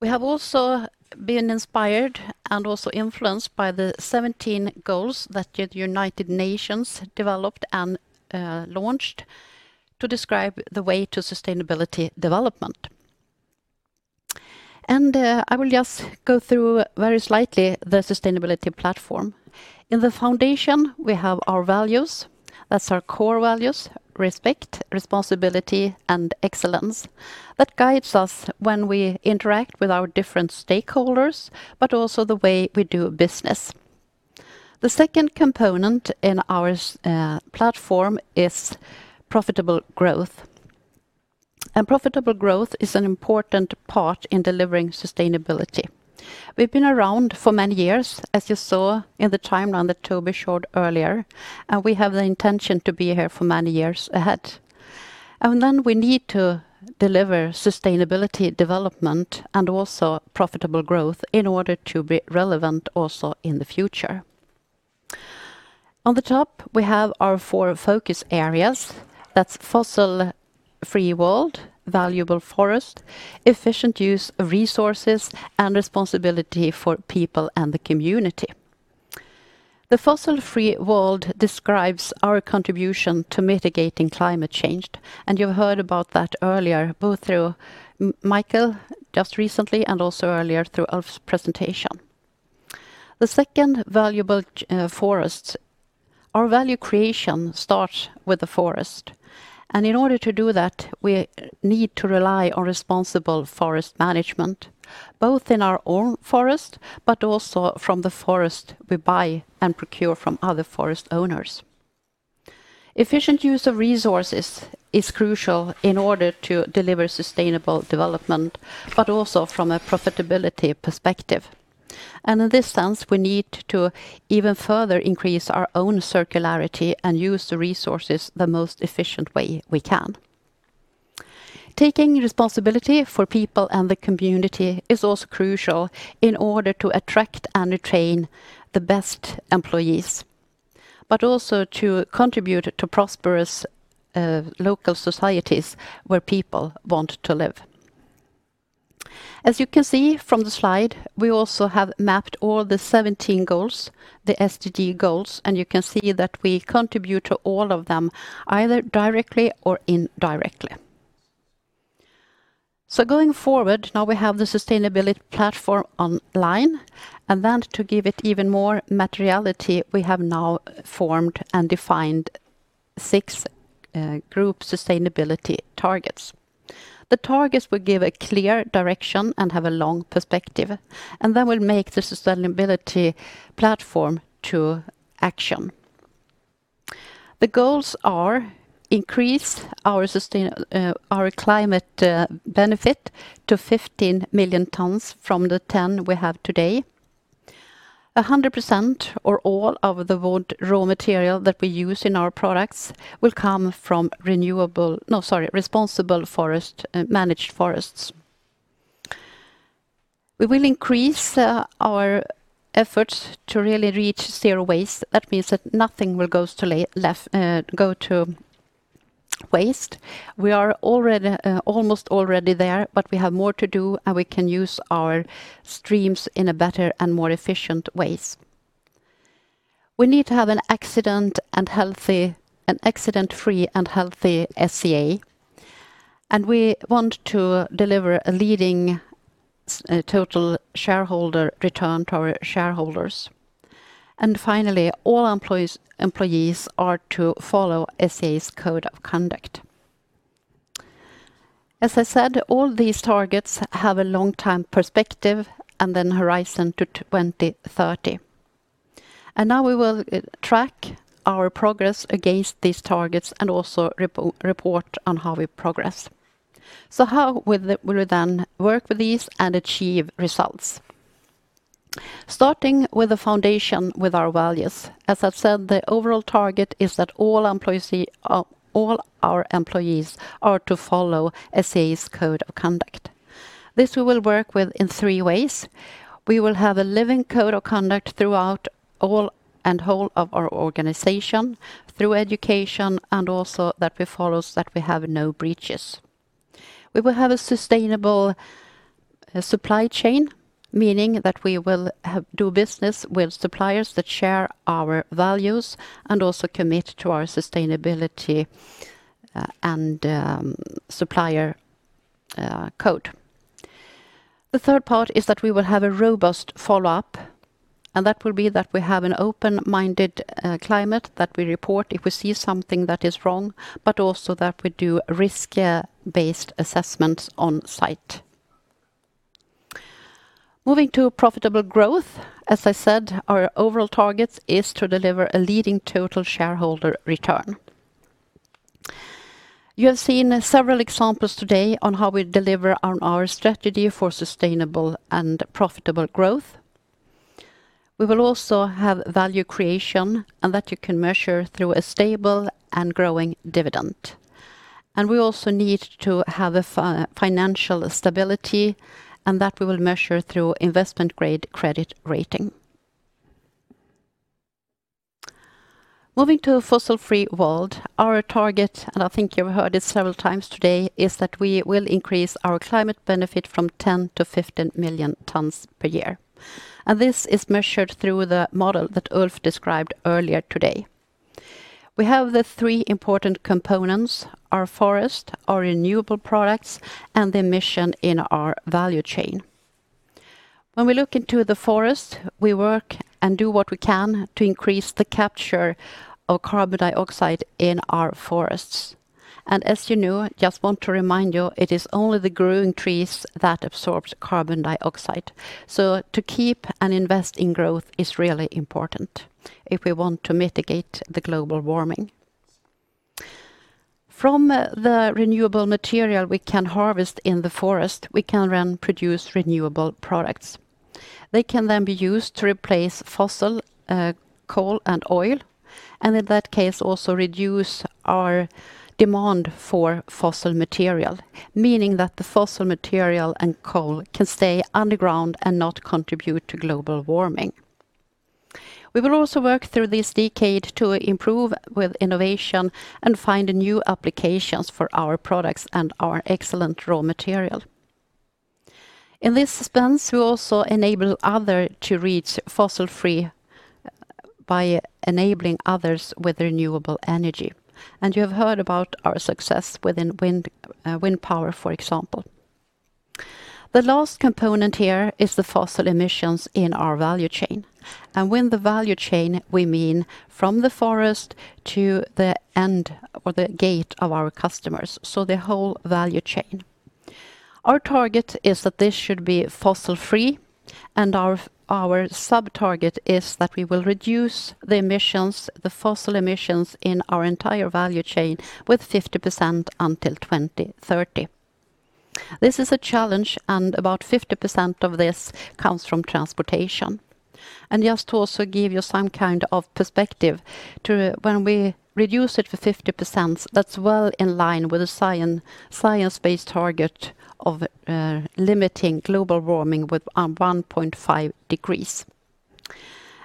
We have also been inspired and also influenced by the 17 goals that United Nations developed and launched to describe the way to sustainability development. I will just go through very slightly the Sustainability Platform. In the foundation, we have our values. That's our core values, respect, responsibility, and excellence. That guides us when we interact with our different stakeholders, also the way we do business. The second component in our platform is profitable growth. Profitable growth is an important part in delivering sustainability. We've been around for many years, as you saw in the timeline that Toby showed earlier, and we have the intention to be here for many years ahead. We need to deliver sustainability development and also profitable growth in order to be relevant also in the future. On the top, we have our four focus areas. That's Fossil-free World, Valuable Forest, Efficient Use of Resources, and Responsibility for People and the Community. The Fossil-free World describes our contribution to mitigating climate change, and you heard about that earlier, both through Mikael just recently and also earlier through Ulf's presentation. The second, Valuable Forest. Our value creation starts with the forest. In order to do that, we need to rely on responsible forest management, both in our own forest but also from the forest we buy and procure from other forest owners. Efficient use of resources is crucial in order to deliver sustainable development, but also from a profitability perspective. In this sense, we need to even further increase our own circularity and use the resources the most efficient way we can. Taking responsibility for people and the community is also crucial in order to attract and retain the best employees, but also to contribute to prosperous local societies where people want to live. As you can see from the slide, we also have mapped all the 17 goals, the SDG goals, and you can see that we contribute to all of them, either directly or indirectly. Going forward, now we have the sustainability platform online, to give it even more materiality, we have now formed and defined six group sustainability targets. The targets will give a clear direction and have a long perspective, will make the sustainability platform to action. The goals are increase our climate benefit to 15 million tons from the 10 we have today. 100% or all of the wood raw material that we use in our products will come from responsible managed forests. We will increase our efforts to really reach zero waste. That means that nothing will go to waste. We are almost already there, we have more to do, we can use our streams in better and more efficient ways. We need to have an accident-free and healthy SCA, and we want to deliver a leading total shareholder return to our shareholders. Finally, all employees are to follow SCA's code of conduct. As I said, all these targets have a long-term perspective, and then horizon to 2030. Now we will track our progress against these targets and also report on how we progress. How will we then work with these and achieve results? Starting with the foundation with our values. As I've said, the overall target is that all our employees are to follow SCA's code of conduct. This we will work with in three ways. We will have a living code of conduct throughout all and whole of our organization through education and also that we follow that we have no breaches. We will have a sustainable supply chain, meaning that we will do business with suppliers that share our values and also commit to our sustainability and supplier code. The third part is that we will have a robust follow-up. That will be that we have an open-minded climate that we report if we see something that is wrong, but also that we do risk-based assessments on site. Moving to profitable growth. As I said, our overall target is to deliver a leading total shareholder return. You have seen several examples today on how we deliver on our strategy for sustainable and profitable growth. We will also have value creation. That you can measure through a stable and growing dividend. We also need to have financial stability, and that we will measure through investment grade credit rating. Moving to a fossil-free world, our target, and I think you've heard it several times today, is that we will increase our climate benefit from 10 to 15 million tons per year. This is measured through the model that Ulf described earlier today. We have the three important components, our forest, our renewable products, and the emission in our value chain. When we look into the forest, we work and do what we can to increase the capture of carbon dioxide in our forests. As you know, just want to remind you, it is only the growing trees that absorb carbon dioxide. To keep and invest in growth is really important if we want to mitigate the global warming. From the renewable material we can harvest in the forest, we can then produce renewable products. They can be used to replace fossil coal and oil, in that case, also reduce our demand for fossil material, meaning that the fossil material and coal can stay underground and not contribute to global warming. We will also work through this decade to improve with innovation and find new applications for our products and our excellent raw material. In this sense, we also enable others to reach fossil-free by enabling others with renewable energy. You have heard about our success within wind power, for example. The last component here is the fossil emissions in our value chain. With the value chain, we mean from the forest to the end or the gate of our customers. The whole value chain. Our target is that this should be fossil-free, and our sub-target is that we will reduce the fossil emissions in our entire value chain with 50% until 2030. This is a challenge, and about 50% of this comes from transportation. Just to also give you some kind of perspective, when we reduce it for 50%, that's well in line with the science-based target of limiting global warming with 1.5 degrees.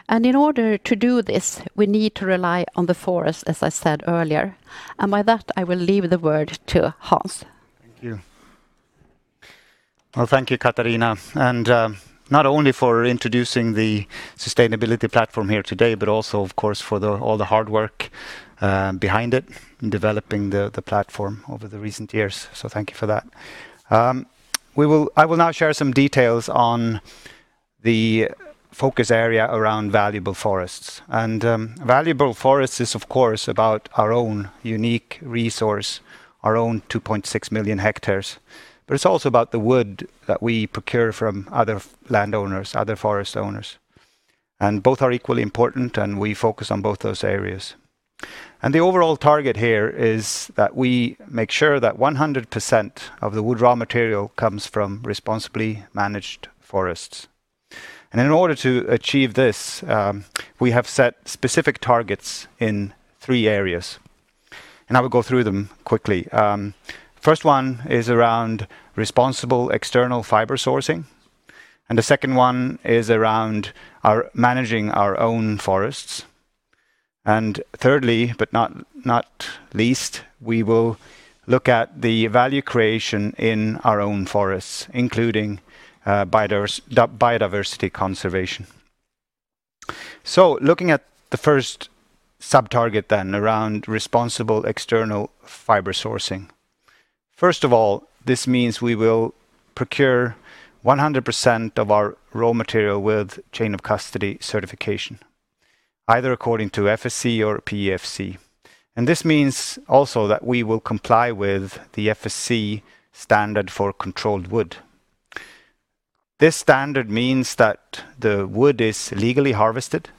In order to do this, we need to rely on the forest, as I said earlier. With that, I will leave the word to Hans. Thank you. Well, thank you, Katarina. Not only for introducing the sustainability platform here today, but also, of course, for all the hard work behind it in developing the platform over the recent years. Thank you for that. I will now share some details on the focus area around valuable forests. Valuable forests is, of course, about our own unique resource, our own 2.6 million hectares. It's also about the wood that we procure from other landowners, other forest owners. Both are equally important, and we focus on both those areas. The overall target here is that we make sure that 100% of the wood raw material comes from responsibly managed forests. In order to achieve this, we have set specific targets in three areas, and I will go through them quickly. First one is around responsible external fiber sourcing, and the second one is around managing our own forests. Thirdly, but not least, we will look at the value creation in our own forests, including biodiversity conservation. Looking at the first sub-target then around responsible external fiber sourcing. First of all, this means we will procure 100% of our raw material with chain of custody certification, either according to FSC or PEFC. This means also that we will comply with the FSC standard for controlled wood. This standard means that the wood is legally harvested,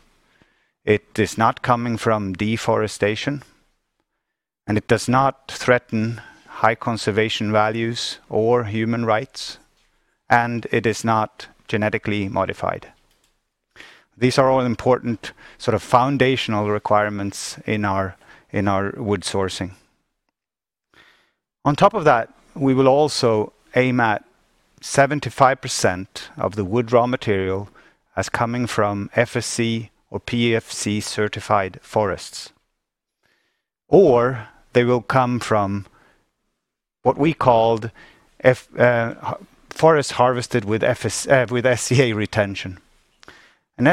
it is not coming from deforestation, and it does not threaten high conservation values or human rights, and it is not genetically modified. These are all important sort of foundational requirements in our wood sourcing. On top of that, we will also aim at 75% of the wood raw material as coming from FSC or PEFC certified forests. They will come from what we called forest harvested with SCA retention.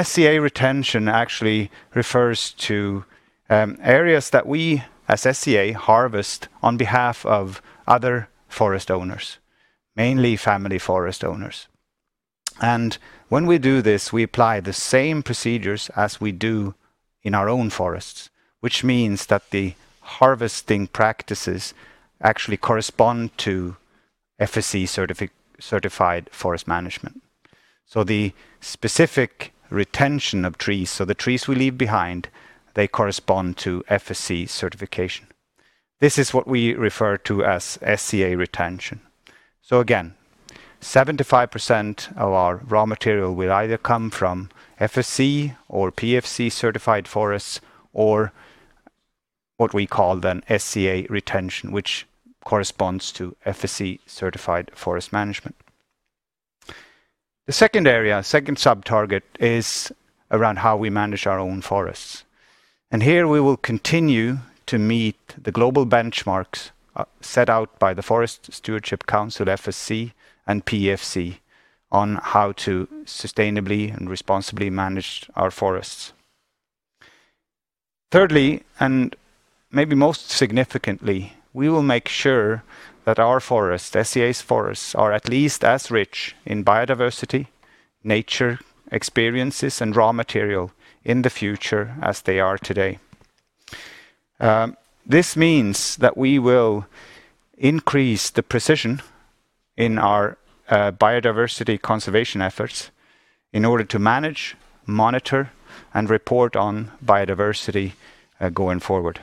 SCA retention actually refers to areas that we as SCA harvest on behalf of other forest owners, mainly family forest owners. When we do this, we apply the same procedures as we do in our own forests, which means that the harvesting practices actually correspond to FSC certified forest management. The specific retention of trees, so the trees we leave behind, they correspond to FSC certification. This is what we refer to as SCA retention. Again, 75% of our raw material will either come from FSC or PEFC certified forests or what we call then SCA retention, which corresponds to FSC certified forest management. The second area, second sub-target, is around how we manage our own forests. Here we will continue to meet the global benchmarks set out by the Forest Stewardship Council, FSC and PEFC on how to sustainably and responsibly manage our forests. Thirdly, maybe most significantly, we will make sure that our forests, SCA's forests, are at least as rich in biodiversity, nature, experiences, and raw material in the future as they are today. This means that we will increase the precision in our biodiversity conservation efforts in order to manage, monitor, and report on biodiversity going forward.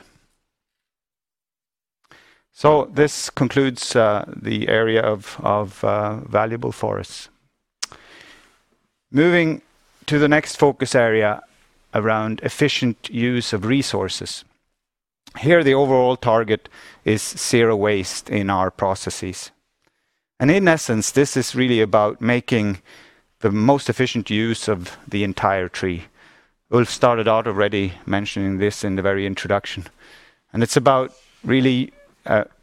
This concludes the area of valuable forests. Moving to the next focus area around efficient use of resources. Here, the overall target is zero waste in our processes. In essence, this is really about making the most efficient use of the entire tree. We'll start it out already mentioning this in the very introduction. It's about really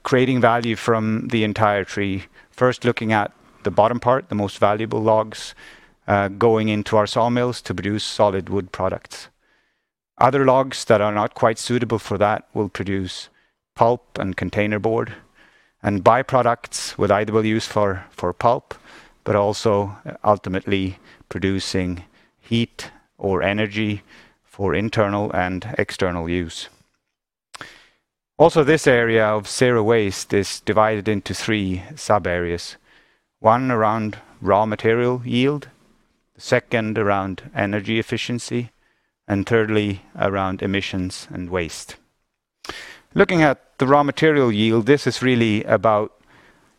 creating value from the entire tree. First looking at the bottom part, the most valuable logs, going into our sawmills to produce solid wood products. Other logs that are not quite suitable for that will produce pulp and containerboard and by-products with either use for pulp, but also ultimately producing heat or energy for internal and external use. This area of zero waste is divided into three sub-areas. One around raw material yield, second around energy efficiency, and thirdly around emissions and waste. Looking at the raw material yield, this is really about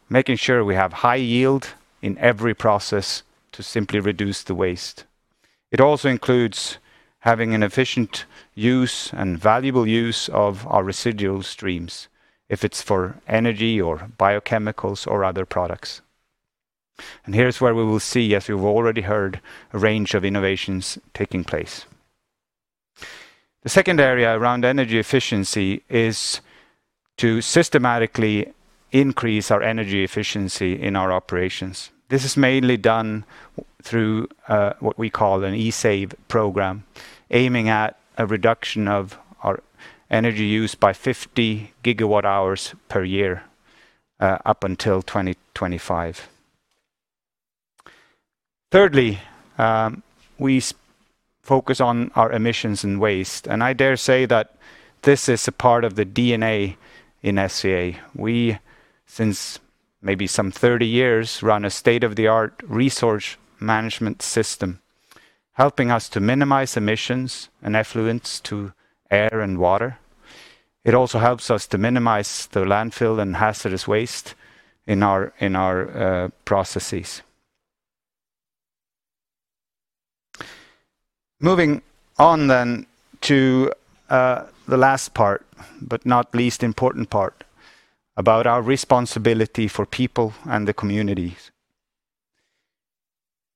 making sure we have high yield in every process to simply reduce the waste. It also includes having an efficient use and valuable use of our residual streams, if it's for energy or biochemicals or other products. Here's where we will see, as you've already heard, a range of innovations taking place. The second area around energy efficiency is to systematically increase our energy efficiency in our operations. This is mainly done through what we call an ESAVE program, aiming at a reduction of our energy use by 50 GWh per year up until 2025. Thirdly, we focus on our emissions and waste. I dare say that this is a part of the DNA in SCA. We, since maybe some 30 years, run a state-of-the-art resource management system, helping us to minimize emissions and effluents to air and water. It also helps us to minimize the landfill and hazardous waste in our processes. Moving on to the last part, but not least important part, about our responsibility for people and the communities.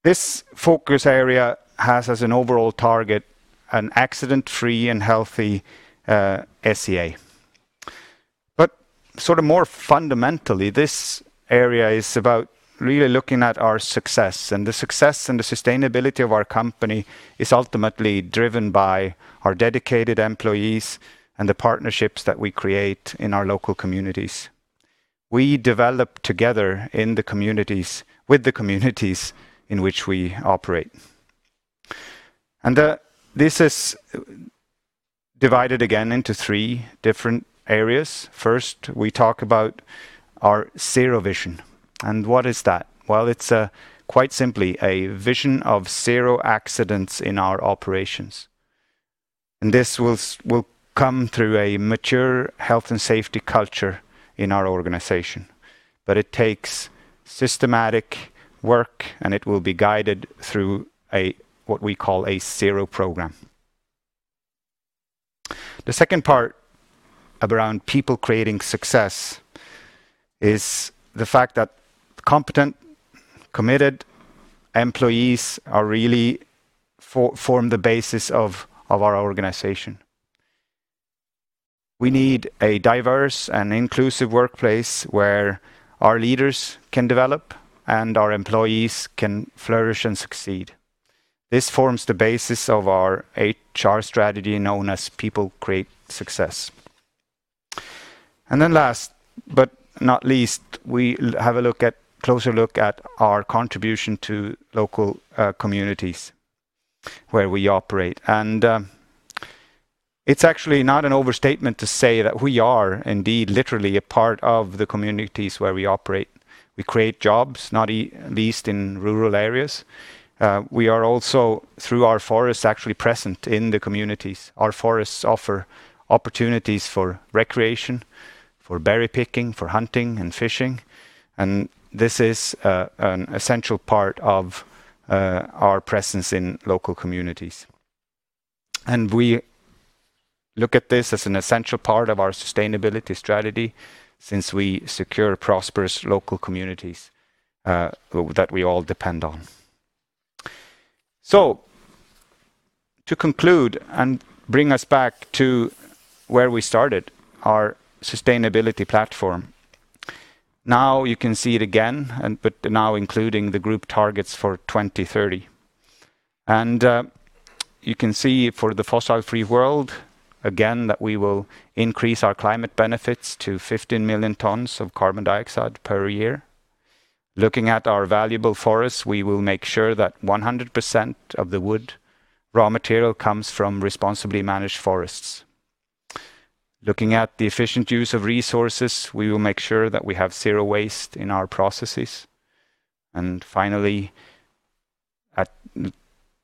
This focus area has as an overall target an accident-free and healthy SCA. More fundamentally, this area is about really looking at our success, and the success and the sustainability of our company is ultimately driven by our dedicated employees and the partnerships that we create in our local communities. We develop together with the communities in which we operate. This is divided again into three different areas. First, we talk about our zero vision, and what is that? Well, it's quite simply a vision of zero accidents in our operations, and this will come through a mature health and safety culture in our organization. It takes systematic work, and it will be guided through what we call a Zero Program. The second part around People Create Success is the fact that competent, committed employees really form the basis of our organization. We need a diverse and inclusive workplace where our leaders can develop and our employees can flourish and succeed. This forms the basis of our HR strategy, known as People Create Success. Then last but not least, we have a closer look at our contribution to local communities where we operate. It's actually not an overstatement to say that we are indeed literally a part of the communities where we operate. We create jobs, not least in rural areas. We are also, through our forests, actually present in the communities. Our forests offer opportunities for recreation, for berry picking, for hunting and fishing, this is an essential part of our presence in local communities. We look at this as an essential part of our sustainability strategy since we secure prosperous local communities that we all depend on. To conclude and bring us back to where we started, our sustainability platform. You can see it again but now including the group targets for 2030. You can see for the fossil-free world, again, that we will increase our climate benefits to 15 million tons of carbon dioxide per year. Looking at our valuable forests, we will make sure that 100% of the wood raw material comes from responsibly managed forests. Looking at the efficient use of resources, we will make sure that we have zero waste in our processes. Finally,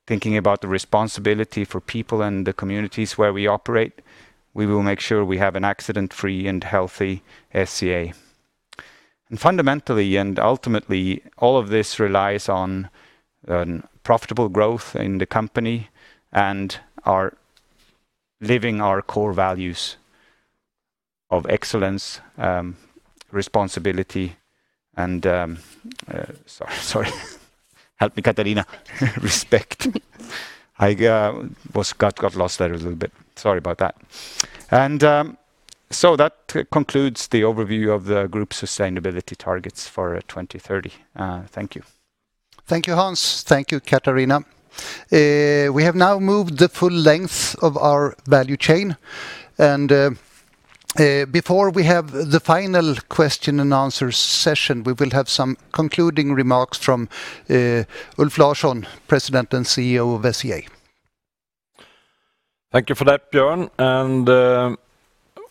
thinking about the responsibility for people and the communities where we operate, we will make sure we have an accident-free and healthy SCA. Fundamentally and ultimately, all of this relies on profitable growth in the company and living our core values of excellence, responsibility, and, sorry help me, Katarina, respect. I got lost there a little bit. Sorry about that. That concludes the overview of the group sustainability targets for 2030. Thank you. Thank you, Hans. Thank you, Katarina. We have now moved the full length of our value chain, and before we have the final question-and-answer session, we will have some concluding remarks from Ulf Larsson, President and CEO of SCA. Thank you for that, Björn.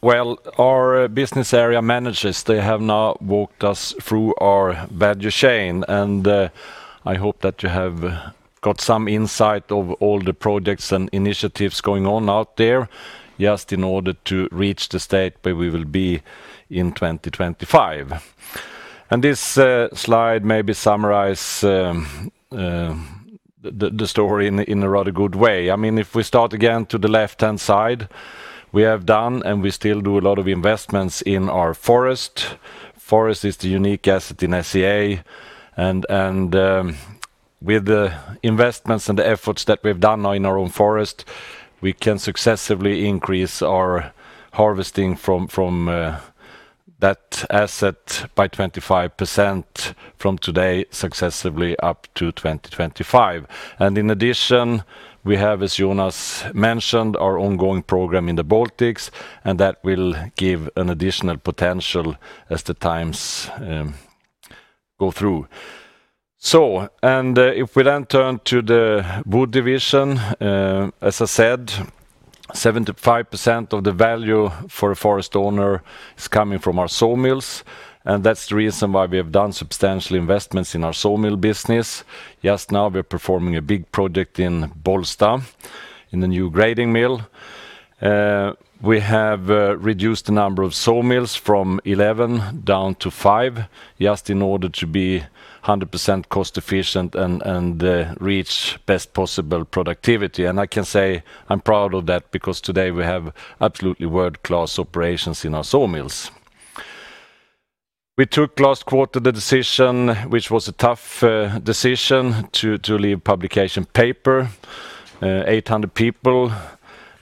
Well, our business area managers, they have now walked us through our value chain, and I hope that you have got some insight of all the projects and initiatives going on out there just in order to reach the state where we will be in 2025. This slide maybe summarize the story in a rather good way. If we start again to the left-hand side, we have done and we still do a lot of investments in our forest. Forest is the unique asset in SCA, and with the investments and the efforts that we've done now in our own forest, we can successively increase our harvesting from that asset by 25% from today successively up to 2025. In addition, we have, as Jonas mentioned, our ongoing program in the Baltics, that will give an additional potential as the times go through. If we then turn to the Wood division, as I said, 75% of the value for a forest owner is coming from our sawmills, that's the reason why we have done substantial investments in our sawmill business. Just now, we're performing a big project in Bollsta in the new grading mill. We have reduced the number of sawmills from 11 down to five just in order to be 100% cost efficient and reach best possible productivity. I can say I'm proud of that, because today we have absolutely world-class operations in our sawmills. We took last quarter the decision, which was a tough decision, to leave publication paper. 800 people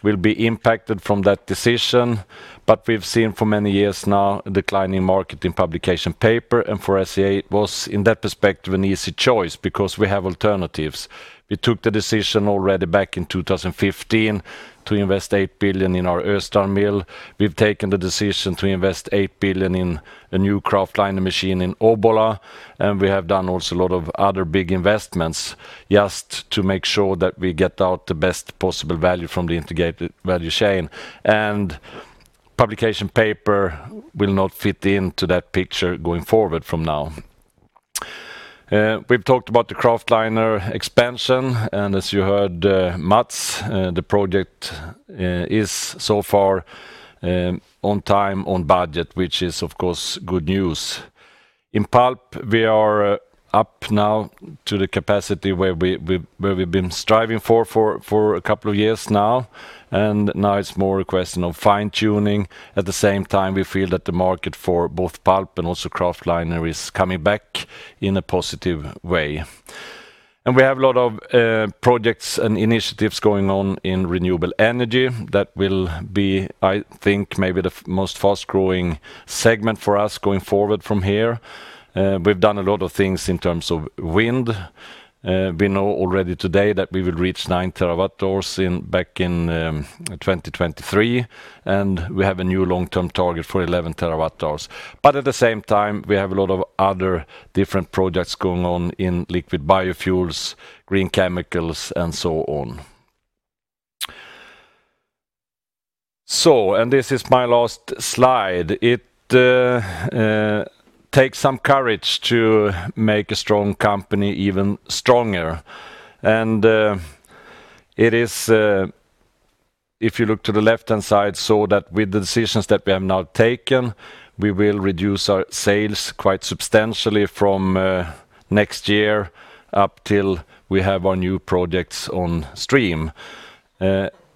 will be impacted from that decision, but we've seen for many years now a declining market in publication paper and for SCA it was, in that perspective, an easy choice because we have alternatives. We took the decision already back in 2015 to invest 8 billion in our Östrand mill. We've taken the decision to invest 8 billion in a new Kraftliner machine in Obbola, and we have done also a lot of other big investments just to make sure that we get out the best possible value from the integrated value chain. Publication paper will not fit into that picture going forward from now. We've talked about the Kraftliner expansion, and as you heard, Mats, the project is so far on time, on budget, which is of course good news. In pulp, we are up now to the capacity where we've been striving for a couple of years now. Now it's more a question of fine-tuning. At the same time, we feel that the market for both pulp and also Kraftliner is coming back in a positive way. We have a lot of projects and initiatives going on in renewable energy that will be, I think, maybe the most fast-growing segment for us going forward from here. We've done a lot of things in terms of wind. We know already today that we will reach 9 TWhs back in 2023, and we have a new long-term target for 11 TWhs. At the same time, we have a lot of other different projects going on in liquid biofuels, green chemicals, and so on. This is my last slide. It takes some courage to make a strong company even stronger, and if you look to the left-hand side, saw that with the decisions that we have now taken, we will reduce our sales quite substantially from next year up till we have our new projects on stream.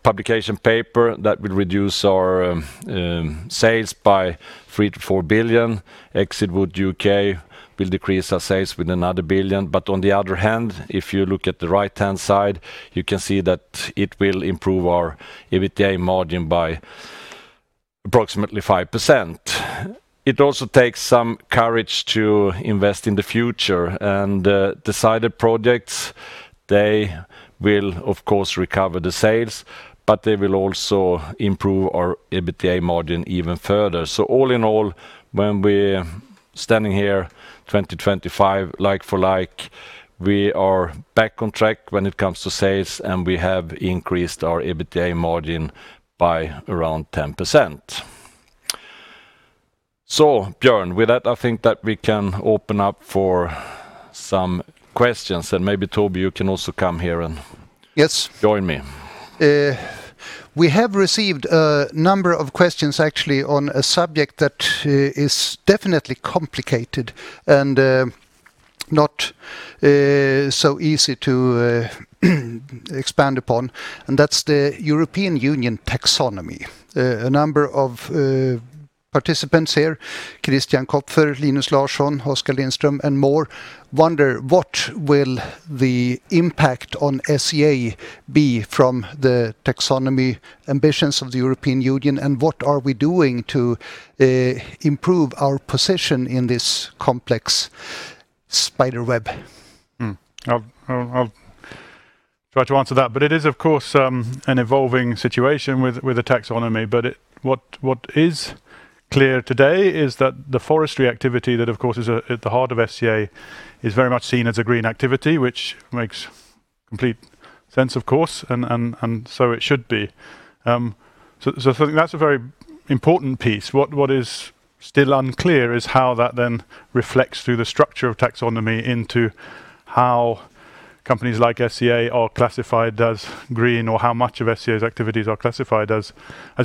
Publication paper, that will reduce our sales by 3 billion-4 billion. Exit Wood U.K. will decrease our sales with another 1 billion. On the other hand, if you look at the right-hand side, you can see that it will improve our EBITDA margin by approximately 5%. It also takes some courage to invest in the future, and the decided projects, they will of course recover the sales, but they will also improve our EBITDA margin even further. All in all, when we are standing here 2025, like for like, we are back on track when it comes to sales, and we have increased our EBITDA margin by around 10%. Björn, with that, I think that we can open up for some questions, and maybe Toby, you can also come here. Yes Join me. We have received a number of questions actually on a subject that is definitely complicated and not so easy to expand upon, and that's the European Union Taxonomy. A number of participants here, Christian Kopfer, Linus Larsson, Oskar Lindström, and more, wonder what will the impact on SCA be from the Taxonomy ambitions of the European Union, and what are we doing to improve our position in this complex spider web? I'll try to answer that, but it is of course an evolving situation with the taxonomy, but what is clear today is that the forestry activity, that of course is at the heart of SCA, is very much seen as a green activity, which makes complete sense of course, and so it should be. I think that's a very important piece. What is still unclear is how that then reflects through the structure of taxonomy into how companies like SCA are classified as green or how much of SCA's activities are classified as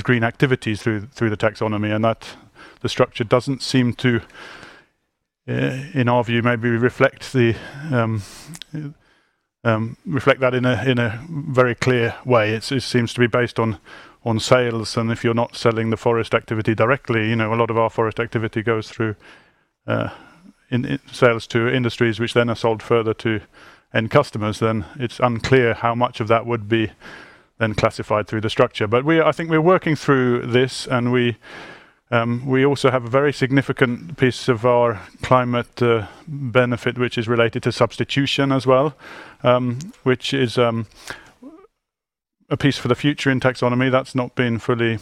green activities through the taxonomy, and that the structure doesn't seem to, in our view, maybe reflect that in a very clear way. It seems to be based on sales, and if you're not selling the forest activity directly, a lot of our forest activity goes through in sales to industries which then are sold further to end customers, it's unclear how much of that would be then classified through the structure. I think we're working through this, and we also have a very significant piece of our climate benefit, which is related to substitution as well, which is a piece for the future in taxonomy that's not been fully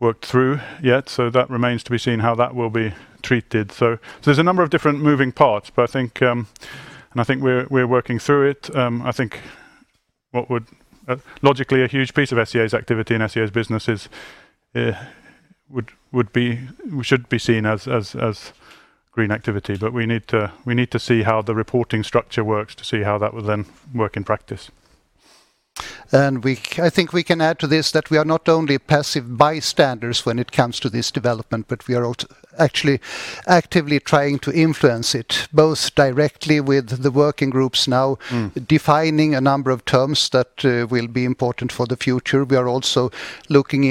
worked through yet. That remains to be seen how that will be treated. There's a number of different moving parts, and I think we're working through it. I think what would logically a huge piece of SCA's activity and SCA's businesses should be seen as green activity. We need to see how the reporting structure works to see how that would then work in practice. I think we can add to this that we are not only passive bystanders when it comes to this development, but we are also actually actively trying to influence it, both directly with the working groups now defining a number of terms that will be important for the future. We are also looking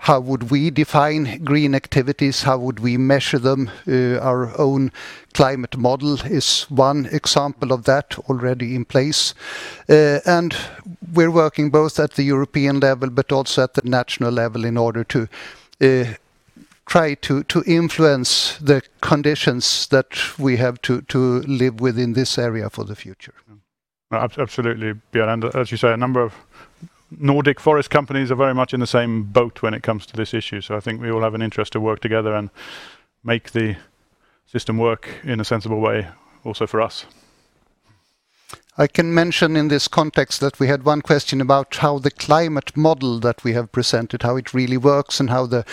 into how would we define green activities, how would we measure them. Our own climate model is one example of that already in place. We are working both at the European level, but also at the national level in order to try to influence the conditions that we have to live within this area for the future. Absolutely, Björn. As you say, a number of Nordic forest companies are very much in the same boat when it comes to this issue. I think we all have an interest to work together and make the system work in a sensible way also for us. I can mention in this context that we had one question about how the climate model that we have presented, how it really works, and how the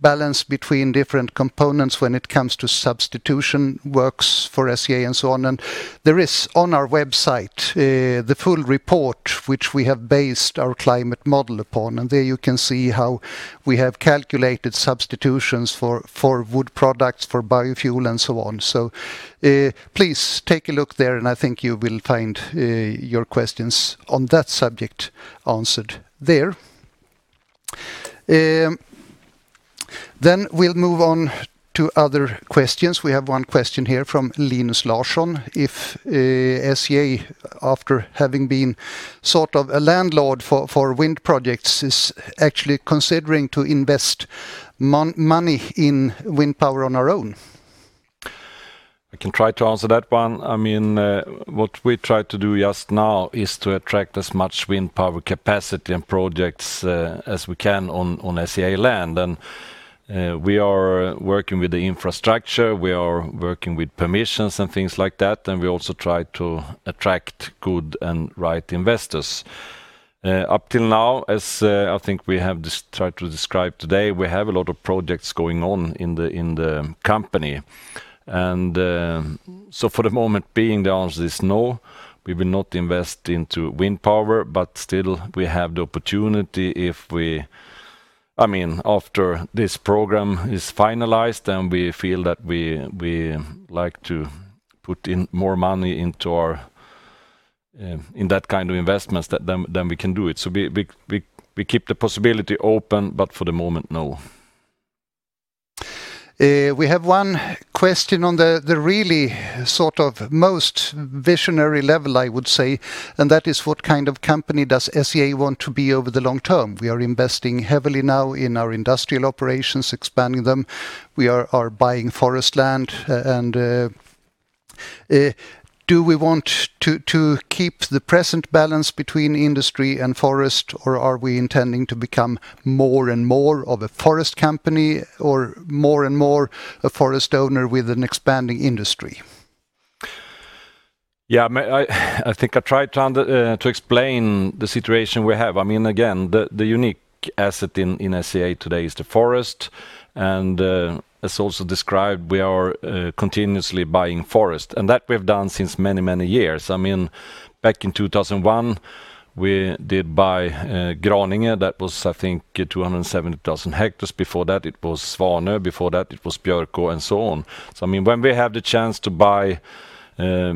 balance between different components when it comes to substitution works for SCA and so on. There is on our website, the full report, which we have based our climate model upon, and there you can see how we have calculated substitutions for wood products, for biofuel and so on. Please take a look there and I think you will find your questions on that subject answered there. We'll move on to other questions. We have one question here from Linus Larsson. If SCA, after having been sort of a landlord for wind projects, is actually considering to invest money in wind power on our own. I can try to answer that one. What we try to do just now is to attract as much wind power capacity and projects as we can on SCA land. We are working with the infrastructure, we are working with permissions and things like that, and we also try to attract good and right investors. Up till now, as I think we have tried to describe today, we have a lot of projects going on in the company. For the moment being, the answer is no, we will not invest into wind power, but still we have the opportunity After this program is finalized and we feel that we like to put in more money in that kind of investments, then we can do it. We keep the possibility open, but for the moment, no. We have one question on the really sort of most visionary level, I would say, and that is what kind of company does SCA want to be over the long term? We are investing heavily now in our industrial operations, expanding them. Do we want to keep the present balance between industry and forest, or are we intending to become more and more of a forest company or more and more a forest owner with an expanding industry? Yeah, I think I tried to explain the situation we have. Again, the unique asset in SCA today is the forest. As also described, we are continuously buying forest, and that we've done since many years. Back in 2001, we did buy Graninge. That was, I think 270,000 hectares. Before that it was Svanö, before that it was Björkå and so on. When we have the chance to buy a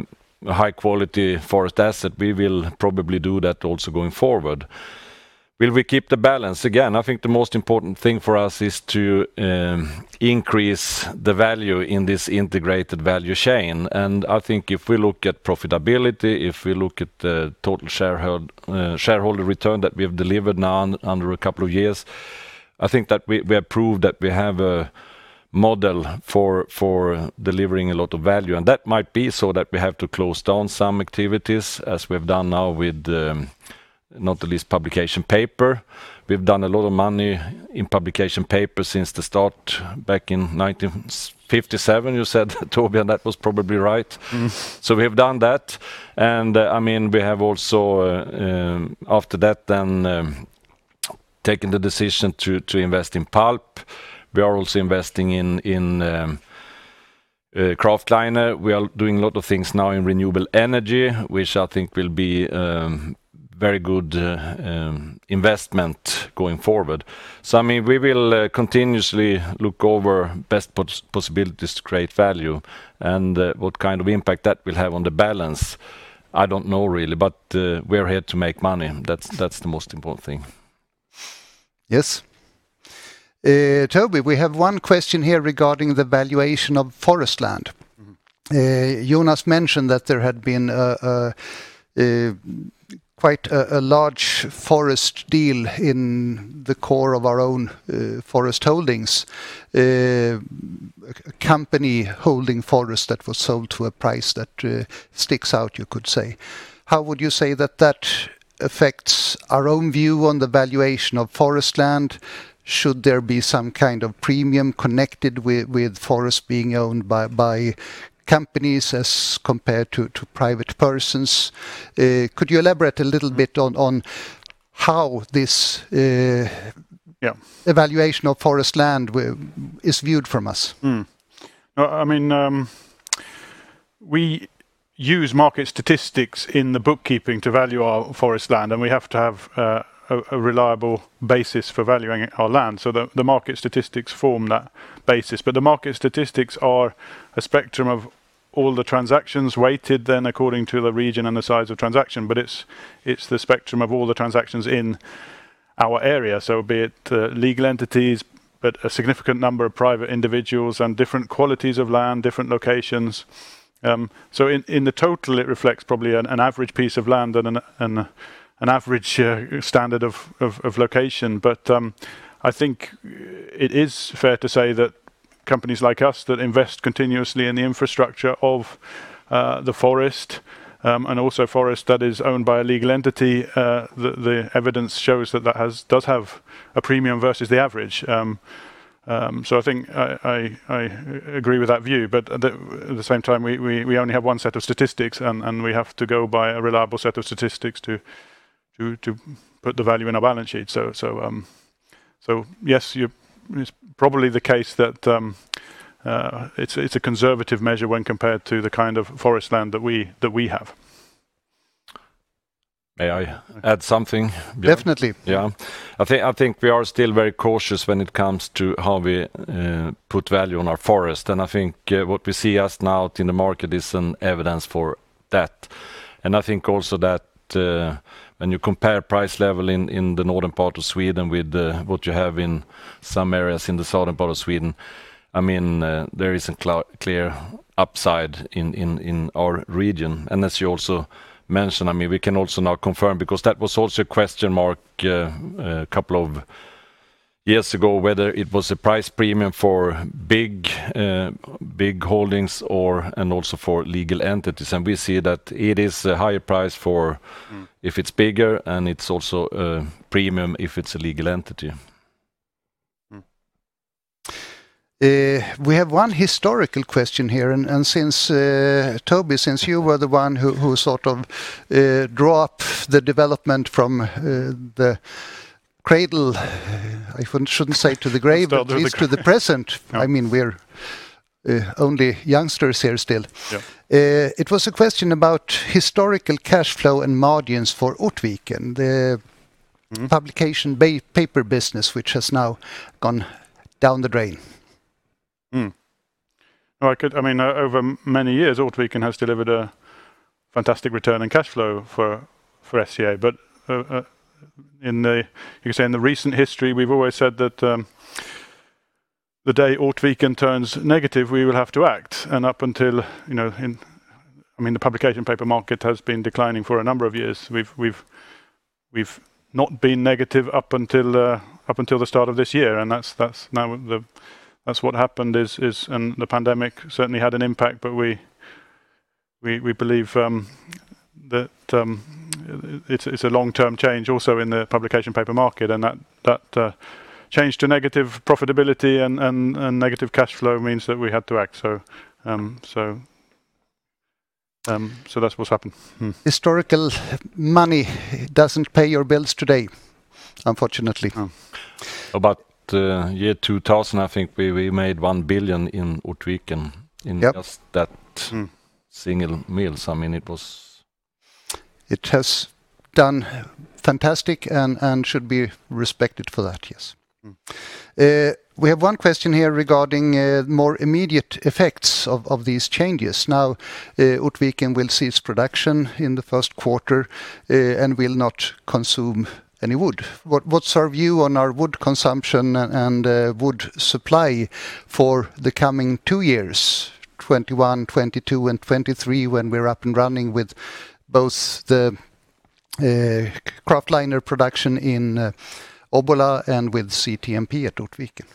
high-quality forest asset, we will probably do that also going forward. Will we keep the balance? Again, I think the most important thing for us is to increase the value in this integrated value chain. I think if we look at profitability, if we look at the total shareholder return that we have delivered now under a couple of years, I think that we have proved that we have a model for delivering a lot of value. That might be so that we have to close down some activities as we've done now with not the least publication paper. We've done a lot of money in publication paper since the start back in 1957, you said, Toby, and that was probably right. We have done that. We have also after that then taken the decision to invest in pulp. We are also investing in Kraftliner. We are doing a lot of things now in renewable energy, which I think will be very good investment going forward. We will continuously look over best possibilities to create value and what kind of impact that will have on the balance, I don't know really, but we are here to make money. That's the most important thing. Yes. Toby, we have one question here regarding the valuation of forest land. Jonas mentioned that there had been quite a large forest deal in the core of our own forest holdings. A company holding forest that was sold to a price that sticks out, you could say. How would you say that that affects our own view on the valuation of forest land? Should there be some kind of premium connected with forest being owned by companies as compared to private persons? Could you elaborate a little bit on how this. Evaluation of forest land is viewed from us? We use market statistics in the bookkeeping to value our forest land, and we have to have a reliable basis for valuing our land so that the market statistics form that basis. The market statistics are a spectrum of all the transactions weighted then according to the region and the size of transaction. It's the spectrum of all the transactions in our area, so be it legal entities, but a significant number of private individuals and different qualities of land, different locations. In the total, it reflects probably an average piece of land and an average standard of location. I think it is fair to say that companies like us that invest continuously in the infrastructure of the forest, and also forest that is owned by a legal entity, the evidence shows that does have a premium versus the average. I think I agree with that view. At the same time, we only have one set of statistics, and we have to go by a reliable set of statistics to put the value in our balance sheet. Yes, it's probably the case that it's a conservative measure when compared to the kind of forest land that we have. May I add something? Definitely. Yeah. I think we are still very cautious when it comes to how we put value on our forest. I think what we see just now out in the market is an evidence for that. I think also that when you compare price level in the northern part of Sweden with what you have in some areas in the southern part of Sweden, there is a clear upside in our region. As you also mentioned, we can also now confirm, because that was also a question mark a couple of years ago, whether it was a price premium for big holdings and also for legal entities. We see that it is a higher price if it's bigger, and it's also a premium if it's a legal entity. We have one historical question here, and Toby, since you were the one who sort of draw up the development from the cradle, I shouldn't say to the grave, but at least to the present. We're only youngsters here still. Yeah. It was a question about historical cash flow and margins for Ortviken publication paper business, which has now gone down the drain. Over many years, Ortviken has delivered a fantastic return on cash flow for SCA. You can say in the recent history, we've always said that the day Ortviken turns negative, we will have to act. The publication paper market has been declining for a number of years. We've not been negative up until the start of this year, and that's what happened, and the pandemic certainly had an impact, but we believe that it's a long-term change also in the publication paper market, and that change to negative profitability and negative cash flow means that we had to act. That's what's happened. Historical money doesn't pay your bills today, unfortunately. No. About year 2000, I think we made 1 billion in Ortviken. In just that single mill. It has done fantastic and should be respected for that, yes. We have one question here regarding more immediate effects of these changes. Now, Ortviken will cease production in the first quarter, and will not consume any wood. What's our view on our wood consumption and wood supply for the coming two years, 2021, 2022, and 2023, when we're up and running with both the Kraftliner production in Obbola and with CTMP at Ortviken?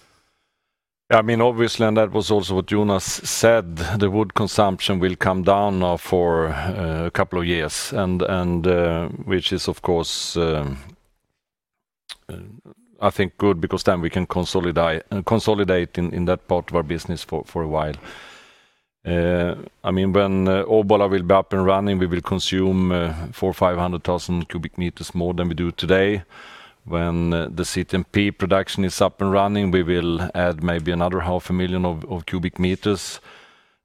Obviously, that was also what Jonas said, the wood consumption will come down now for a couple of years, which is of course, I think, good because then we can consolidate in that part of our business for a while. When Obbola will be up and running, we will consume 400,000, 500,000 cubic meters more than we do today. When the CTMP production is up and running, we will add maybe another half a million of cubic meters.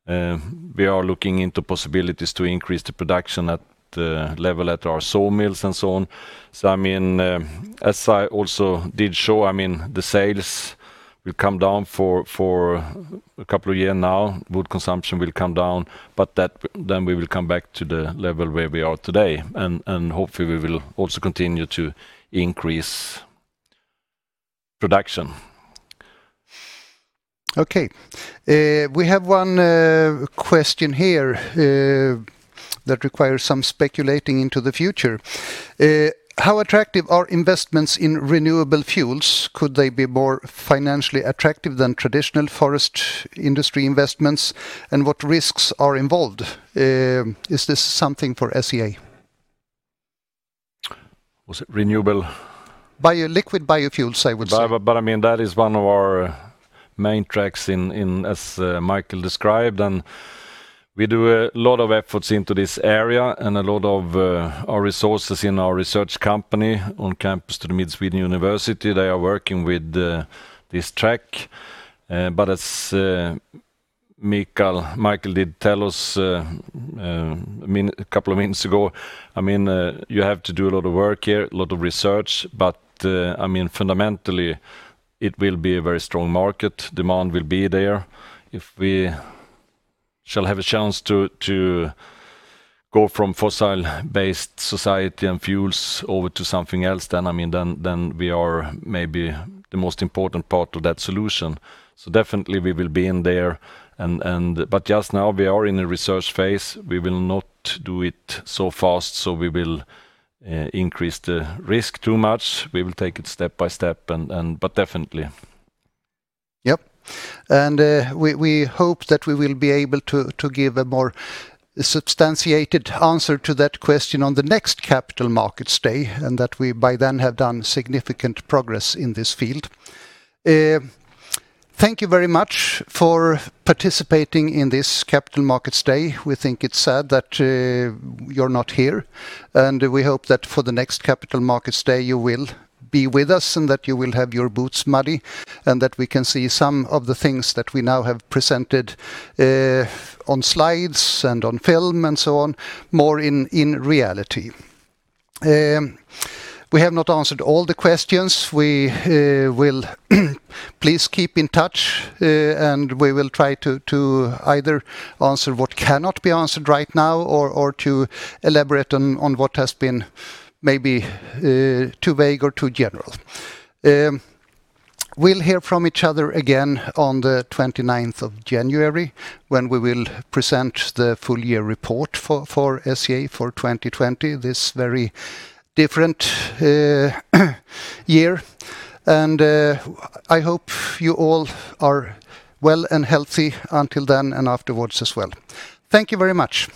We are looking into possibilities to increase the production at the level at our sawmills and so on. As I also did show, the sales will come down for a couple of year now, wood consumption will come down, then we will come back to the level where we are today. Hopefully, we will also continue to increase production. Okay. We have one question here. That requires some speculating into the future. How attractive are investments in renewable fuels? Could they be more financially attractive than traditional forest industry investments? What risks are involved? Is this something for SCA? Was it renewable? Liquid biofuels, I would say. That is one of our main tracks as Mikael described, and we do a lot of efforts into this area and a lot of our resources in our research company on campus to the Mid Sweden University, they are working with this track. As Mikael did tell us a couple of minutes ago, you have to do a lot of work here, a lot of research, but fundamentally it will be a very strong market. Demand will be there. If we shall have a chance to go from fossil-based society and fuels over to something else, then we are maybe the most important part of that solution. Definitely we will be in there. Just now we are in a research phase. We will not do it so fast, so we will increase the risk too much. We will take it step by step, but definitely. Yep. We hope that we will be able to give a more substantiated answer to that question on the next Capital Markets Day, and that we by then have done significant progress in this field. Thank you very much for participating in this Capital Markets Day. We think it's sad that you're not here, and we hope that for the next Capital Markets Day, you will be with us and that you will have your boots muddy and that we can see some of the things that we now have presented on slides and on film and so on, more in reality. We have not answered all the questions. Please keep in touch, and we will try to either answer what cannot be answered right now or to elaborate on what has been maybe too vague or too general. We'll hear from each other again on the 29th of January when we will present the full year report for SCA for 2020, this very different year. I hope you all are well and healthy until then and afterwards as well. Thank you very much.